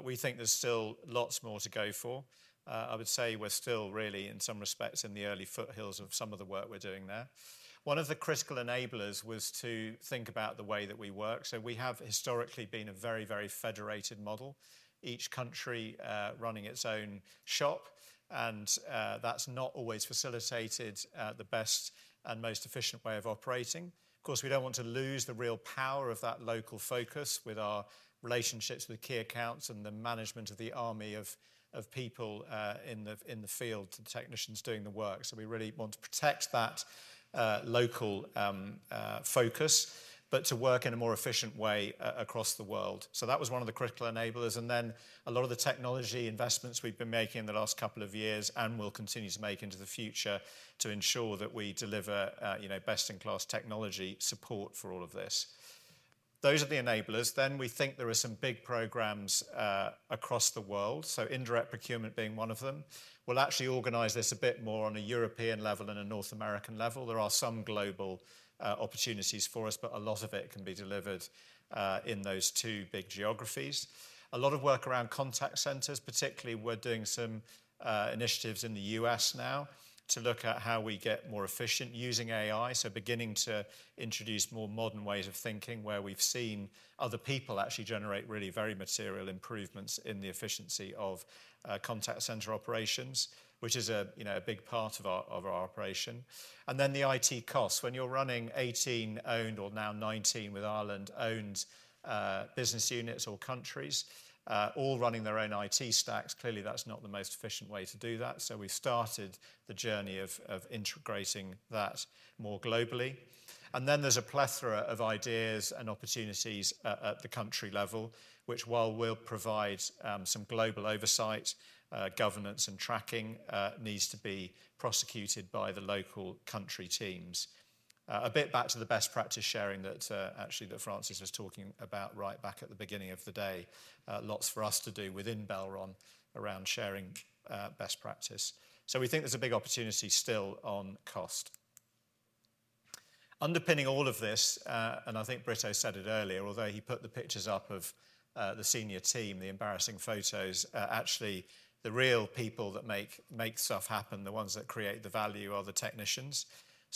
We think there's still lots more to go for. I would say we're still really, in some respects, in the early foothills of some of the work we're doing there. One of the critical enablers was to think about the way that we work. We have historically been a very, very federated model, each country running its own shop. That's not always facilitated the best and most efficient way of operating. Of course, we don't want to lose the real power of that local focus with our relationships with key accounts and the management of the army of people in the field, the technicians doing the work. We really want to protect that local focus, but to work in a more efficient way across the world. That was one of the critical enablers. A lot of the technology investments we've been making in the last couple of years and will continue to make into the future are to ensure that we deliver best-in-class technology support for all of this. Those are the enablers. There are some big programs across the world. Indirect procurement is one of them. We'll actually organize this a bit more on a European level and a North American level. There are some global opportunities for us, but a lot of it can be delivered in those two big geographies. A lot of work around contact centers, particularly we're doing some initiatives in the U.S. now to look at how we get more efficient using AI. Beginning to introduce more modern ways of thinking where we've seen other people actually generate really very material improvements in the efficiency of contact center operations, which is a big part of our operation. The IT costs. When you're running 18 owned or now 19 with Ireland owned business units or countries all running their own IT stacks, clearly that's not the most efficient way to do that. We've started the journey of integrating that more globally. There's a plethora of ideas and opportunities at the country level, which, while we will provide some global oversight, governance, and tracking, needs to be prosecuted by the local country teams. A bit back to the best practice sharing that Francis was talking about right back at the beginning of the day. Lots for us to do within Belron around sharing best practice. We think there's a big opportunity still on cost. Underpinning all of this, and I think Brito said it earlier, although he put the pictures up of the senior team, the embarrassing photos, actually the real people that make stuff happen, the ones that create the value are the technicians.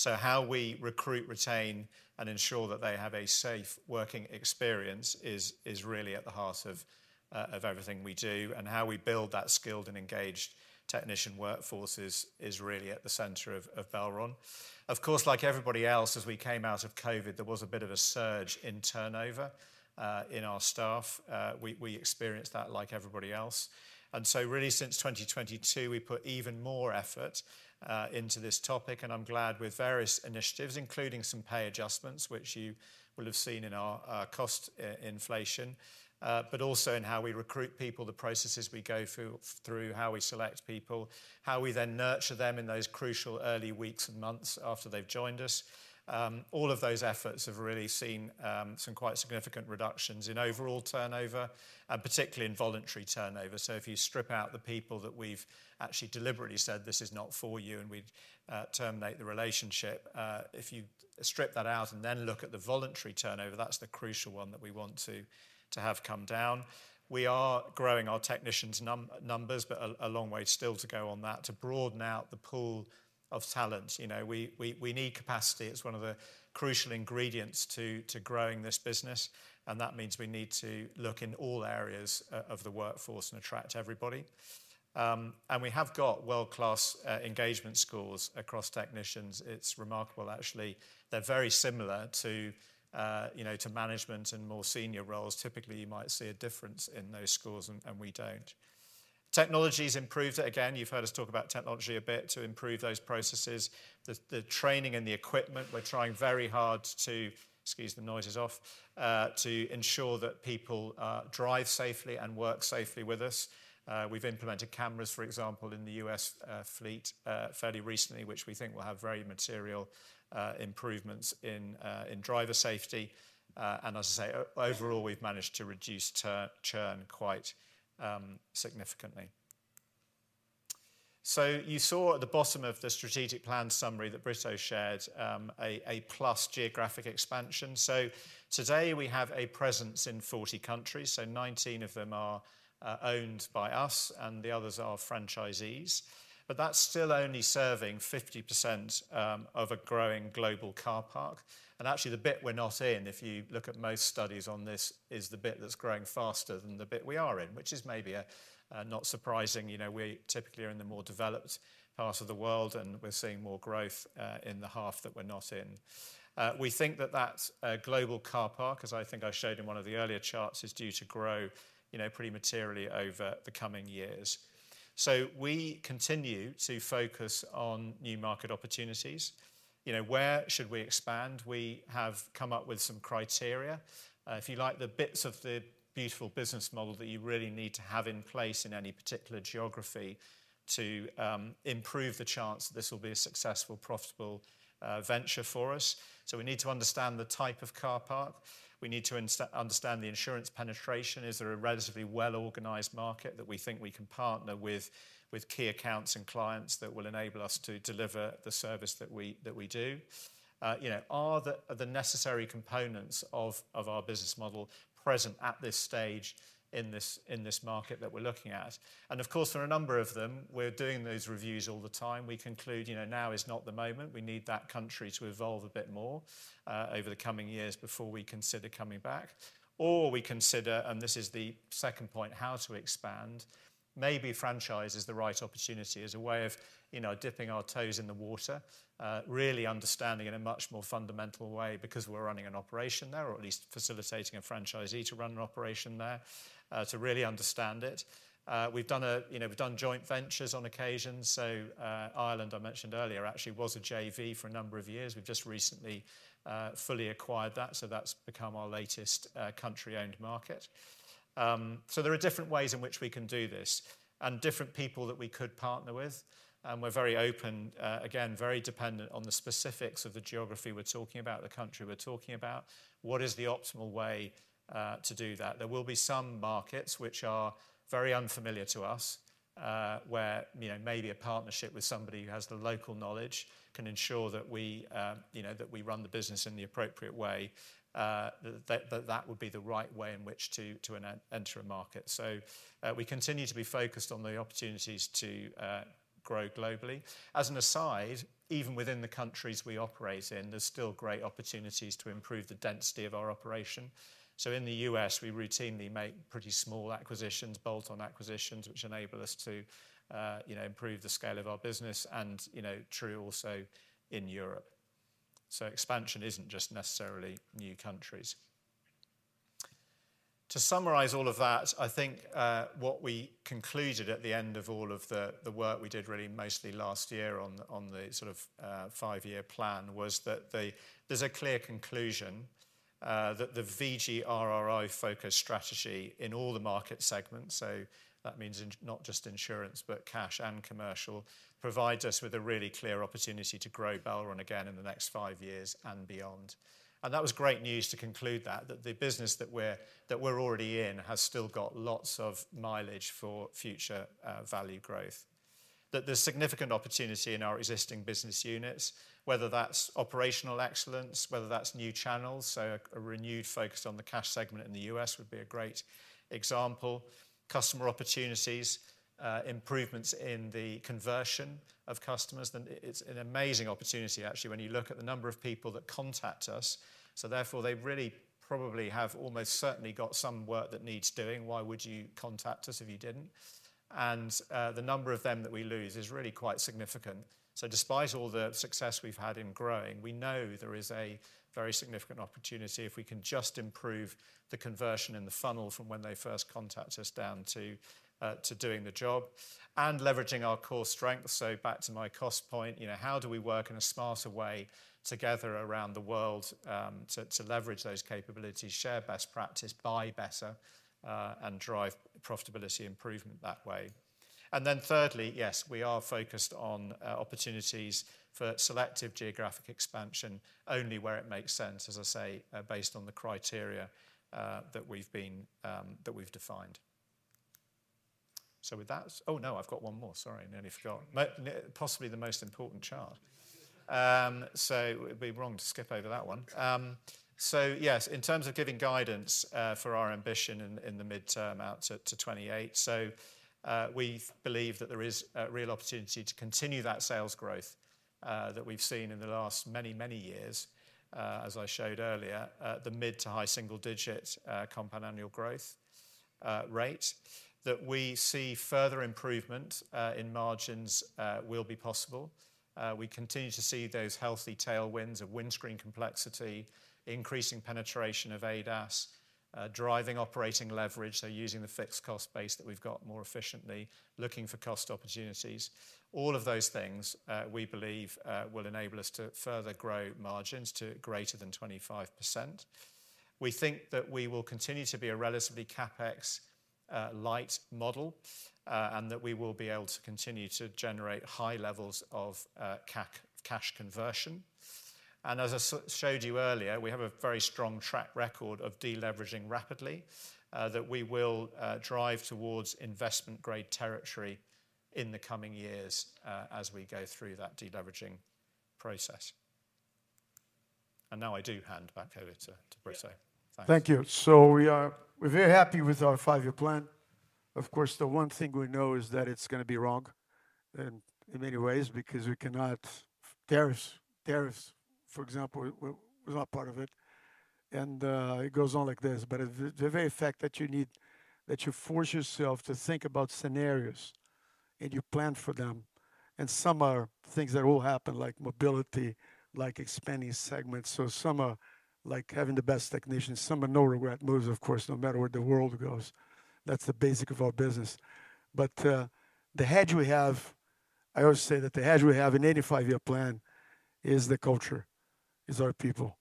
How we recruit, retain, and ensure that they have a safe working experience is really at the heart of everything we do. How we build that skilled and engaged technician workforce is really at the center of Belron. Of course, like everybody else, as we came out of COVID, there was a bit of a surge in turnover in our staff. We experienced that like everybody else. Really since 2022, we put even more effort into this topic. I'm glad with various initiatives, including some pay adjustments, which you will have seen in our cost inflation, but also in how we recruit people, the processes we go through, how we select people, how we then nurture them in those crucial early weeks and months after they've joined us. All of those efforts have really seen some quite significant reductions in overall turnover and particularly in voluntary turnover. If you strip out the people that we've actually deliberately said, "This is not for you," and we terminate the relationship, if you strip that out and then look at the voluntary turnover, that's the crucial one that we want to have come down. We are growing our technicians numbers, but a long way still to go on that to broaden out the pool of talents. We need capacity. It's one of the crucial ingredients to growing this business. That means we need to look in all areas of the workforce and attract everybody. We have got world-class engagement scores across technicians. It is remarkable, actually. They are very similar to management and more senior roles. Typically, you might see a difference in those scores, and we do not. Technology has improved it again. You have heard us talk about technology a bit to improve those processes. The training and the equipment, we are trying very hard to, excuse the noises off, to ensure that people drive safely and work safely with us. We have implemented cameras, for example, in the US fleet fairly recently, which we think will have very material improvements in driver safety. As I say, overall, we have managed to reduce churn quite significantly. You saw at the bottom of the strategic plan summary that Brito shared a plus geographic expansion. Today we have a presence in 40 countries. Nineteen of them are owned by us and the others are franchisees. That is still only serving 50% of a growing global car park. Actually, the bit we are not in, if you look at most studies on this, is the bit that is growing faster than the bit we are in, which is maybe not surprising. We typically are in the more developed parts of the world, and we are seeing more growth in the half that we are not in. We think that that global car park, as I think I showed in one of the earlier charts, is due to grow pretty materially over the coming years. We continue to focus on new market opportunities. Where should we expand? We have come up with some criteria. If you like the bits of the beautiful business model that you really need to have in place in any particular geography to improve the chance that this will be a successful, profitable venture for us. We need to understand the type of car park. We need to understand the insurance penetration. Is there a relatively well-organized market that we think we can partner with key accounts and clients that will enable us to deliver the service that we do? Are the necessary components of our business model present at this stage in this market that we're looking at? Of course, there are a number of them. We're doing those reviews all the time. We conclude now is not the moment. We need that country to evolve a bit more over the coming years before we consider coming back. We consider, and this is the second point, how to expand. Maybe franchise is the right opportunity as a way of dipping our toes in the water, really understanding in a much more fundamental way because we're running an operation there, or at least facilitating a franchisee to run an operation there, to really understand it. We've done joint ventures on occasion. Ireland, I mentioned earlier, actually was a JV for a number of years. We've just recently fully acquired that. That's become our latest country-owned market. There are different ways in which we can do this and different people that we could partner with. We're very open, again, very dependent on the specifics of the geography we're talking about, the country we're talking about. What is the optimal way to do that? There will be some markets which are very unfamiliar to us where maybe a partnership with somebody who has the local knowledge can ensure that we run the business in the appropriate way, that that would be the right way in which to enter a market. We continue to be focused on the opportunities to grow globally. As an aside, even within the countries we operate in, there are still great opportunities to improve the density of our operation. In the U.S., we routinely make pretty small acquisitions, bolt-on acquisitions, which enable us to improve the scale of our business and true also in Europe. Expansion is not just necessarily new countries. To summarize all of that, I think what we concluded at the end of all of the work we did really mostly last year on the sort of five-year plan was that there's a clear conclusion that the VGRRR focus strategy in all the market segments, so that means not just insurance, but cash and commercial, provides us with a really clear opportunity to grow Belron again in the next five years and beyond. That was great news to conclude that, that the business that we're already in has still got lots of mileage for future value growth. That there's significant opportunity in our existing business units, whether that's operational excellence, whether that's new channels. A renewed focus on the cash segment in the US would be a great example. Customer opportunities, improvements in the conversion of customers. It's an amazing opportunity, actually, when you look at the number of people that contact us. Therefore, they really probably have almost certainly got some work that needs doing. Why would you contact us if you didn't? The number of them that we lose is really quite significant. Despite all the success we've had in growing, we know there is a very significant opportunity if we can just improve the conversion in the funnel from when they first contact us down to doing the job and leveraging our core strengths. Back to my cost point, how do we work in a smarter way together around the world to leverage those capabilities, share best practice, buy better, and drive profitability improvement that way? Thirdly, yes, we are focused on opportunities for selective geographic expansion only where it makes sense, as I say, based on the criteria that we have defined. With that, oh no, I have got one more. Sorry, I nearly forgot. Possibly the most important chart. It would be wrong to skip over that one. Yes, in terms of giving guidance for our ambition in the midterm out to 2028, we believe that there is a real opportunity to continue that sales growth that we have seen in the last many, many years, as I showed earlier, the mid to high single-digit compound annual growth rate, that we see further improvement in margins will be possible. We continue to see those healthy tailwinds of windscreen complexity, increasing penetration of ADAS, driving operating leverage, so using the fixed cost base that we have got more efficiently, looking for cost opportunities. All of those things we believe will enable us to further grow margins to greater than 25%. We think that we will continue to be a relatively CapEx light model and that we will be able to continue to generate high levels of cash conversion. As I showed you earlier, we have a very strong track record of deleveraging rapidly that we will drive towards investment-grade territory in the coming years as we go through that deleveraging process. I do hand back over to Brito. Thank you. Thank you. We are very happy with our five-year plan. Of course, the one thing we know is that it's going to be wrong in many ways because we cannot tariffs, for example, was not part of it. It goes on like this, but the very fact that you force yourself to think about scenarios and you plan for them. Some are things that will happen, like mobility, like expanding segments. Some are like having the best technicians, some are no regret moves, of course, no matter where the world goes. That is the basic of our business. The hedge we have, I always say that the hedge we have in an 85-year plan is the culture, is our people,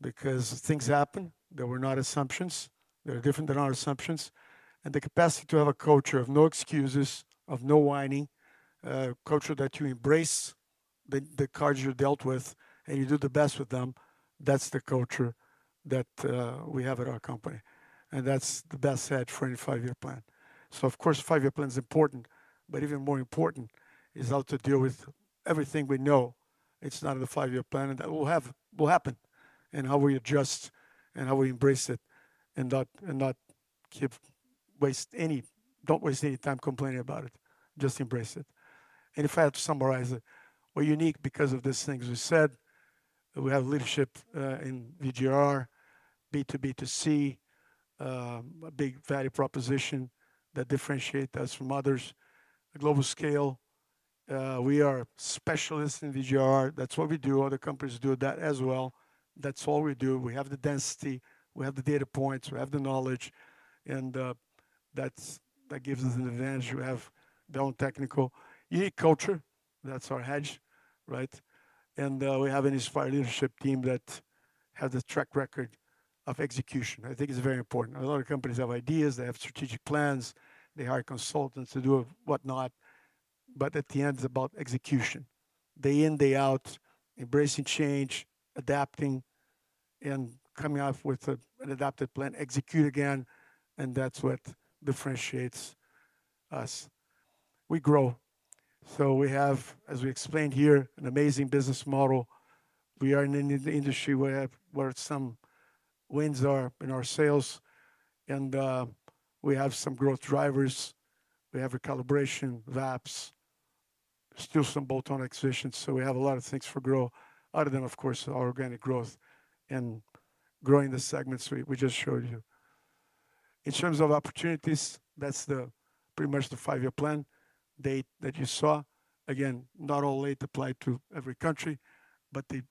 because things happen. There were not assumptions. They are different than our assumptions. The capacity to have a culture of no excuses, of no whining, a culture that you embrace the cards you are dealt with and you do the best with them, that is the culture that we have at our company. That is the best hedge for an 85-year plan. Of course, a five-year plan is important, but even more important is how to deal with everything we know is not in the five-year plan and that will happen, and how we adjust and how we embrace it and not waste any time complaining about it. Just embrace it. If I had to summarize it, we're unique because of these things we said. We have leadership in VGRR, B2B2C, a big value proposition that differentiates us from others. Global scale, we are specialists in VGRR. That's what we do. Other companies do that as well. That's all we do. We have the density, we have the data points, we have the knowledge, and that gives us an advantage. We have Belron Technical, unique culture. That's our hedge, right? We have an inspired leadership team that has a track record of execution. I think it's very important. A lot of companies have ideas, they have strategic plans, they hire consultants to do whatnot, but at the end, it's about execution. Day in, day out, embracing change, adapting, and coming up with an adapted plan, execute again, and that's what differentiates us. We grow. We have, as we explained here, an amazing business model. We are in an industry where some wins are in our sails, and we have some growth drivers. We have recalibration, VAPs, still some bolt-on acquisitions. We have a lot of things for growth, other than, of course, our organic growth and growing the segments we just showed you. In terms of opportunities, that's pretty much the five-year plan date that you saw. Again, not all apply to every country, but they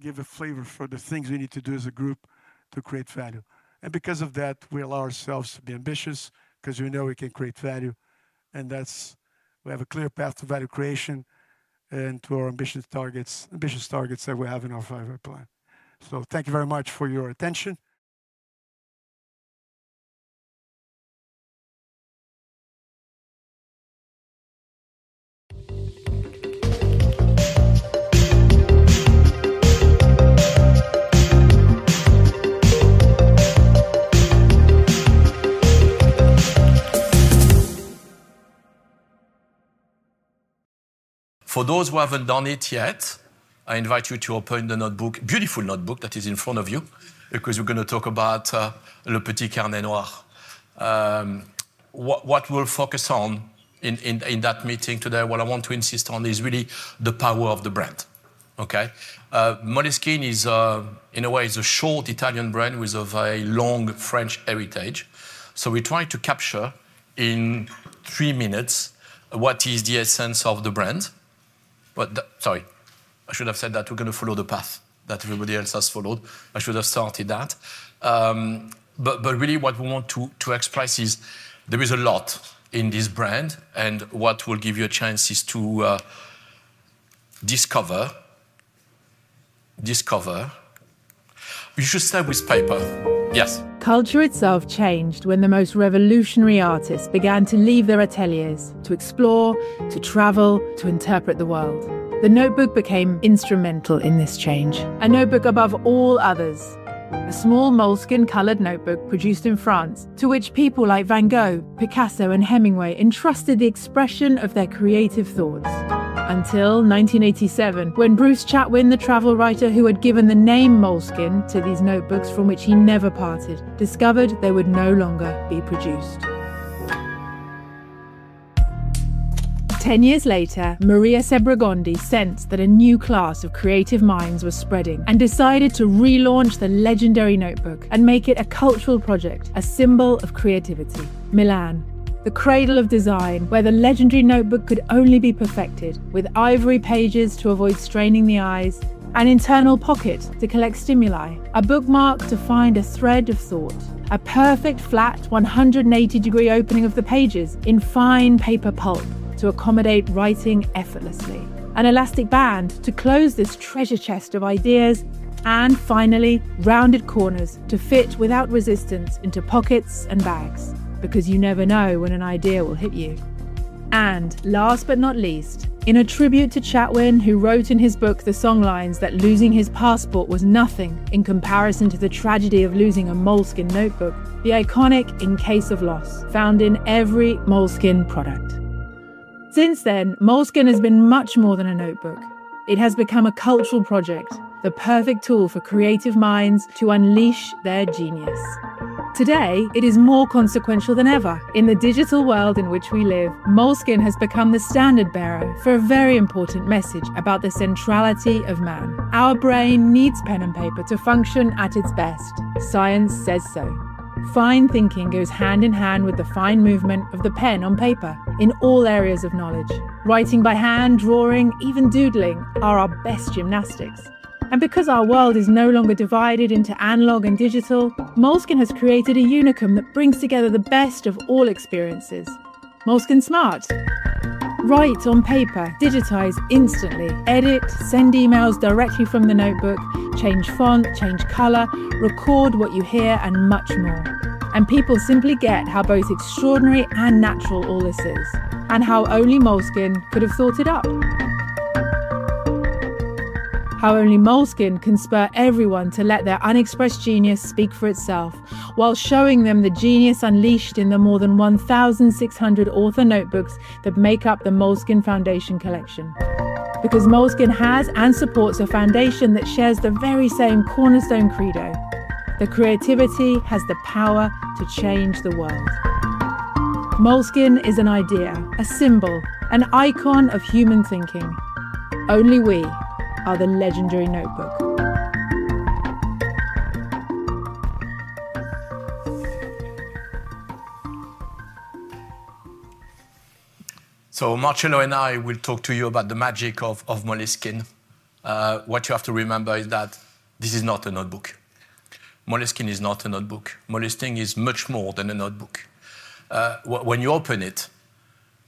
give a flavor for the things we need to do as a group to create value. Because of that, we allow ourselves to be ambitious because we know we can create value. We have a clear path to value creation and to our ambitious targets that we have in our five-year plan. Thank you very much for your attention. For those who have not done it yet, I invite you to open the notebook, beautiful notebook that is in front of you, because we are going to talk about Le Petit Carnet Noir. What we will focus on in that meeting today, what I want to insist on is really the power of the brand. Okay? Moleskine is, in a way, a short Italian brand with a very long French heritage. We are trying to capture in three minutes what is the essence of the brand. Sorry, I should have said that we are going to follow the path that everybody else has followed. I should have started that. Really what we want to express is there is a lot in this brand, and what will give you a chance is to discover. You should start with paper. Yes. Culture itself changed when the most revolutionary artists began to leave their ateliers to explore, to travel, to interpret the world. The notebook became instrumental in this change, a notebook above all others, a small Moleskine-colored notebook produced in France, to which people like Van Gogh, Picasso, and Hemingway entrusted the expression of their creative thoughts. Until 1987, when Bruce Chatwin, the travel writer who had given the name Moleskine to these notebooks from which he never parted, discovered they would no longer be produced. Ten years later, Maria Sebrango sensed that a new class of creative minds was spreading and decided to relaunch the legendary notebook and make it a cultural project, a symbol of creativity. Milan, the cradle of design, where the legendary notebook could only be perfected with ivory pages to avoid straining the eyes, an internal pocket to collect stimuli, a bookmark to find a thread of thought, a perfect flat 180-degree opening of the pages in fine paper pulp to accommodate writing effortlessly, an elastic band to close this treasure chest of ideas, and finally, rounded corners to fit without resistance into pockets and bags, because you never know when an idea will hit you. Last but not least, in a tribute to Chatwin, who wrote in his book The Songlines that losing his passport was nothing in comparison to the tragedy of losing a Moleskine notebook, the iconic "in case of loss" found in every Moleskine product. Since then, Moleskine has been much more than a notebook. It has become a cultural project, the perfect tool for creative minds to unleash their genius. Today, it is more consequential than ever. In the digital world in which we live, Moleskine has become the standard bearer for a very important message about the centrality of man. Our brain needs pen and paper to function at its best. Science says so. Fine thinking goes hand in hand with the fine movement of the pen on paper in all areas of knowledge. Writing by hand, drawing, even doodling are our best gymnastics. Because our world is no longer divided into analog and digital, Moleskine has created a unicum that brings together the best of all experiences. Moleskine Smart. Write on paper, digitize instantly, edit, send emails directly from the notebook, change font, change color, record what you hear, and much more. People simply get how both extraordinary and natural all this is, and how only Moleskine could have thought it up. How only Moleskine can spur everyone to let their unexpressed genius speak for itself while showing them the genius unleashed in the more than 1,600 author notebooks that make up the Moleskine Foundation collection. Moleskine has and supports a foundation that shares the very same cornerstone credo. The creativity has the power to change the world. Moleskine is an idea, a symbol, an icon of human thinking. Only we are the legendary notebook. Marcello and I will talk to you about the magic of Moleskine. What you have to remember is that this is not a notebook. Moleskine is not a notebook. Moleskine is much more than a notebook. When you open it,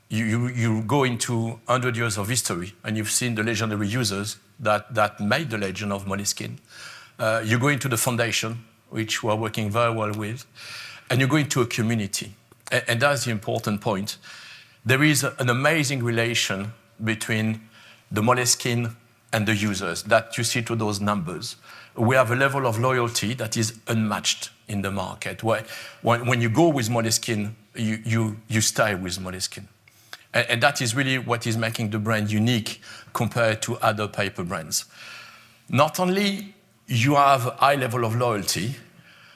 you go into 100 years of history and you have seen the legendary users that made the legend of Moleskine. You go into the foundation, which we are working very well with, and you go into a community. That is the important point. There is an amazing relation between the Moleskine and the users that you see through those numbers. We have a level of loyalty that is unmatched in the market. When you go with Moleskine, you stay with Moleskine. That is really what is making the brand unique compared to other paper brands. Not only do you have a high level of loyalty,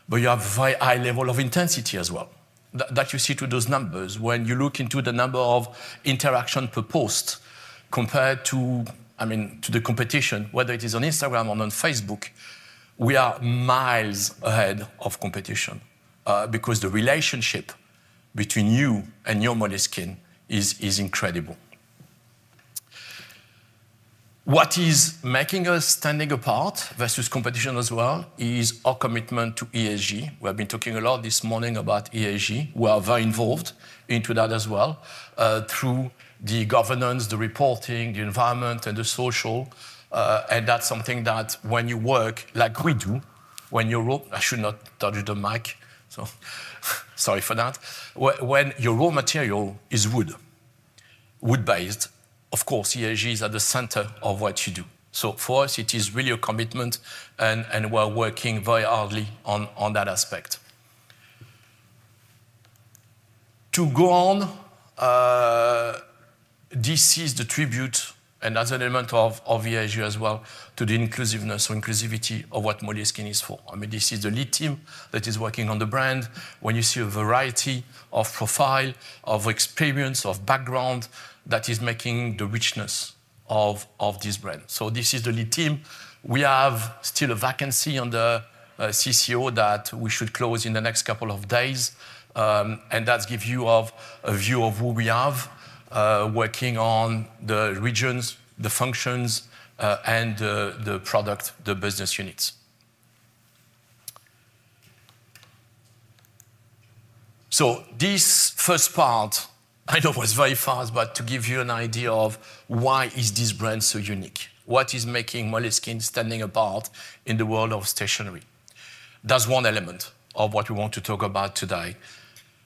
but you have a very high level of intensity as well that you see through those numbers. When you look into the number of interactions per post compared to, I mean, to the competition, whether it is on Instagram or on Facebook, we are miles ahead of competition because the relationship between you and your Moleskine is incredible. What is making us stand apart versus competition as well is our commitment to ESG. We have been talking a lot this morning about ESG. We are very involved in that as well through the governance, the reporting, the environment, and the social. That is something that when you work like we do, when you're row, I should not touch the mic. Sorry for that. When your raw material is wood, wood-based, of course, ESG is at the center of what you do. For us, it is really a commitment, and we're working very hardly on that aspect. To go on, this is the tribute and as an element of ESG as well to the inclusiveness or inclusivity of what Moleskine is for. I mean, this is the lead team that is working on the brand. When you see a variety of profile, of experience, of background that is making the richness of this brand. This is the lead team. We have still a vacancy on the CCO that we should close in the next couple of days. That gives you a view of who we have working on the regions, the functions, and the product, the business units. This first part, I know it was very fast, but to give you an idea of why is this brand so unique, what is making Moleskine stand apart in the world of stationery. That is one element of what we want to talk about today.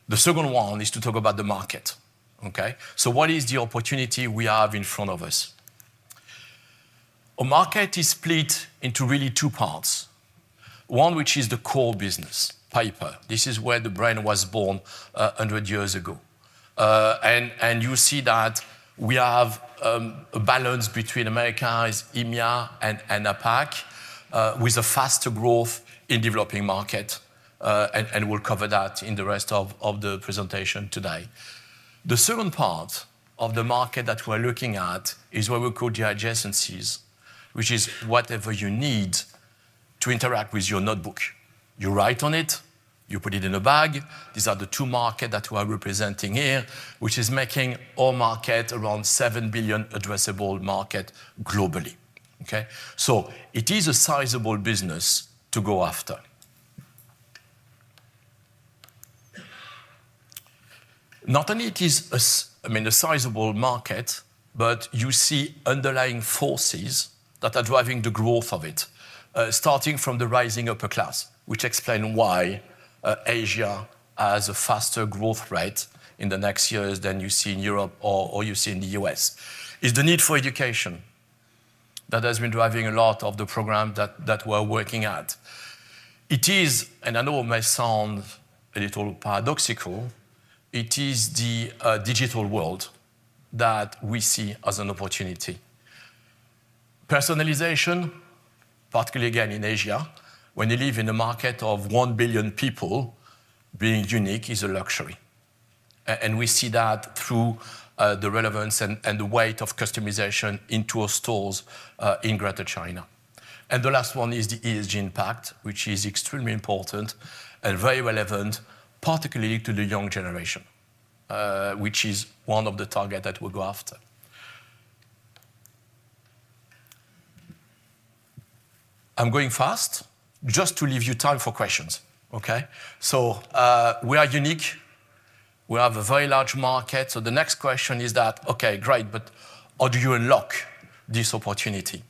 The second one is to talk about the market. Okay? What is the opportunity we have in front of us? A market is split into really two parts. One, which is the core business, paper. This is where the brand was born 100 years ago. You see that we have a balance between Americanized, EMEA, and APAC with faster growth in developing markets. We will cover that in the rest of the presentation today. The second part of the market that we are looking at is what we call the adjacencies, which is whatever you need to interact with your notebook. You write on it, you put it in a bag. These are the two markets that we are representing here, which is making our market around $7 billion addressable market globally. Okay? It is a sizable business to go after. Not only is it a sizable market, but you see underlying forces that are driving the growth of it, starting from the rising upper class, which explains why Asia has a faster growth rate in the next years than you see in Europe or you see in the U.S. It is the need for education that has been driving a lot of the programs that we are working at. It is, and I know it may sound a little paradoxical, it is the digital world that we see as an opportunity. Personalization, particularly again in Asia, when you live in a market of 1 billion people, being unique is a luxury. We see that through the relevance and the weight of customization into our stores in Greater China. The last one is the ESG impact, which is extremely important and very relevant, particularly to the young generation, which is one of the targets that we'll go after. I'm going fast just to leave you time for questions. Okay? We are unique. We have a very large market. The next question is that, okay, great, but how do you unlock this opportunity?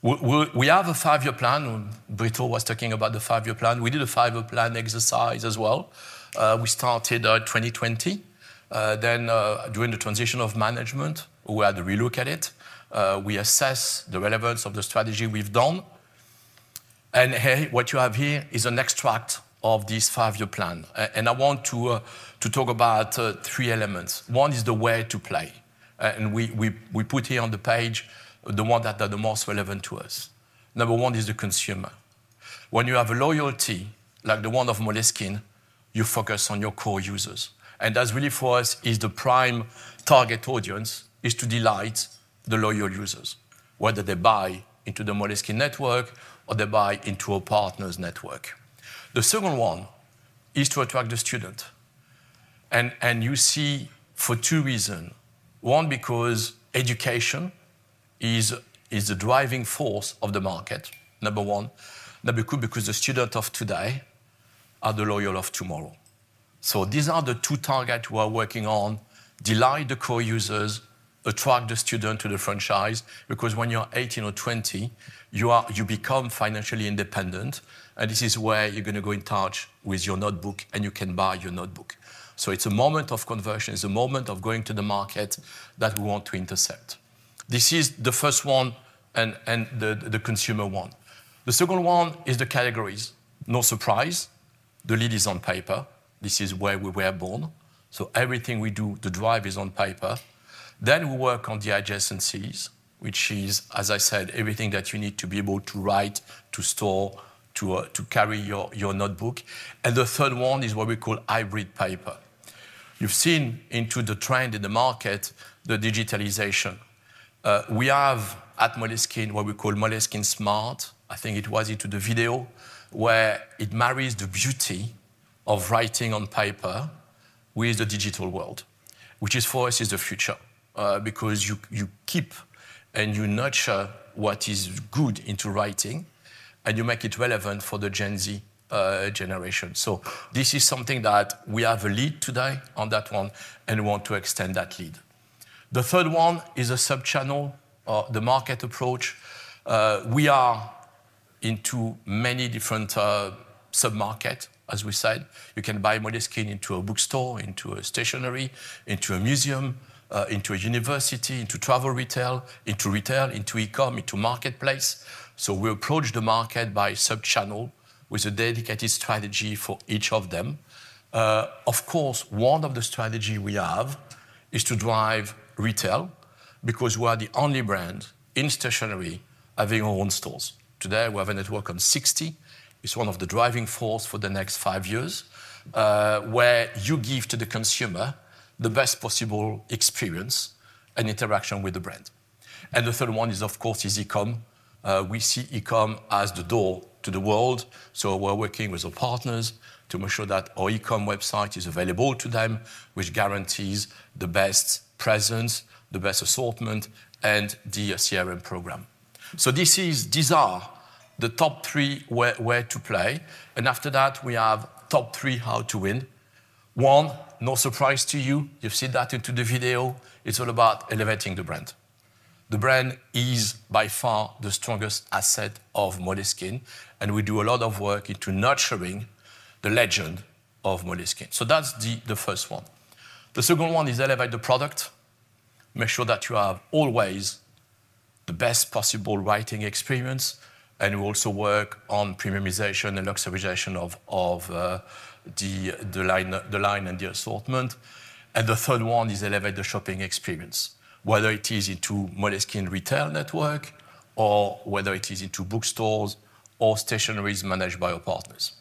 We have a five-year plan. Brito was talking about the five-year plan. We did a five-year plan exercise as well. We started in 2020. During the transition of management, we had to relook at it. We assessed the relevance of the strategy we've done. What you have here is an extract of this five-year plan. I want to talk about three elements. One is the way to play. We put here on the page the one that is the most relevant to us. Number one is the consumer. When you have a loyalty like the one of Moleskine, you focus on your core users. That really for us is the prime target audience, is to delight the loyal users, whether they buy into the Moleskine network or they buy into our partners' network. The second one is to attract the student. You see for two reasons. One, because education is the driving force of the market, number one. Number two, because the students of today are the loyal of tomorrow. These are the two targets we're working on: delight the core users, attract the students to the franchise, because when you're 18 or 20, you become financially independent. This is where you're going to go in touch with your notebook and you can buy your notebook. It's a moment of conversion. It's a moment of going to the market that we want to intercept. This is the first one and the consumer one. The second one is the categories. No surprise, the lead is on paper. This is where we were born. Everything we do, the drive is on paper. We work on the adjacencies, which is, as I said, everything that you need to be able to write, to store, to carry your notebook. The third one is what we call hybrid paper. You've seen into the trend in the market, the digitalization. We have at Moleskine what we call Moleskine Smart. I think it was into the video where it marries the beauty of writing on paper with the digital world, which is for us is the future, because you keep and you nurture what is good into writing and you make it relevant for the Gen Z generation. This is something that we have a lead today on that one and we want to extend that lead. The third one is a subchannel, the market approach. We are into many different submarkets, as we said. You can buy Moleskine into a bookstore, into a stationery, into a museum, into a university, into travel retail, into retail, into e-comm, into marketplace. We approach the market by subchannel with a dedicated strategy for each of them. Of course, one of the strategies we have is to drive retail because we are the only brand in stationery having our own stores. Today, we have a network on 60. It's one of the driving forces for the next five years where you give to the consumer the best possible experience and interaction with the brand. The third one is, of course, is e-comm. We see e-comm as the door to the world. We are working with our partners to make sure that our e-comm website is available to them, which guarantees the best presence, the best assortment, and the CRM program. These are the top three where to play. After that, we have top three how to win. One, no surprise to you. You've seen that into the video. It's all about elevating the brand. The brand is by far the strongest asset of Moleskine. We do a lot of work into nurturing the legend of Moleskine. That's the first one. The second one is elevate the product. Make sure that you have always the best possible writing experience. We also work on premiumization and luxurization of the line and the assortment. The third one is elevate the shopping experience, whether it is into Moleskine retail network or whether it is into bookstores or stationeries managed by our partners.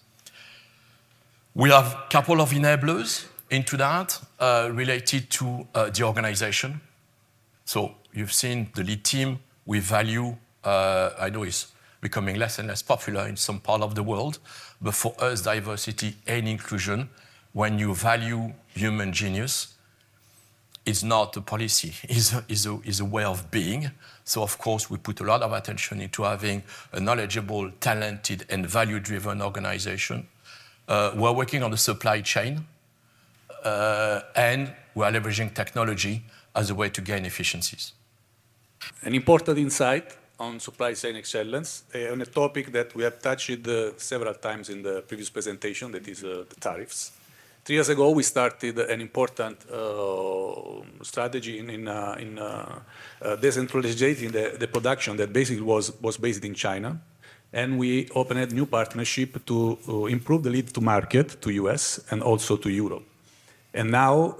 We have a couple of enablers into that related to the organization. You have seen the lead team. We value, I know it is becoming less and less popular in some part of the world, but for us, diversity and inclusion, when you value human genius, it is not a policy, it is a way of being. Of course, we put a lot of attention into having a knowledgeable, talented, and value-driven organization. We are working on the supply chain, and we are leveraging technology as a way to gain efficiencies. An important insight on supply chain excellence on a topic that we have touched several times in the previous presentation, that is tariffs. Three years ago, we started an important strategy in decentralizing the production that basically was based in China. We opened a new partnership to improve the lead to market to the US and also to Europe. Now,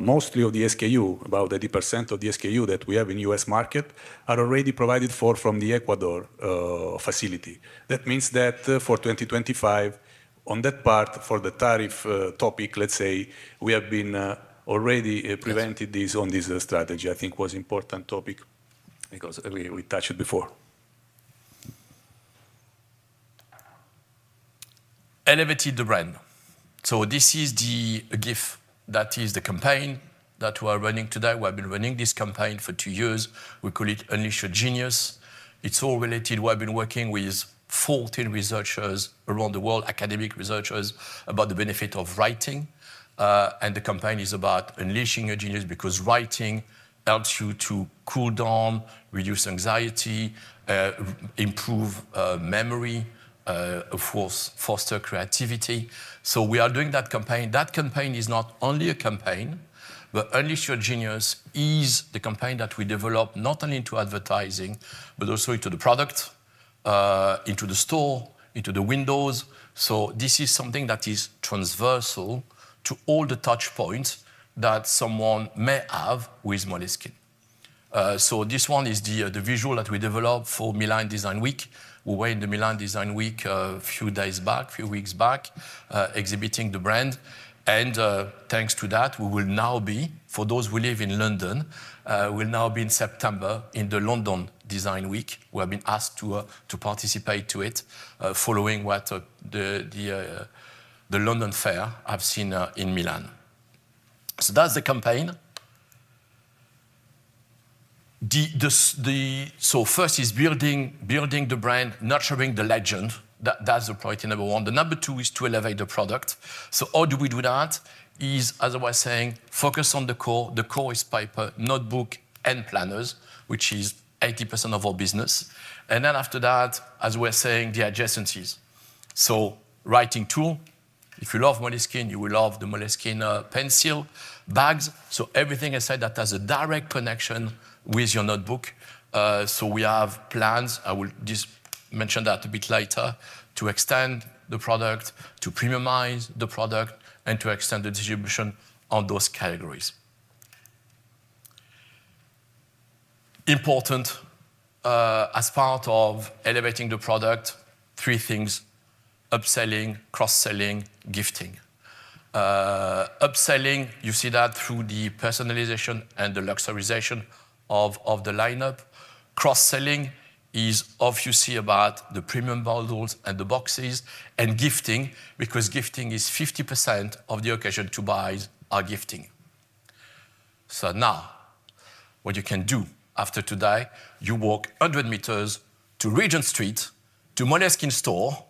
most of the SKU, about 80% of the SKU that we have in the US market, are already provided from the Ecuador facility. That means that for 2025, on that part for the tariff topic, let's say, we have already presented this in this strategy. I think it was an important topic because we touched it before. Elevated the brand. This is the GIF. That is the campaign that we are running today. We have been running this campaign for two years. We call it Unleash Your Genius. It's all related. We have been working with 14 researchers around the world, academic researchers about the benefit of writing. The campaign is about unleashing your genius because writing helps you to cool down, reduce anxiety, improve memory, of course, foster creativity. We are doing that campaign. That campaign is not only a campaign, but Unleash Your Genius is the campaign that we develop not only into advertising, but also into the product, into the store, into the windows. This is something that is transversal to all the touchpoints that someone may have with Moleskine. This one is the visual that we developed for Milan Design Week. We were in the Milan Design Week a few days back, a few weeks back, exhibiting the brand. Thanks to that, we will now be, for those who live in London, we'll now be in September in the London Design Week. We have been asked to participate in it following what the London Fair have seen in Milan. That is the campaign. First is building the brand, nurturing the legend. That is the priority number one. The number two is to elevate the product. How do we do that is, as I was saying, focus on the core. The core is paper, notebook, and planners, which is 80% of our business. After that, as we are saying, the adjacencies. Writing tool. If you love Moleskine, you will love the Moleskine pencil bags. Everything I said that has a direct connection with your notebook. We have plans. I will just mention that a bit later to extend the product, to premiumize the product, and to extend the distribution on those categories. Important as part of elevating the product, three things: upselling, cross-selling, gifting. Upselling, you see that through the personalization and the luxurization of the lineup. Cross-selling is obviously about the premium bundles and the boxes. Gifting, because gifting is 50% of the occasion to buy are gifting. Now, what you can do after today, you walk 100 meters to Regent Street, to Moleskine store,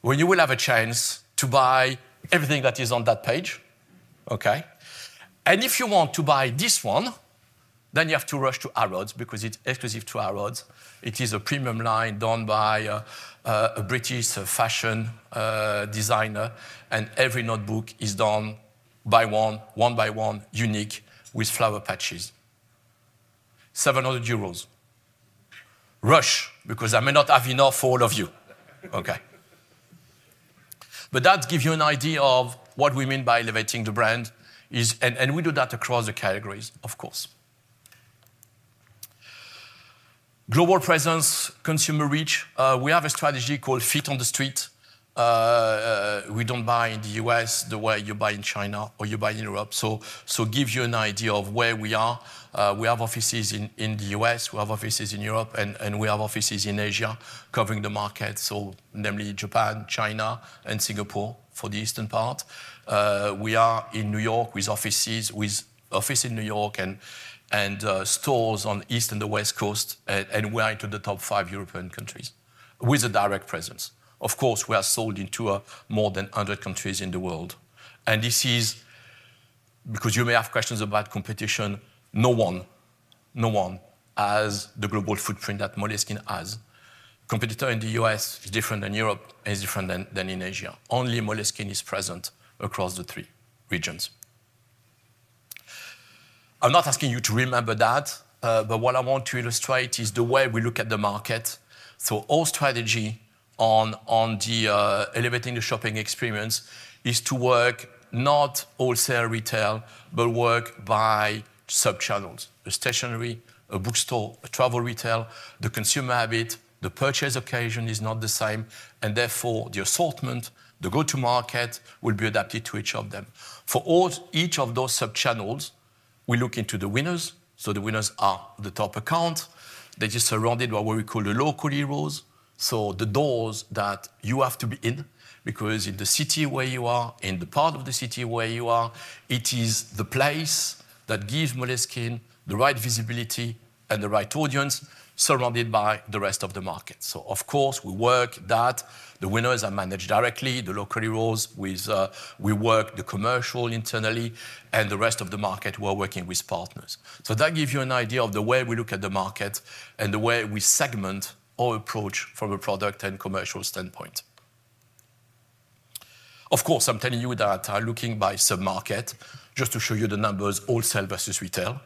where you will have a chance to buy everything that is on that page. Okay? If you want to buy this one, then you have to rush to Harrods because it's exclusive to Harrods. It is a premium line done by a British fashion designer. Every notebook is done one by one, unique with flower patches. 700 euros. Rush because I may not have enough for all of you. Okay? That gives you an idea of what we mean by elevating the brand. We do that across the categories, of course. Global presence, consumer reach. We have a strategy called Feet on the Street. We do not buy in the US the way you buy in China or you buy in Europe. To give you an idea of where we are, we have offices in the US, we have offices in Europe, and we have offices in Asia covering the market, so namely Japan, China, and Singapore for the eastern part. We are in New York with offices in New York and stores on the east and the west coast, and we are in the top five European countries with a direct presence. Of course, we are sold into more than 100 countries in the world. This is because you may have questions about competition. No one, no one has the global footprint that Moleskine has. Competitor in the US is different than Europe and is different than in Asia. Only Moleskine is present across the three regions. I'm not asking you to remember that, but what I want to illustrate is the way we look at the market. Our strategy on elevating the shopping experience is to work not wholesale retail, but work by subchannels, a stationery, a bookstore, a travel retail. The consumer habit, the purchase occasion is not the same. Therefore, the assortment, the go-to-market will be adapted to each of them. For each of those subchannels, we look into the winners. The winners are the top account. They are just surrounded by what we call the local heroes. The doors that you have to be in because in the city where you are, in the part of the city where you are, it is the place that gives Moleskine the right visibility and the right audience surrounded by the rest of the market. Of course, we work that the winners are managed directly, the local heroes with we work the commercial internally and the rest of the market we're working with partners. That gives you an idea of the way we look at the market and the way we segment our approach from a product and commercial standpoint. Of course, I'm telling you that I'm looking by submarket just to show you the numbers, wholesale versus retail.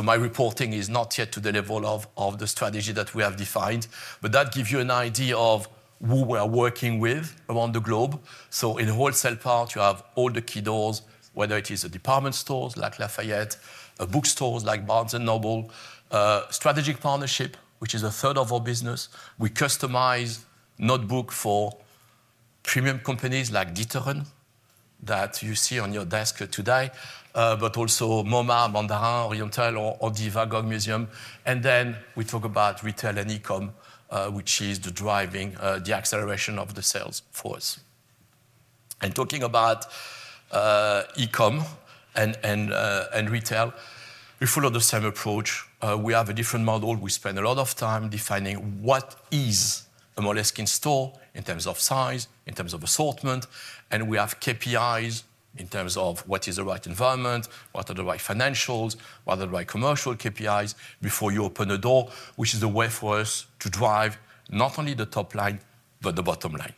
My reporting is not yet to the level of the strategy that we have defined, but that gives you an idea of who we are working with around the globe. In the wholesale part, you have all the key doors, whether it is a department store like Lafayette, a bookstore like Barnes & Noble, strategic partnership, which is a third of our business. We customize notebook for premium companies like D'Ieteren that you see on your desk today, but also MoMA, Mandarin Oriental, or the Van Gogh Museum. We talk about retail and e-comm, which is driving the acceleration of the sales for us. Talking about e-comm and retail, we follow the same approach. We have a different model. We spend a lot of time defining what is a Moleskine store in terms of size, in terms of assortment. We have KPIs in terms of what is the right environment, what are the right financials, what are the right commercial KPIs before you open a door, which is the way for us to drive not only the top line, but the bottom line.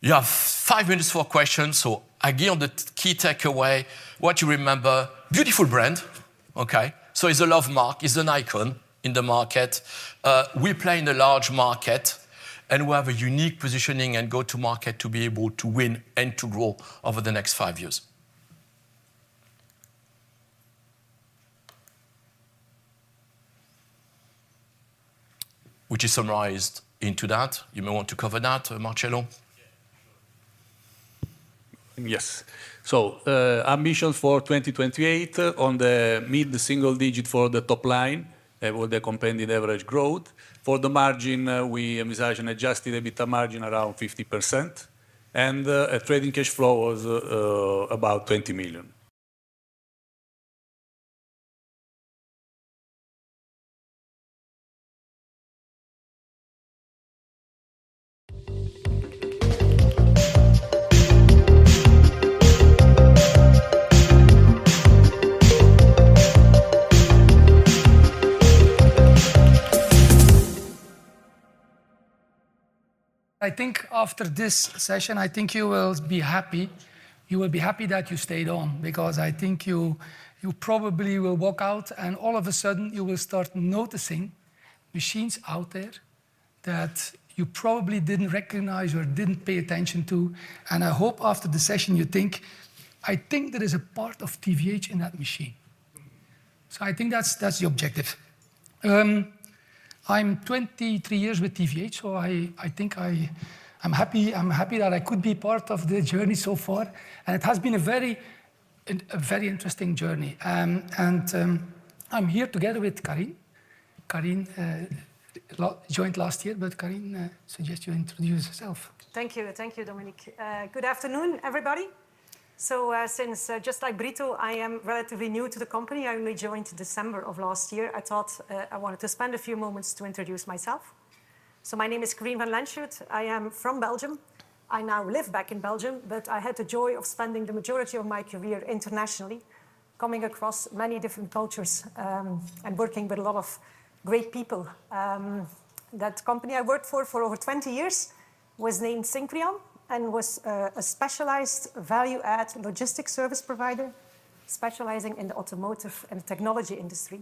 You have five minutes for questions. The key takeaway, what you remember, beautiful brand. It is a love mark, it is an icon in the market. We play in a large market and we have a unique positioning and go-to-market to be able to win and to grow over the next five years, which is summarized into that. You may want to cover that, Marcello. Yes. Ambitions for 2028 on the mid-single digit for the top line with the companion average growth. For the margin, we misaligned and adjusted a bit of margin around 50%. Trading cash flow was about 20 million. I think after this session, you will be happy. You will be happy that you stayed on because I think you probably will walk out and all of a sudden you will start noticing machines out there that you probably did not recognize or did not pay attention to. I hope after the session you think, I think there is a part of TVH in that machine. I think that is the objective. I am 23 years with TVH, so I think I am happy that I could be part of the journey so far. It has been a very interesting journey. I am here together with Carine. Carine joined last year, but Carine, I suggest you introduce yourself. Thank you. Thank you, Dominiek. Good afternoon, everybody. Just like Brito, I am relatively new to the company. I only joined December of last year. I thought I wanted to spend a few moments to introduce myself. So my name is Carine Van Landschoot. I am from Belgium. I now live back in Belgium, but I had the joy of spending the majority of my career internationally, coming across many different cultures and working with a lot of great people. That company I worked for for over 20 years was named Syncreon and was a specialized value-add logistics service provider specializing in the automotive and technology industry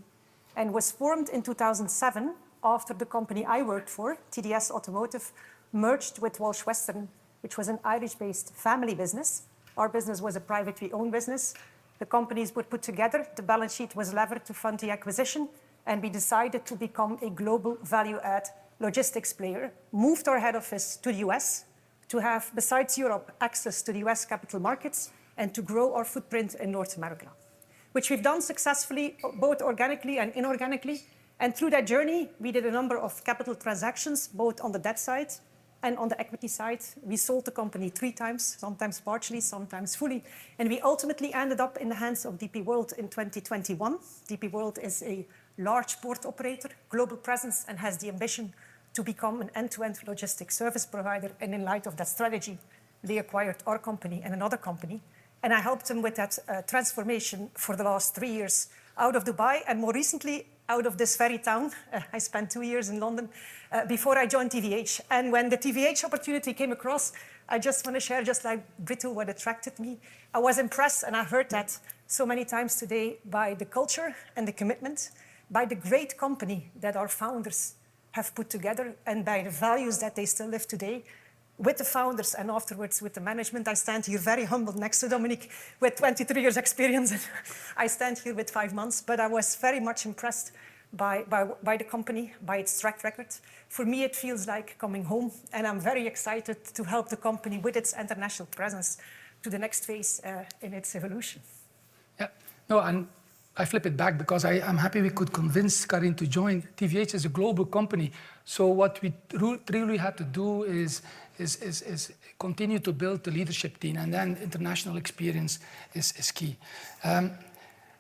and was formed in 2007 after the company I worked for, TDS Automotive, merged with Walsh Western, which was an Irish-based family business. Our business was a privately owned business. The companies were put together. The balance sheet was levered to fund the acquisition, and we decided to become a global value-add logistics player, moved our head office to the U.S. to have, besides Europe, access to the U.S. capital markets and to grow our footprint in North America, which we've done successfully, both organically and inorganically. Through that journey, we did a number of capital transactions, both on the debt side and on the equity side. We sold the company three times, sometimes partially, sometimes fully. We ultimately ended up in the hands of DP World in 2021. DP World is a large port operator, global presence, and has the ambition to become an end-to-end logistics service provider. In light of that strategy, they acquired our company and another company. I helped them with that transformation for the last three years out of Dubai and more recently out of this very town. I spent two years in London before I joined TVH. When the TVH opportunity came across, I just want to share just like Brito what attracted me. I was impressed, and I heard that so many times today by the culture and the commitment, by the great company that our founders have put together, and by the values that they still live today with the founders and afterwards with the management. I stand here very humbled next to Dominiek with 23 years' experience. I stand here with five months, but I was very much impressed by the company, by its track record. For me, it feels like coming home, and I'm very excited to help the company with its international presence to the next phase in its evolution. Yeah. No, and I flip it back because I'm happy we could convince Carine to join. TVH is a global company. What we really have to do is continue to build the leadership team, and then international experience is key.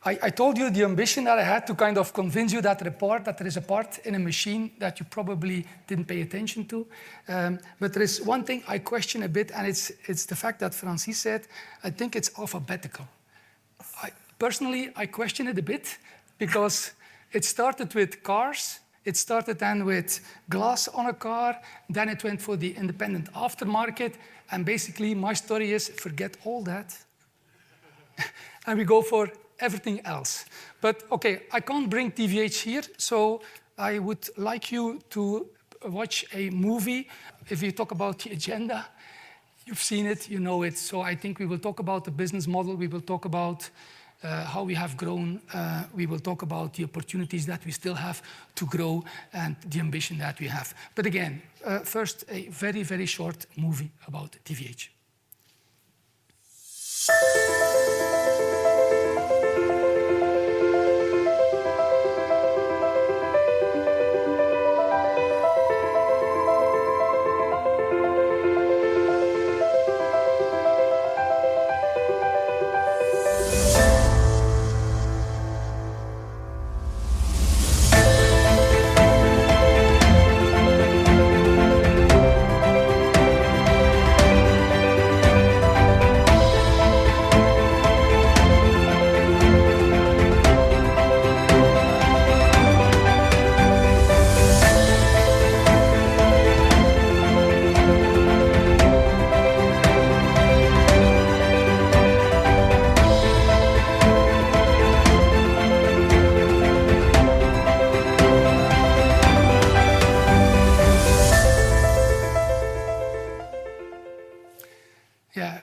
I told you the ambition that I had to kind of convince you that there is a part in a machine that you probably didn't pay attention to. There is one thing I question a bit, and it's the fact that Francis said, I think it's alphabetical. Personally, I question it a bit because it started with cars. It started then with glass on a car. Then it went for the independent aftermarket. Basically, my story is forget all that and we go for everything else. Okay, I can't bring TVH here, so I would like you to watch a movie. If you talk about the agenda, you've seen it, you know it. I think we will talk about the business model. We will talk about how we have grown. We will talk about the opportunities that we still have to grow and the ambition that we have. Again, first, a very, very short movie about TVH.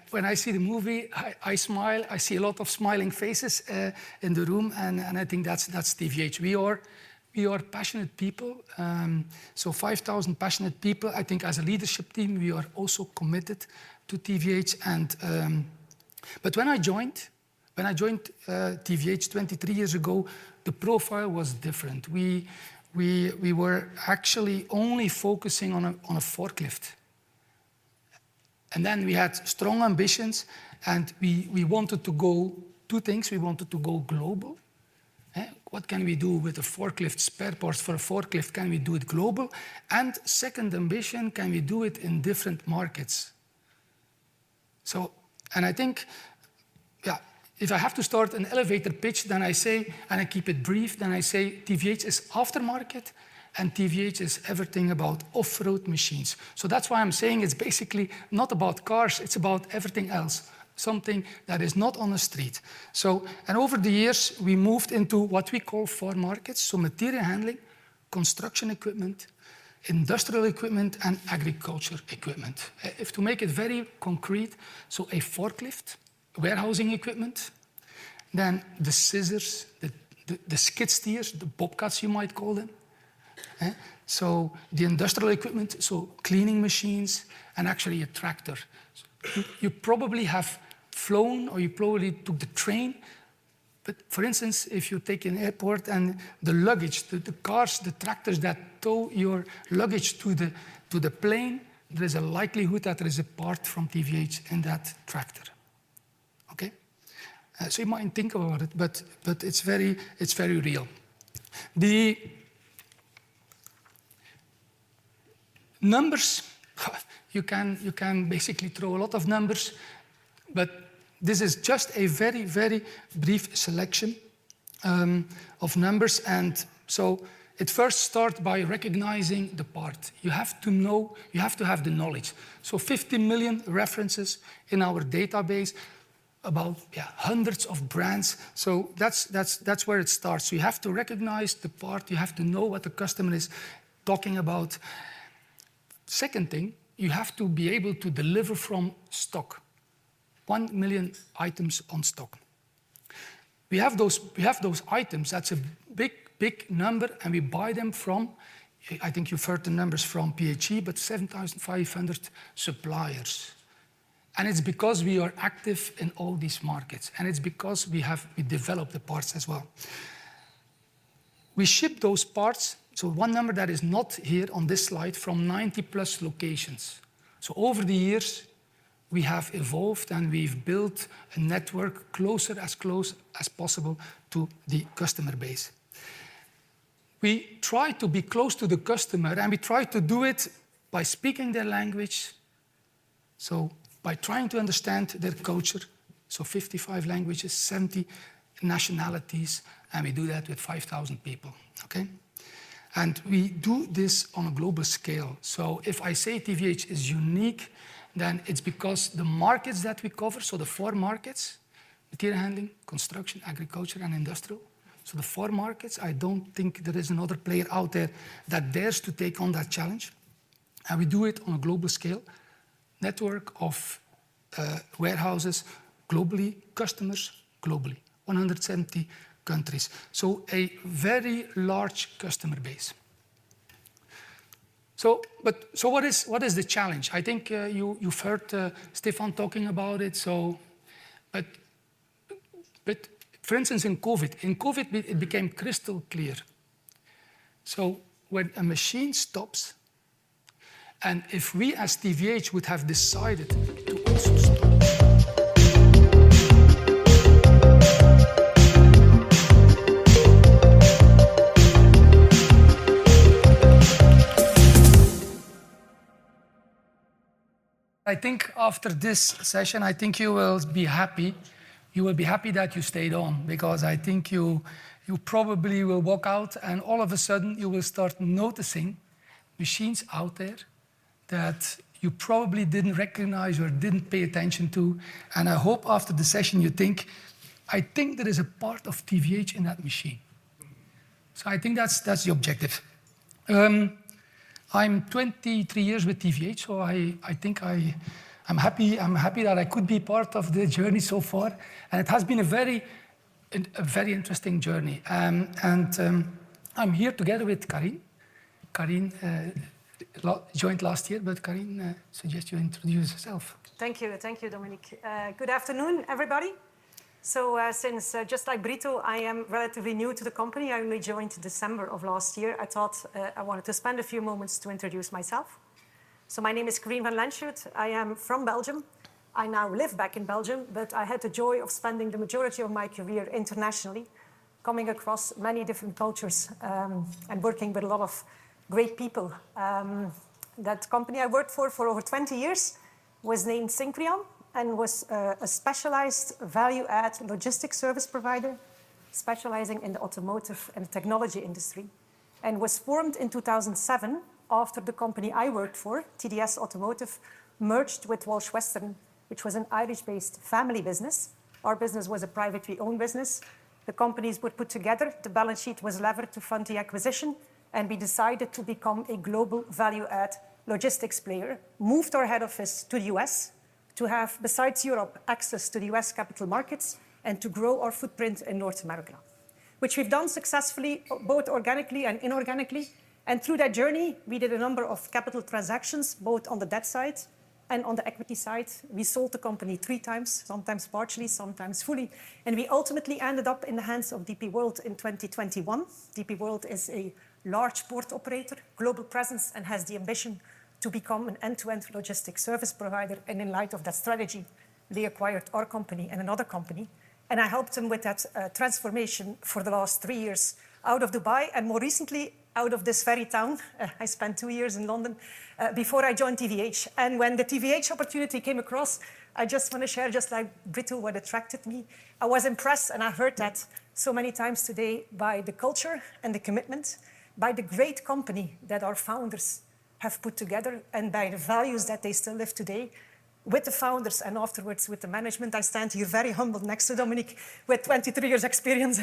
Yeah. When I see the movie, I smile. I see a lot of smiling faces in the room, and I think that's TVH. We are passionate people. Five thousand passionate people, I think as a leadership team, we are also committed to TVH. When I joined, when I joined TVH 23 years ago, the profile was different. We were actually only focusing on a forklift. Then we had strong ambitions, and we wanted to go two things. We wanted to go global. What can we do with a forklift, spare parts for a forklift? Can we do it global? Second ambition, can we do it in different markets? I think, yeah, if I have to start an elevator pitch, then I say, and I keep it brief, then I say TVH is aftermarket and TVH is everything about off-road machines. That is why I am saying it is basically not about cars, it is about everything else, something that is not on the street. Over the years, we moved into what we call four markets: material handling, construction equipment, industrial equipment, and agriculture equipment. If to make it very concrete, so a forklift, warehousing equipment, then the scissors, the skid steers, the bobcats you might call them. The industrial equipment, cleaning machines, and actually a tractor. You probably have flown or you probably took the train. For instance, if you take an airport and the luggage, the cars, the tractors that tow your luggage to the plane, there is a likelihood that there is a part from TVH in that tractor. Okay? You might think about it, but it's very real. The numbers, you can basically throw a lot of numbers, but this is just a very, very brief selection of numbers. It first starts by recognizing the part. You have to know, you have to have the knowledge. 50 million references in our database about hundreds of brands. That's where it starts. You have to recognize the part. You have to know what the customer is talking about. Second thing, you have to be able to deliver from stock, 1 million items on stock. We have those items. That's a big, big number, and we buy them from, I think you've heard the numbers from PHE, but 7,500 suppliers. It is because we are active in all these markets, and it is because we develop the parts as well. We ship those parts. One number that is not here on this slide is from 90 plus locations. Over the years, we have evolved and we've built a network closer, as close as possible, to the customer base. We try to be close to the customer, and we try to do it by speaking their language, by trying to understand their culture. Fifty-five languages, seventy nationalities, and we do that with 5,000 people. Okay? We do this on a global scale. If I say TVH is unique, then it is because of the markets that we cover, the four markets: material handling, construction, agriculture, and industrial. The four markets, I do not think there is another player out there that dares to take on that challenge. We do it on a global scale, network of warehouses globally, customers globally, 170 countries. A very large customer base. What is the challenge? I think you have heard Stéphane talking about it. For instance, in COVID, in COVID, it became crystal clear. When a machine stops, and if we as TVH would have decided to also stop, I think after this session, I think you will be happy. You will be happy that you stayed on because I think you probably will walk out, and all of a sudden, you will start noticing machines out there that you probably did not recognize or did not pay attention to. I hope after the session, you think, I think there is a part of TVH in that machine. I think that is the objective. I am 23 years with TVH, so I think I am happy that I could be part of the journey so far. It has been a very interesting journey. I am here together with Carine. Carine joined last year, but Carine, suggest you introduce yourself. Thank you. Thank you, Dominiek. Good afternoon, everybody. Just like Brito, I am relatively new to the company. I only joined December of last year. I thought I wanted to spend a few moments to introduce myself. My name is Carine Van Landschoot. I am from Belgium. I now live back in Belgium, but I had the joy of spending the majority of my career internationally, coming across many different cultures and working with a lot of great people. That company I worked for for over 20 years was named Syncreon and was a specialized value-add logistics service provider specializing in the automotive and technology industry and was formed in 2007 after the company I worked for, TDS Automotive, merged with Walsh Western, which was an Irish-based family business. Our business was a privately owned business. The companies were put together. The balance sheet was levered to fund the acquisition, and we decided to become a global value-add logistics player, moved our head office to the US to have, besides Europe, access to the US capital markets and to grow our footprint in North America, which we've done successfully, both organically and inorganically. Through that journey, we did a number of capital transactions, both on the debt side and on the equity side. We sold the company three times, sometimes partially, sometimes fully. We ultimately ended up in the hands of DP World in 2021. DP World is a large port operator, global presence, and has the ambition to become an end-to-end logistics service provider. In light of that strategy, they acquired our company and another company. I helped them with that transformation for the last three years out of Dubai and more recently out of this very town. I spent two years in London before I joined TVH. When the TVH opportunity came across, I just want to share just like Brito what attracted me. I was impressed, and I heard that so many times today by the culture and the commitment, by the great company that our founders have put together, and by the values that they still live today with the founders and afterwards with the management. I stand here very humbled next to Dominiek with 23 years' experience.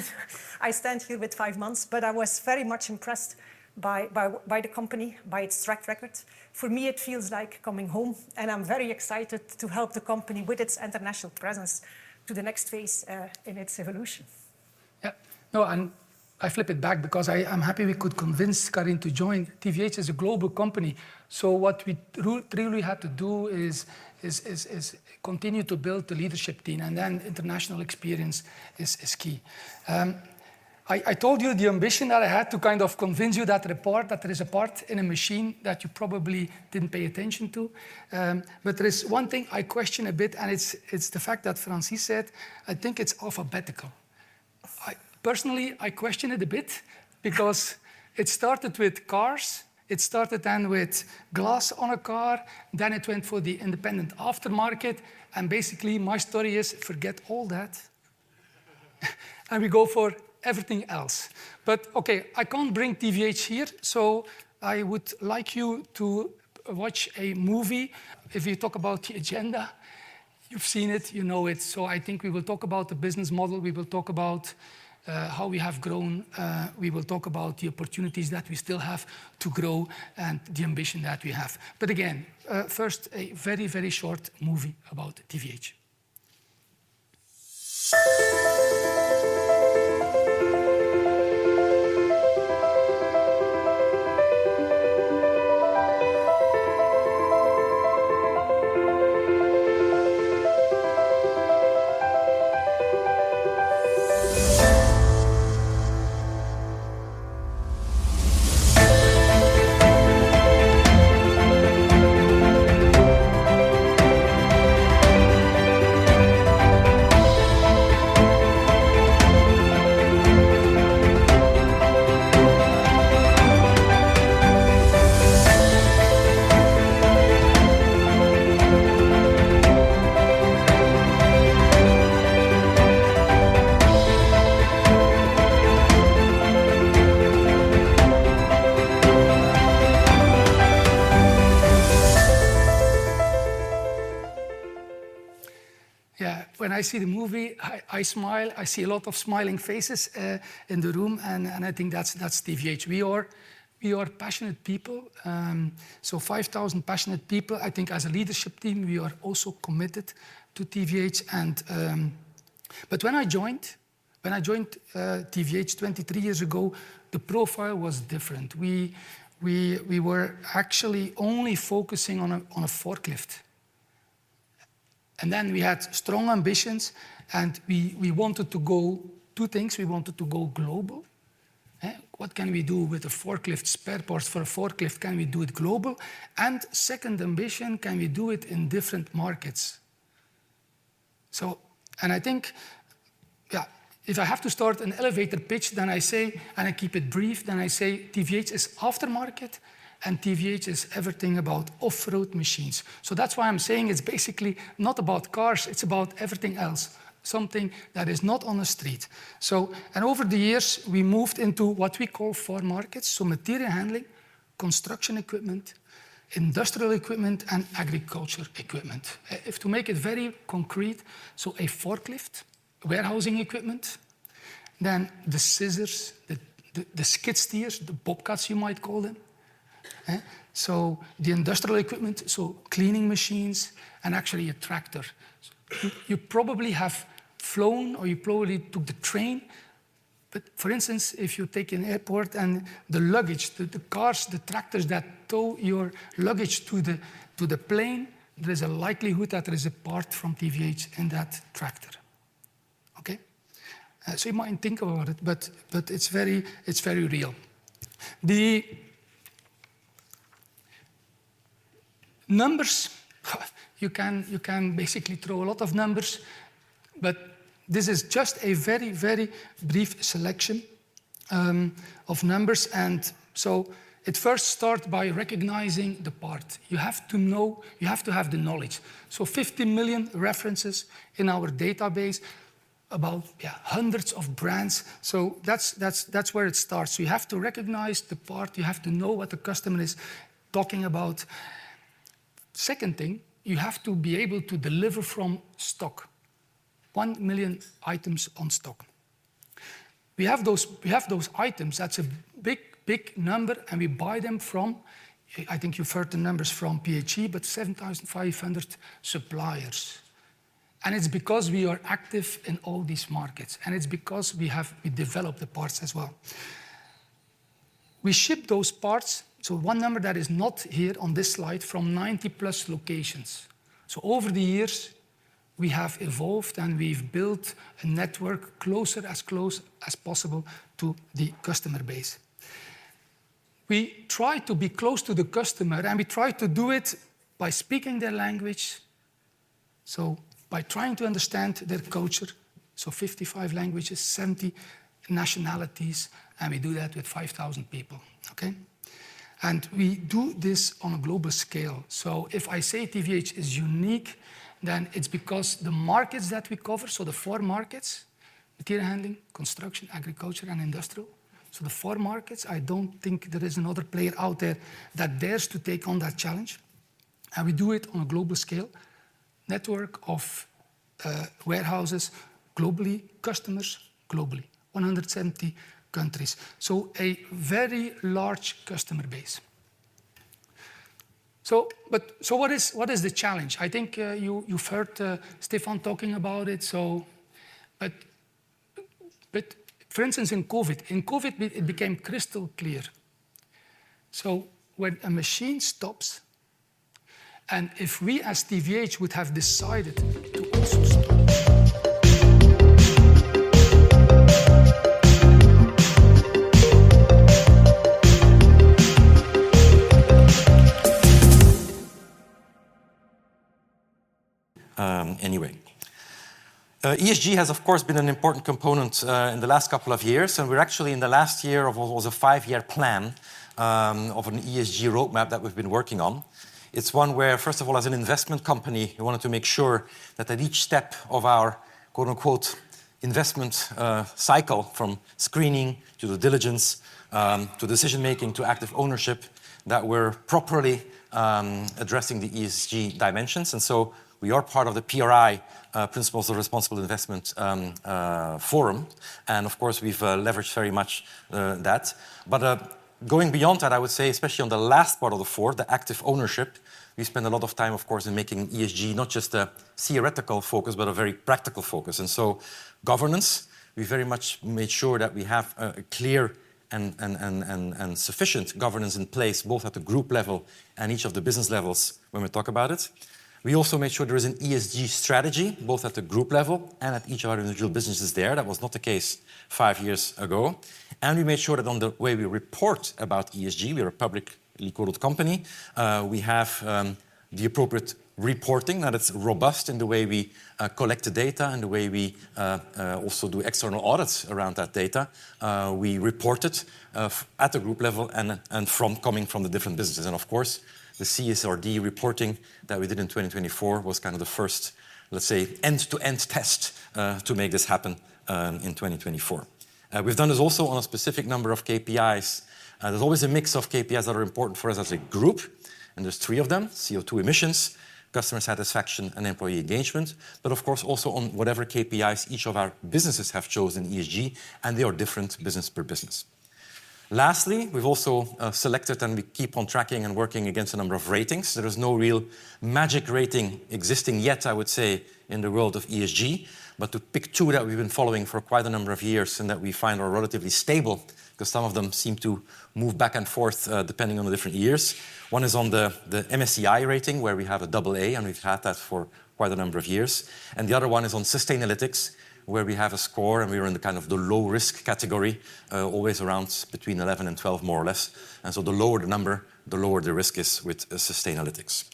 I stand here with five months, but I was very much impressed by the company, by its track record. For me, it feels like coming home, and I'm very excited to help the company with its international presence to the next phase in its evolution. Yeah. No, and I flip it back because I'm happy we could convince Carine to join. TVH is a global company. So what we really have to do is continue to build the leadership team, and then international experience is key. I told you the ambition that I had to kind of convince you that there is a part in a machine that you probably didn't pay attention to. But there is one thing I question a bit, and it's the fact that Francis said, I think it's alphabetical. Personally, I question it a bit because it started with cars. It started then with glass on a car. Then it went for the independent aftermarket. Basically, my story is forget all that and we go for everything else. Okay, I can't bring TVH here, so I would like you to watch a movie. If you talk about the agenda, you've seen it, you know it. I think we will talk about the business model. We will talk about how we have grown. We will talk about the opportunities that we still have to grow and the ambition that we have. Again, first, a very, very short movie about TVH. Yeah. When I see the movie, I smile. I see a lot of smiling faces in the room, and I think that's TVH. We are passionate people. So 5,000 passionate people. I think as a leadership team, we are also committed to TVH. When I joined, when I joined TVH 23 years ago, the profile was different. We were actually only focusing on a forklift. We had strong ambitions, and we wanted to go two things. We wanted to go global. What can we do with a forklift, spare parts for a forklift? Can we do it global? Second ambition, can we do it in different markets? I think, yeah, if I have to start an elevator pitch, then I say, and I keep it brief, then I say TVH is aftermarket and TVH is everything about off-road machines. That is why I am saying it is basically not about cars. It is about everything else, something that is not on the street. Over the years, we moved into what we call four markets: material handling, construction equipment, industrial equipment, and agriculture equipment. If to make it very concrete, so a forklift, warehousing equipment, then the scissors, the skid steers, the bobcats, you might call them. The industrial equipment, cleaning machines, and actually a tractor. You probably have flown or you probably took the train. For instance, if you take an airport and the luggage, the cars, the tractors that tow your luggage to the plane, there is a likelihood that there is a part from TVH in that tractor. Okay? You might think about it, but it's very real. The numbers, you can basically throw a lot of numbers, but this is just a very, very brief selection of numbers. It first starts by recognizing the part. You have to know, you have to have the knowledge. 50 million references in our database about hundreds of brands. That's where it starts. You have to recognize the part. You have to know what the customer is talking about. Second thing, you have to be able to deliver from stock, 1 million items on stock. We have those items. That is a big, big number. We buy them from, I think you have heard the numbers from PHE, but 7,500 suppliers. It is because we are active in all these markets, and it is because we develop the parts as well. We ship those parts. One number that is not here on this slide is from 90 plus locations. Over the years, we have evolved and we have built a network closer, as close as possible, to the customer base. We try to be close to the customer, and we try to do it by speaking their language, by trying to understand their culture. Fifty-five languages, 70 nationalities, and we do that with 5,000 people. Okay? We do this on a global scale. If I say TVH is unique, then it's because the markets that we cover, the four markets: material handling, construction, agriculture, and industrial. The four markets, I don't think there is another player out there that dares to take on that challenge. We do it on a global scale, network of warehouses globally, customers globally, 170 countries. A very large customer base. What is the challenge? I think you've heard Stéphane talking about it. For instance, in COVID, in COVID, it became crystal clear. When a machine stops, and if we as TVH would have decided to also stop. Anyway, ESG has, of course, been an important component in the last couple of years. We're actually in the last year of what was a five-year plan of an ESG roadmap that we've been working on. It's one where, first of all, as an investment company, we wanted to make sure that at each step of our "investment cycle" from screening to the diligence to decision-making to active ownership, that we're properly addressing the ESG dimensions. We are part of the PRI, Principles of Responsible Investment Forum. Of course, we've leveraged very much that. Going beyond that, I would say, especially on the last part of the four, the active ownership, we spend a lot of time, of course, in making ESG not just a theoretical focus, but a very practical focus. Governance, we very much made sure that we have a clear and sufficient governance in place, both at the group level and each of the business levels when we talk about it. We also made sure there is an ESG strategy, both at the group level and at each of our individual businesses there. That was not the case five years ago. We made sure that on the way we report about ESG, we are a publicly quoted company. We have the appropriate reporting that is robust in the way we collect the data and the way we also do external audits around that data. We report it at the group level and coming from the different businesses. Of course, the CSRD reporting that we did in 2024 was kind of the first, let's say, end-to-end test to make this happen in 2024. We've done this also on a specific number of KPIs. There's always a mix of KPIs that are important for us as a group. There's three of them: CO2 emissions, customer satisfaction, and employee engagement. Of course, also on whatever KPIs each of our businesses have chosen ESG, and they are different business per business. Lastly, we've also selected and we keep on tracking and working against a number of ratings. There is no real magic rating existing yet, I would say, in the world of ESG, but to pick two that we've been following for quite a number of years and that we find are relatively stable because some of them seem to move back and forth depending on the different years. One is on the MSCI rating, where we have a double A, and we've had that for quite a number of years. The other one is on Sustainalytics, where we have a score, and we were in the kind of low-risk category, always around between 11 and 12, more or less. The lower the number, the lower the risk is with Sustainalytics.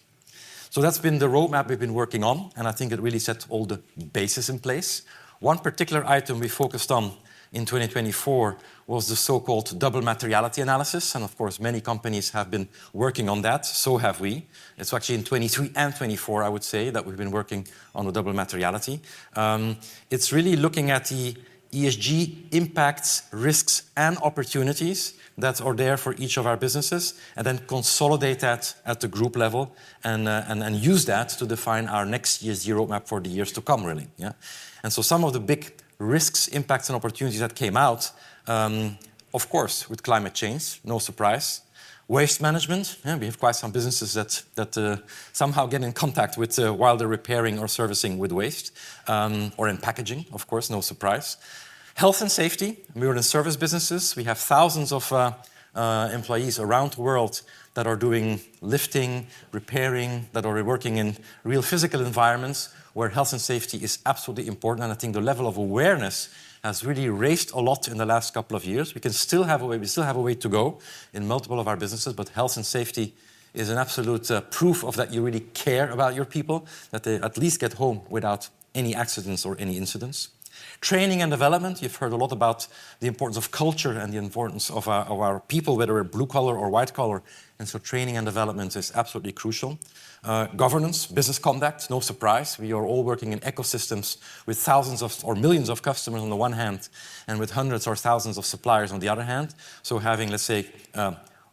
That has been the roadmap we have been working on, and I think it really set all the bases in place. One particular item we focused on in 2024 was the so-called double materiality analysis. Of course, many companies have been working on that. So have we. It is actually in 2023 and 2024, I would say, that we have been working on the double materiality. It is really looking at the ESG impacts, risks, and opportunities that are there for each of our businesses and then consolidating that at the group level and using that to define our next year's roadmap for the years to come, really. Some of the big risks, impacts, and opportunities that came out, of course, with climate change, no surprise. Waste management. We have quite some businesses that somehow get in contact with, while they're repairing or servicing, with waste or in packaging, of course, no surprise. Health and safety. We're in service businesses. We have thousands of employees around the world that are doing lifting, repairing, that are working in real physical environments where health and safety is absolutely important. I think the level of awareness has really raised a lot in the last couple of years. We still have a way to go in multiple of our businesses, but health and safety is an absolute proof that you really care about your people, that they at least get home without any accidents or any incidents. Training and development. You've heard a lot about the importance of culture and the importance of our people, whether we're blue-collar or white-collar. Training and development is absolutely crucial. Governance, business conduct, no surprise. We are all working in ecosystems with thousands or millions of customers on the one hand and with hundreds or thousands of suppliers on the other hand. Having, let's say,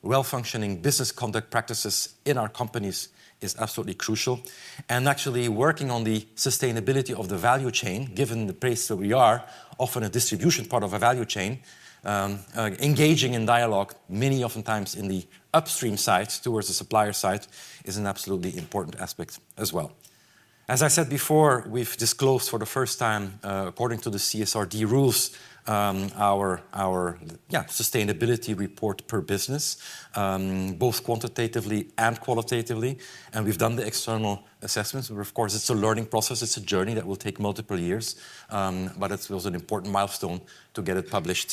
well-functioning business conduct practices in our companies is absolutely crucial. Actually working on the sustainability of the value chain, given the place that we are, often a distribution part of a value chain, engaging in dialogue, many oftentimes in the upstream side towards the supplier side is an absolutely important aspect as well. As I said before, we've disclosed for the first time, according to the CSRD rules, our sustainability report per business, both quantitatively and qualitatively. We've done the external assessments. Of course, it's a learning process. It's a journey that will take multiple years, but it was an important milestone to get it published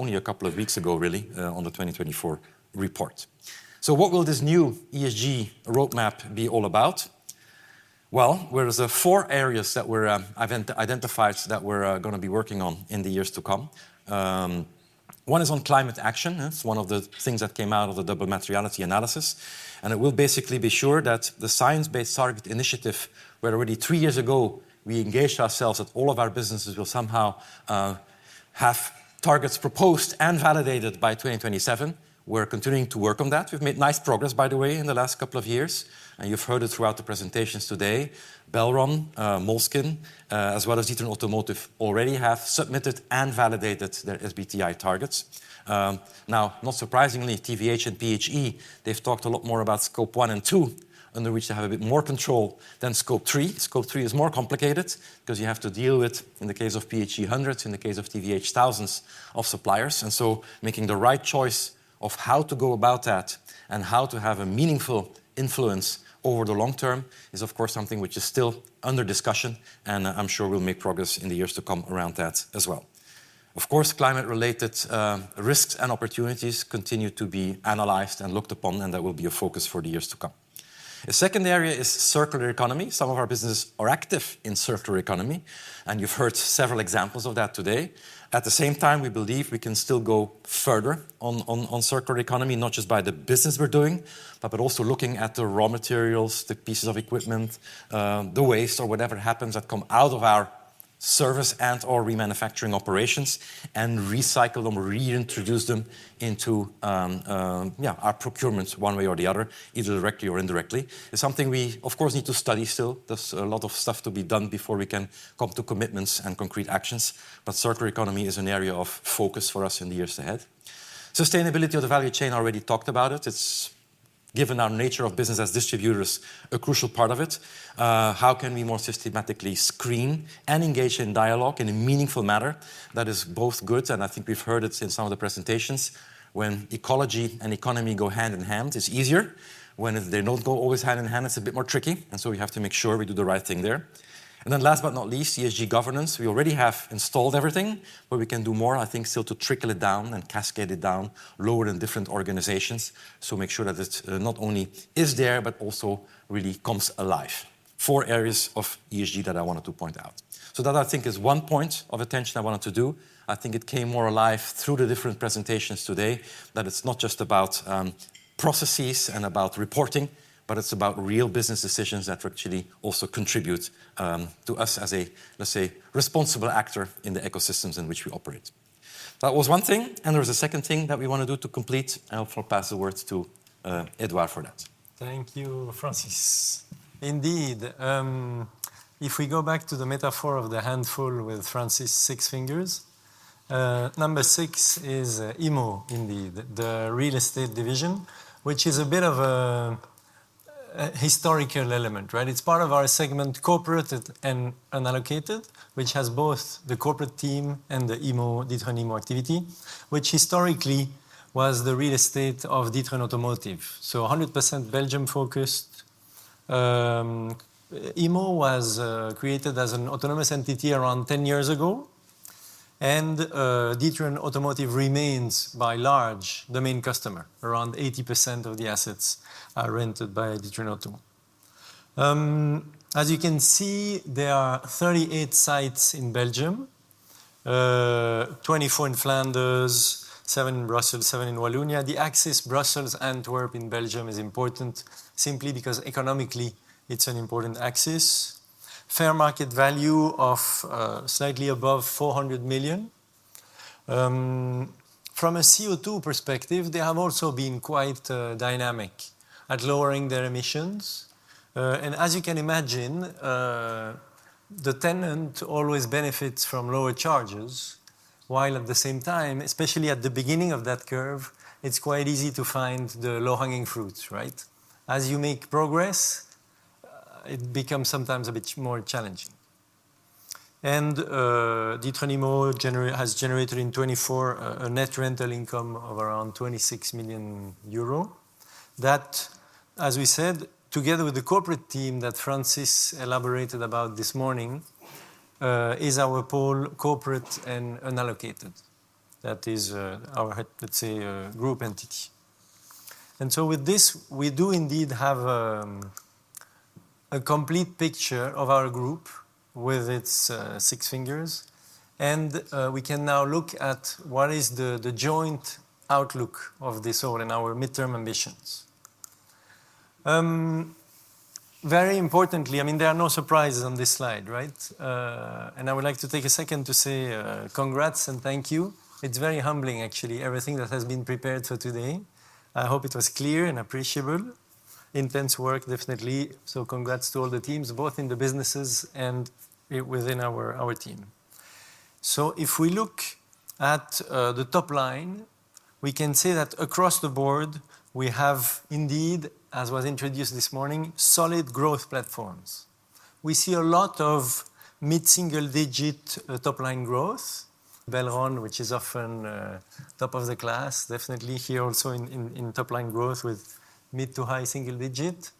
only a couple of weeks ago, really, on the 2024 report. What will this new ESG roadmap be all about? There are four areas that were identified that we're going to be working on in the years to come. One is on climate action. It's one of the things that came out of the double materiality analysis. It will basically be sure that the Science Based Targets initiative, where already three years ago we engaged ourselves that all of our businesses will somehow have targets proposed and validated by 2027. We're continuing to work on that. We've made nice progress, by the way, in the last couple of years. You've heard it throughout the presentations today. Belron, Moleskine, as well as D'Ieteren Automotive already have submitted and validated their SBTi targets. Not surprisingly, TVH and PHE, they've talked a lot more about scope one and two, under which they have a bit more control than scope three. Scope three is more complicated because you have to deal with, in the case of PHE hundreds, in the case of TVH thousands of suppliers. Making the right choice of how to go about that and how to have a meaningful influence over the long term is, of course, something which is still under discussion. I'm sure we'll make progress in the years to come around that as well. Of course, climate-related risks and opportunities continue to be analyzed and looked upon, and that will be a focus for the years to come. The second area is circular economy. Some of our businesses are active in circular economy, and you've heard several examples of that today. At the same time, we believe we can still go further on circular economy, not just by the business we're doing, but also looking at the raw materials, the pieces of equipment, the waste, or whatever happens that come out of our service and/or remanufacturing operations and recycle them, reintroduce them into our procurement one way or the other, either directly or indirectly. It's something we, of course, need to study still. There's a lot of stuff to be done before we can come to commitments and concrete actions. Circular economy is an area of focus for us in the years ahead. Sustainability of the value chain, I already talked about it. It's given our nature of business as distributors a crucial part of it. How can we more systematically screen and engage in dialogue in a meaningful manner? That is both good, and I think we've heard it in some of the presentations. When ecology and economy go hand in hand, it's easier. When they don't go always hand in hand, it's a bit more tricky. We have to make sure we do the right thing there. Last but not least, ESG governance. We already have installed everything, but we can do more, I think, still to trickle it down and cascade it down, lower in different organizations, to make sure that it not only is there, but also really comes alive. Four areas of ESG that I wanted to point out. That, I think, is one point of attention I wanted to do. I think it came more alive through the different presentations today that it's not just about processes and about reporting, but it's about real business decisions that actually also contribute to us as a, let's say, responsible actor in the ecosystems in which we operate. That was one thing. There was a second thing that we want to do to complete. I'll pass the word to Édouard for that. Thank you, Francis. Indeed. If we go back to the metaphor of the handful with Francis' six fingers, number six is Immo, indeed, the real estate division, which is a bit of a historical element, right? It's part of our segment, corporate and unallocated, which has both the corporate team and the Immo, D'Ieteren Immo activity, which historically was the real estate of D'Ieteren Automotive. So 100% Belgium-focused. Immo was created as an autonomous entity around 10 years ago, and D'Ieteren Automotive remains, by large, the main customer. Around 80% of the assets are rented by D'Ieteren Auto. As you can see, there are 38 sites in Belgium, 24 in Flanders, 7 in Brussels, 7 in Wallonia. The axis Brussels-Antwerp in Belgium is important simply because economically it's an important axis. Fair market value of slightly above 400 million. From a CO2 perspective, they have also been quite dynamic at lowering their emissions. As you can imagine, the tenant always benefits from lower charges, while at the same time, especially at the beginning of that curve, it's quite easy to find the low-hanging fruits, right? As you make progress, it becomes sometimes a bit more challenging. D'Ieteren Immo has generated in 2024 a net rental income of around 26 million euro. That, as we said, together with the corporate team that Francis elaborated about this morning, is our pole corporate and unallocated. That is our, let's say, group entity. With this, we do indeed have a complete picture of our group with its six fingers. We can now look at what is the joint outlook of this all in our midterm ambitions. Very importantly, I mean, there are no surprises on this slide, right? I would like to take a second to say congrats and thank you. It's very humbling, actually, everything that has been prepared for today. I hope it was clear and appreciable. Intense work, definitely. Congrats to all the teams, both in the businesses and within our team. If we look at the top line, we can say that across the board, we have indeed, as was introduced this morning, solid growth platforms. We see a lot of mid-single-digit top-line growth. Belron, which is often top of the class, definitely here also in top-line growth with mid to high single-digit.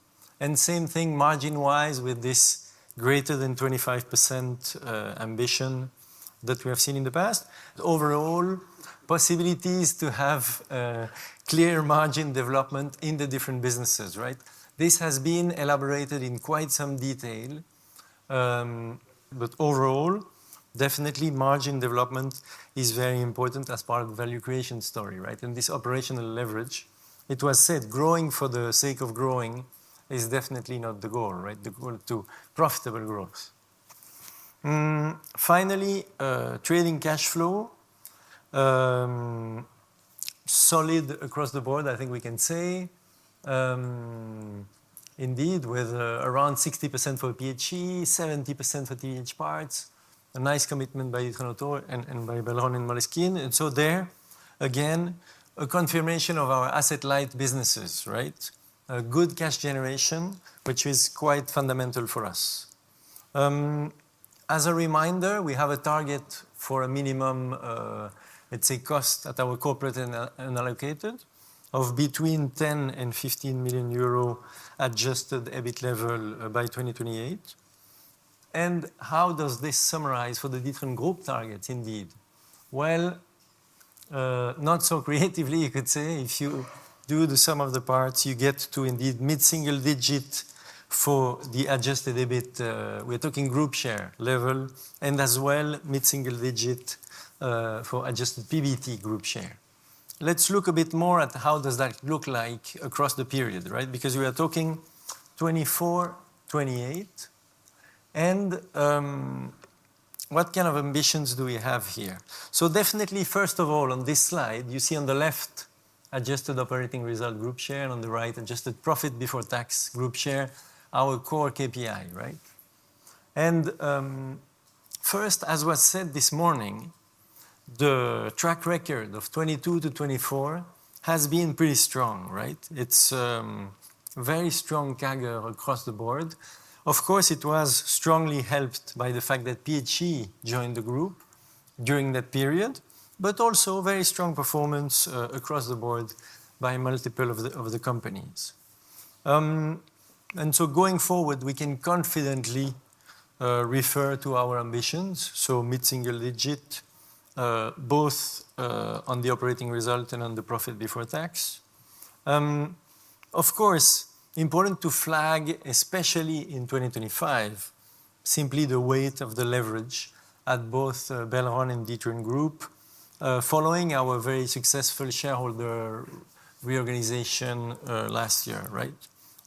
Same thing margin-wise with this greater than 25% ambition that we have seen in the past. Overall, possibilities to have clear margin development in the different businesses, right? This has been elaborated in quite some detail. Overall, definitely margin development is very important as part of the value creation story, right? This operational leverage, it was said growing for the sake of growing is definitely not the goal, right? The goal is profitable growth. Finally, trading cash flow. Solid across the board, I think we can say. Indeed, with around 60% for PHE, 70% for TVH parts. A nice commitment by D'Ieteren Automotive and by Belron and Moleskine. There, again, a confirmation of our asset-light businesses, right? Good cash generation, which is quite fundamental for us. As a reminder, we have a target for a minimum, let's say, cost at our corporate and unallocated of between 10 million-15 million euro adjusted EBIT level by 2028. How does this summarize for the different group targets, indeed? Not so creatively, you could say. If you do the sum of the parts, you get to indeed mid-single digit for the adjusted EBIT. We're talking group share level and as well mid-single digit for adjusted PBT group share. Let's look a bit more at how does that look like across the period, right? Because we are talking 2024, 2028. What kind of ambitions do we have here? Definitely, first of all, on this slide, you see on the left adjusted operating result group share and on the right adjusted profit before tax group share, our core KPI, right? First, as was said this morning, the track record of 2022 to 2024 has been pretty strong, right? It is a very strong CAGR across the board. Of course, it was strongly helped by the fact that PHE joined the group during that period, but also very strong performance across the board by multiple of the companies. Going forward, we can confidently refer to our ambitions. Mid-single digit, both on the operating result and on the profit before tax. Of course, important to flag, especially in 2025, simply the weight of the leverage at both Belron and D'Ieteren Group following our very successful shareholder reorganization last year, right?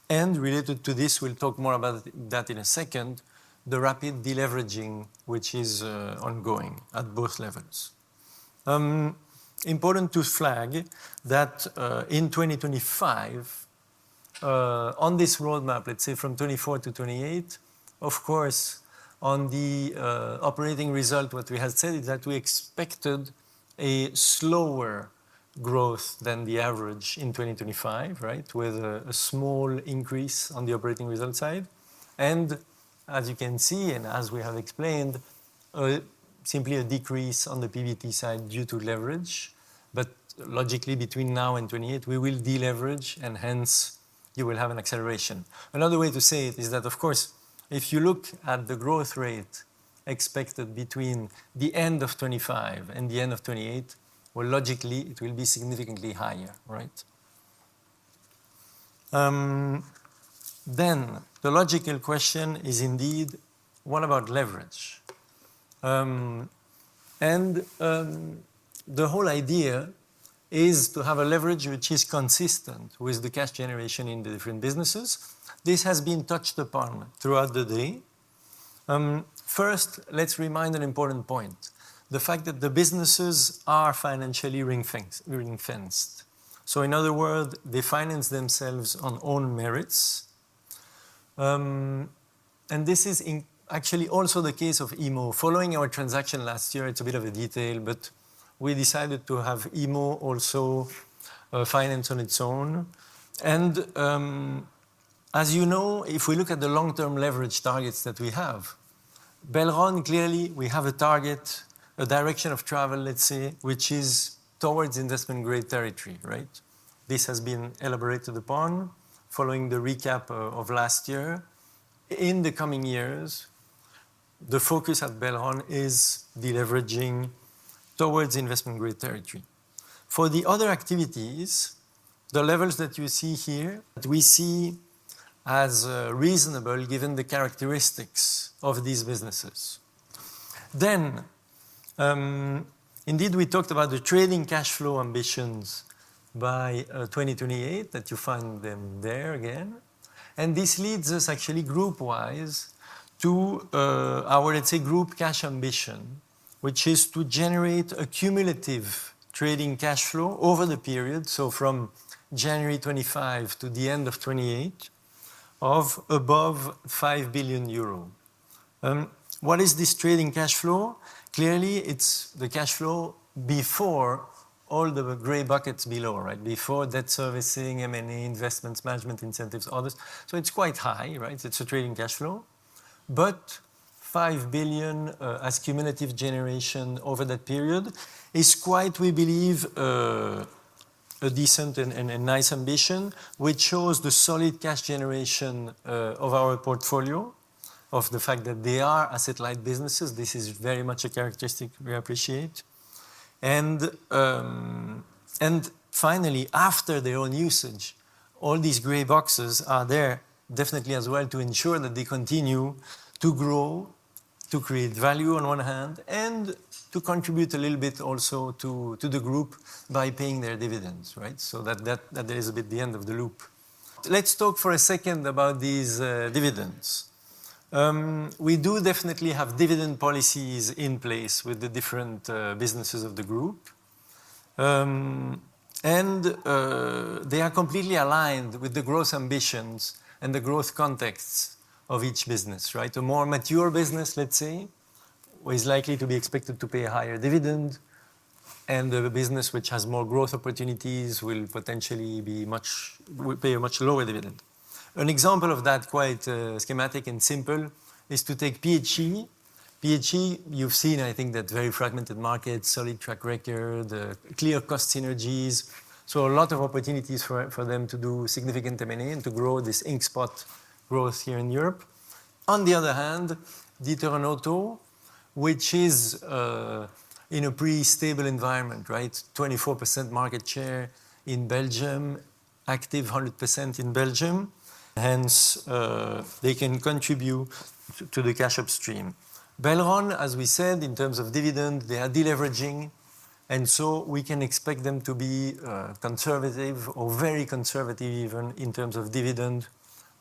Related to this, we'll talk more about that in a second, the rapid deleveraging, which is ongoing at both levels. Important to flag that in 2025, on this roadmap, let's say from 2024 to 2028, of course, on the operating result, what we had said is that we expected a slower growth than the average in 2025, right? With a small increase on the operating result side. As you can see, and as we have explained, simply a decrease on the PBT side due to leverage. Logically, between now and 2028, we will deleverage and hence you will have an acceleration. Another way to say it is that, of course, if you look at the growth rate expected between the end of 2025 and the end of 2028, logically, it will be significantly higher, right? The logical question is indeed, what about leverage? The whole idea is to have a leverage which is consistent with the cash generation in the different businesses. This has been touched upon throughout the day. First, let's remind an important point, the fact that the businesses are financially ring-fenced. In other words, they finance themselves on own merits. This is actually also the case of Immo. Following our transaction last year, it's a bit of a detail, but we decided to have Immo also finance on its own. As you know, if we look at the long-term leverage targets that we have, Belron, clearly, we have a target, a direction of travel, let's say, which is towards investment-grade territory, right? This has been elaborated upon following the recap of last year. In the coming years, the focus at Belron is deleveraging towards investment-grade territory. For the other activities, the levels that you see here, we see as reasonable given the characteristics of these businesses. Indeed, we talked about the trading cash flow ambitions by 2028 that you find there again. This leads us actually group-wise to our, let's say, group cash ambition, which is to generate a cumulative trading cash flow over the period, so from January 2025 to the end of 2028, of above 5 billion euro. What is this trading cash flow? Clearly, it's the cash flow before all the gray buckets below, right? Before debt servicing, M&A, investments, management incentives, others. It's quite high, right? It's a trading cash flow. 5 billion as cumulative generation over that period is quite, we believe, a decent and nice ambition, which shows the solid cash generation of our portfolio, of the fact that they are asset-light businesses. This is very much a characteristic we appreciate. Finally, after their own usage, all these gray boxes are there definitely as well to ensure that they continue to grow, to create value on one hand, and to contribute a little bit also to the group by paying their dividends, right? That is a bit the end of the loop. Let's talk for a second about these dividends. We do definitely have dividend policies in place with the different businesses of the group. They are completely aligned with the growth ambitions and the growth contexts of each business, right? A more mature business, let's say, is likely to be expected to pay a higher dividend. A business which has more growth opportunities will potentially pay a much lower dividend. An example of that, quite schematic and simple, is to take PHE. PHE, you've seen, I think, that very fragmented market, solid track record, clear cost synergies. A lot of opportunities for them to do significant M&A and to grow this ink spot growth here in Europe. On the other hand, D'Ieteren Automotive, which is in a pretty stable environment, right? 24% market share in Belgium, active 100% in Belgium. Hence, they can contribute to the cash upstream. Belron, as we said, in terms of dividend, they are deleveraging. We can expect them to be conservative or very conservative even in terms of dividend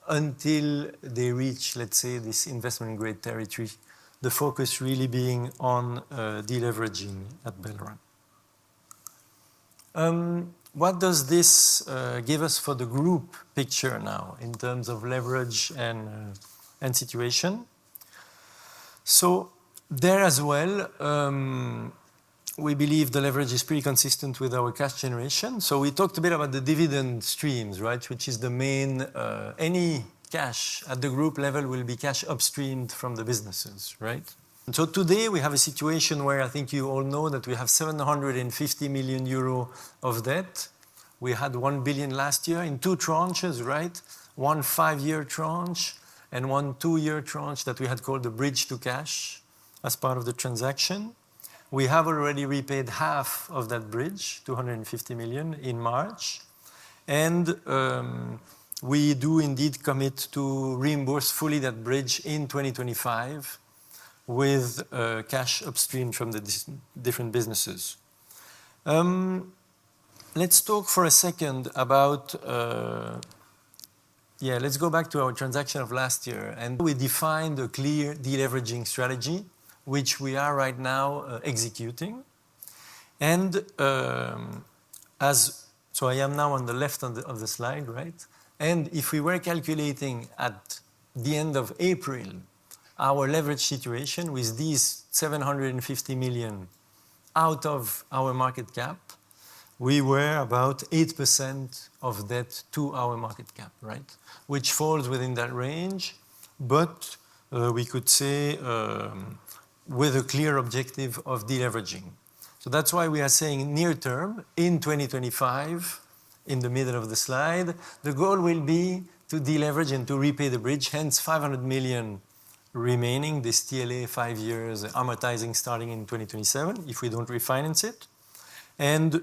until they reach, let's say, this investment-grade territory, the focus really being on deleveraging at Belron. What does this give us for the group picture now in terms of leverage and situation? There as well, we believe the leverage is pretty consistent with our cash generation. We talked a bit about the dividend streams, right? Which is the main, any cash at the group level will be cash upstream from the businesses, right? Today we have a situation where I think you all know that we have 750 million euro of debt. We had 1 billion last year in two tranches, right? One five-year tranche and one two-year tranche that we had called the bridge to cash as part of the transaction. We have already repaid half of that bridge, 250 million in March. We do indeed commit to reimburse fully that bridge in 2025 with cash upstream from the different businesses. Let's talk for a second about, yeah, let's go back to our transaction of last year. We defined a clear deleveraging strategy, which we are right now executing. As I am now on the left of the slide, right? If we were calculating at the end of April, our leverage situation with these 750 million out of our market cap, we were about 8% of debt to our market cap, right? Which falls within that range, but we could say with a clear objective of deleveraging. That is why we are saying near term in 2025, in the middle of the slide, the goal will be to deleverage and to repay the bridge, hence 500 million remaining, this TLA five years amortizing starting in 2027 if we do not refinance it.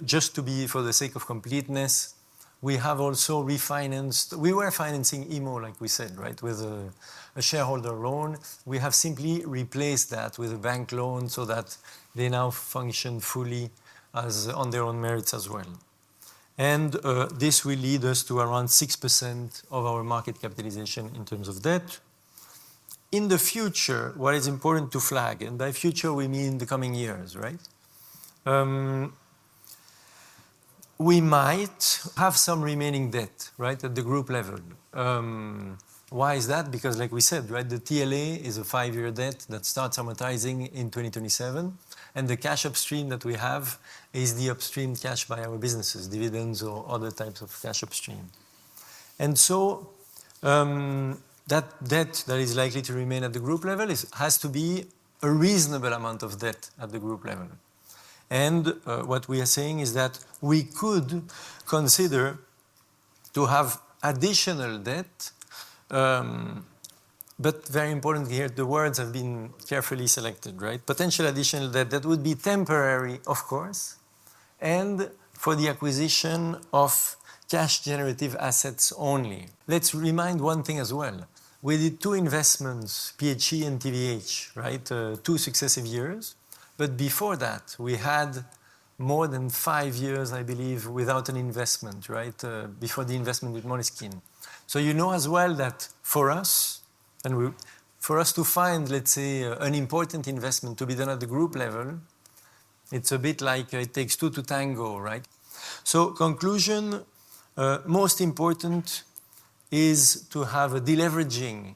Just to be for the sake of completeness, we have also refinanced. We were financing Immo, like we said, right? With a shareholder loan. We have simply replaced that with a bank loan so that they now function fully as on their own merits as well. This will lead us to around 6% of our market capitalization in terms of debt. In the future, what is important to flag, and by future we mean the coming years, right? We might have some remaining debt, right? At the group level. Why is that? Because, like we said, right? The TLA is a five-year debt that starts amortizing in 2027. The cash upstream that we have is the upstream cash by our businesses, dividends or other types of cash upstream. That debt that is likely to remain at the group level has to be a reasonable amount of debt at the group level. What we are saying is that we could consider to have additional debt, but very important here, the words have been carefully selected, right? Potential additional debt that would be temporary, of course, and for the acquisition of cash generative assets only. Let's remind one thing as well. We did two investments, PHE and TVH, right? Two successive years. Before that, we had more than five years, I believe, without an investment, right? Before the investment with Moleskine. You know as well that for us, and for us to find, let's say, an important investment to be done at the group level, it's a bit like it takes two to tango, right? Conclusion, most important is to have a deleveraging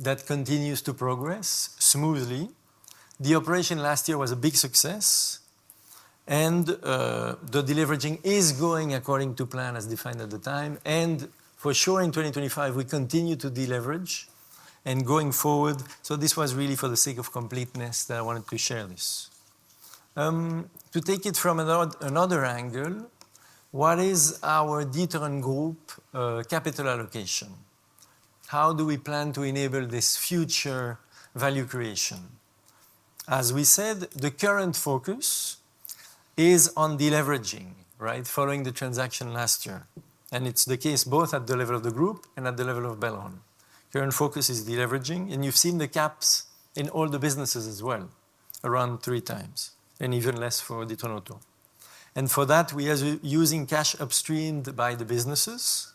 that continues to progress smoothly. The operation last year was a big success. The deleveraging is going according to plan as defined at the time. For sure, in 2025, we continue to deleverage and going forward. This was really for the sake of completeness that I wanted to share this. To take it from another angle, what is our D'Ieteren Group capital allocation? How do we plan to enable this future value creation? As we said, the current focus is on deleveraging, right? Following the transaction last year. It is the case both at the level of the group and at the level of Belron. Current focus is deleveraging. You have seen the caps in all the businesses as well, around three times and even less for D'Ieteren Automotive. For that, we are using cash upstream by the businesses,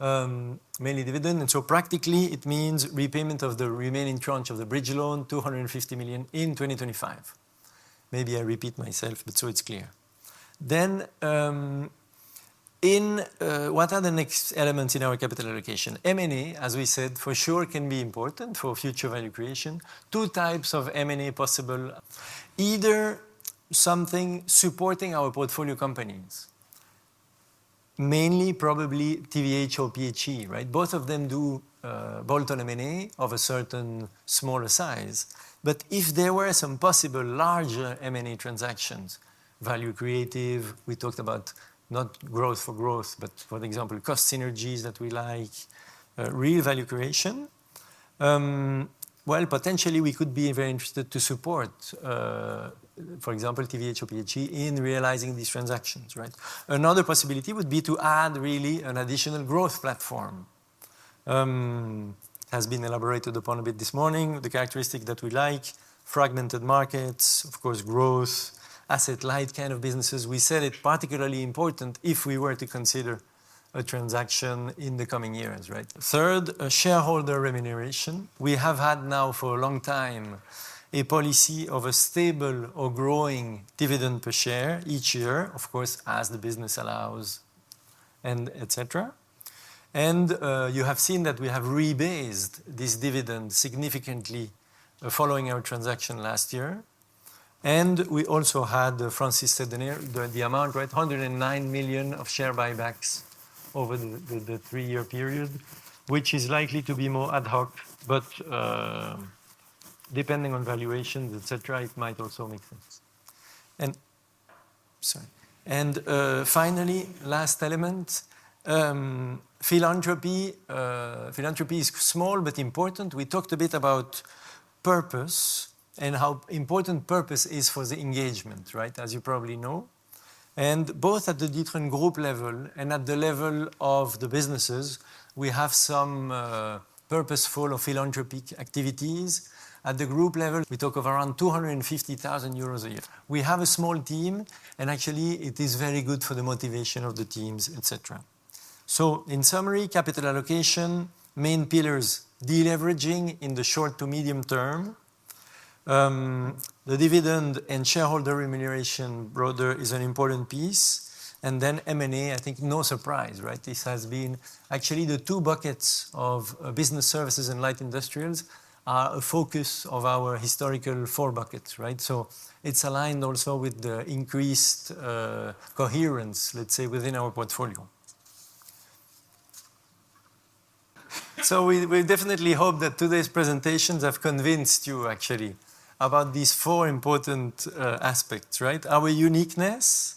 mainly dividend. Practically, it means repayment of the remaining tranche of the bridge loan, 250 million in 2025. Maybe I repeat myself, but it is clear. In what are the next elements in our capital allocation? M&A, as we said, for sure can be important for future value creation. Two types of M&A possible. Either something supporting our portfolio companies, mainly probably TVH or PHE, right? Both of them do bolt-on M&A of a certain smaller size. If there were some possible larger M&A transactions, value creative, we talked about not growth for growth, but for example, cost synergies that we like, real value creation, potentially we could be very interested to support, for example, TVH or PHE in realizing these transactions, right? Another possibility would be to add really an additional growth platform. It has been elaborated upon a bit this morning, the characteristic that we like, fragmented markets, of course, growth, asset-light kind of businesses. We said it is particularly important if we were to consider a transaction in the coming years, right? Third, a shareholder remuneration. We have had now for a long time a policy of a stable or growing dividend per share each year, of course, as the business allows, etc. You have seen that we have rebased this dividend significantly following our transaction last year. We also had, Francis said the amount, right? 109 million of share buybacks over the three-year period, which is likely to be more ad hoc, but depending on valuations, etc., it might also make sense. Finally, last element, philanthropy. Philanthropy is small but important. We talked a bit about purpose and how important purpose is for the engagement, right? As you probably know. Both at the D'Ieteren Group level and at the level of the businesses, we have some purposeful or philanthropic activities. At the group level, we talk of around 250,000 euros a year. We have a small team, and actually it is very good for the motivation of the teams, etc. In summary, capital allocation, main pillars, deleveraging in the short to medium term. The dividend and shareholder remuneration broader is an important piece. Then M&A, I think no surprise, right? This has been actually the two buckets of business services and light industrials are a focus of our historical four buckets, right? It is aligned also with the increased coherence, let's say, within our portfolio. We definitely hope that today's presentations have convinced you actually about these four important aspects, right? Our uniqueness.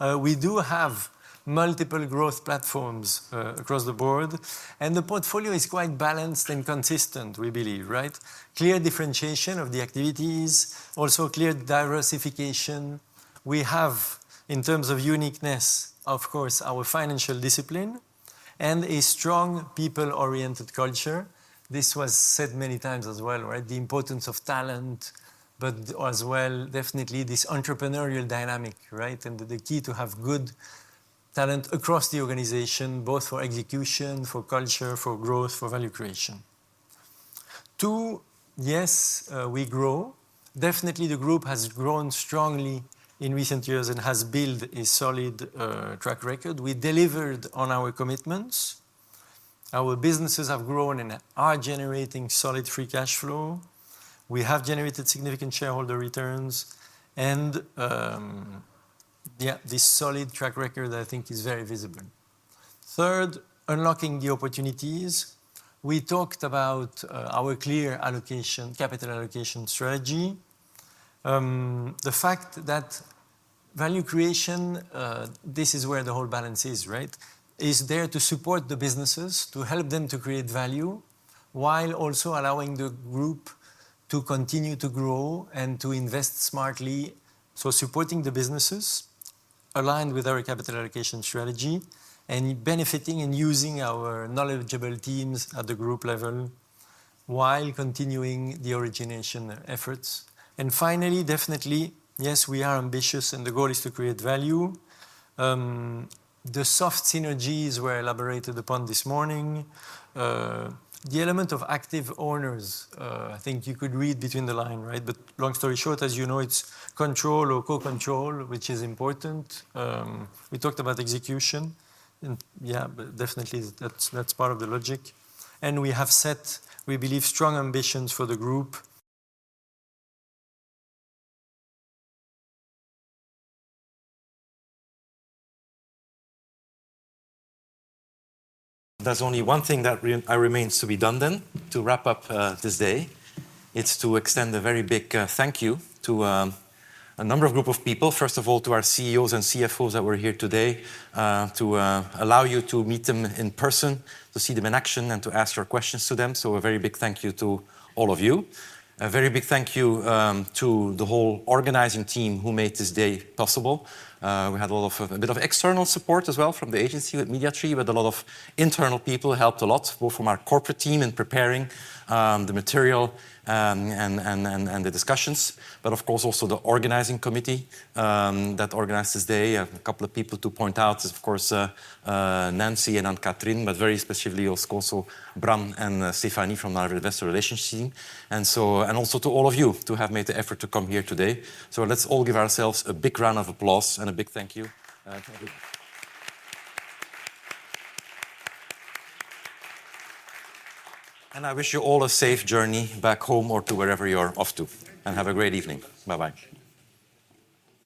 We do have multiple growth platforms across the board. The portfolio is quite balanced and consistent, we believe, right? Clear differentiation of the activities, also clear diversification. We have, in terms of uniqueness, of course, our financial discipline and a strong people-oriented culture. This was said many times as well, right? The importance of talent, but as well, definitely this entrepreneurial dynamic, right? The key to have good talent across the organization, both for execution, for culture, for growth, for value creation. Two, yes, we grow. Definitely, the group has grown strongly in recent years and has built a solid track record. We delivered on our commitments. Our businesses have grown and are generating solid free cash flow. We have generated significant shareholder returns. Yeah, this solid track record, I think, is very visible. Third, unlocking the opportunities. We talked about our clear capital allocation strategy. The fact that value creation, this is where the whole balance is, right? Is there to support the businesses, to help them to create value, while also allowing the group to continue to grow and to invest smartly. Supporting the businesses, aligned with our capital allocation strategy, and benefiting and using our knowledgeable teams at the group level while continuing the origination efforts. Finally, definitely, yes, we are ambitious and the goal is to create value. The soft synergies were elaborated upon this morning. The element of active owners, I think you could read between the line, right? Long story short, as you know, it's control or co-control, which is important. We talked about execution. Yeah, definitely that's part of the logic. We have set, we believe, strong ambitions for the group. There's only one thing that remains to be done then to wrap up this day. It's to extend a very big thank you to a number of group of people. First of all, to our CEOs and CFOs that were here today, to allow you to meet them in person, to see them in action, and to ask your questions to them. A very big thank you to all of you. A very big thank you to the whole organizing team who made this day possible. We had a bit of external support as well from the agency with Media Tree, but a lot of internal people helped a lot, both from our corporate team in preparing the material and the discussions. Of course, also the organizing committee that organized this day. A couple of people to point out is, of course, Nancy and Anne-Catherine, but very specifically also Bran and Stéphanie from our investor relations team. Also to all of you to have made the effort to come here today. Let's all give ourselves a big round of applause and a big thank you. I wish you all a safe journey back home or to wherever you're off to. Have a great evening. Bye-bye.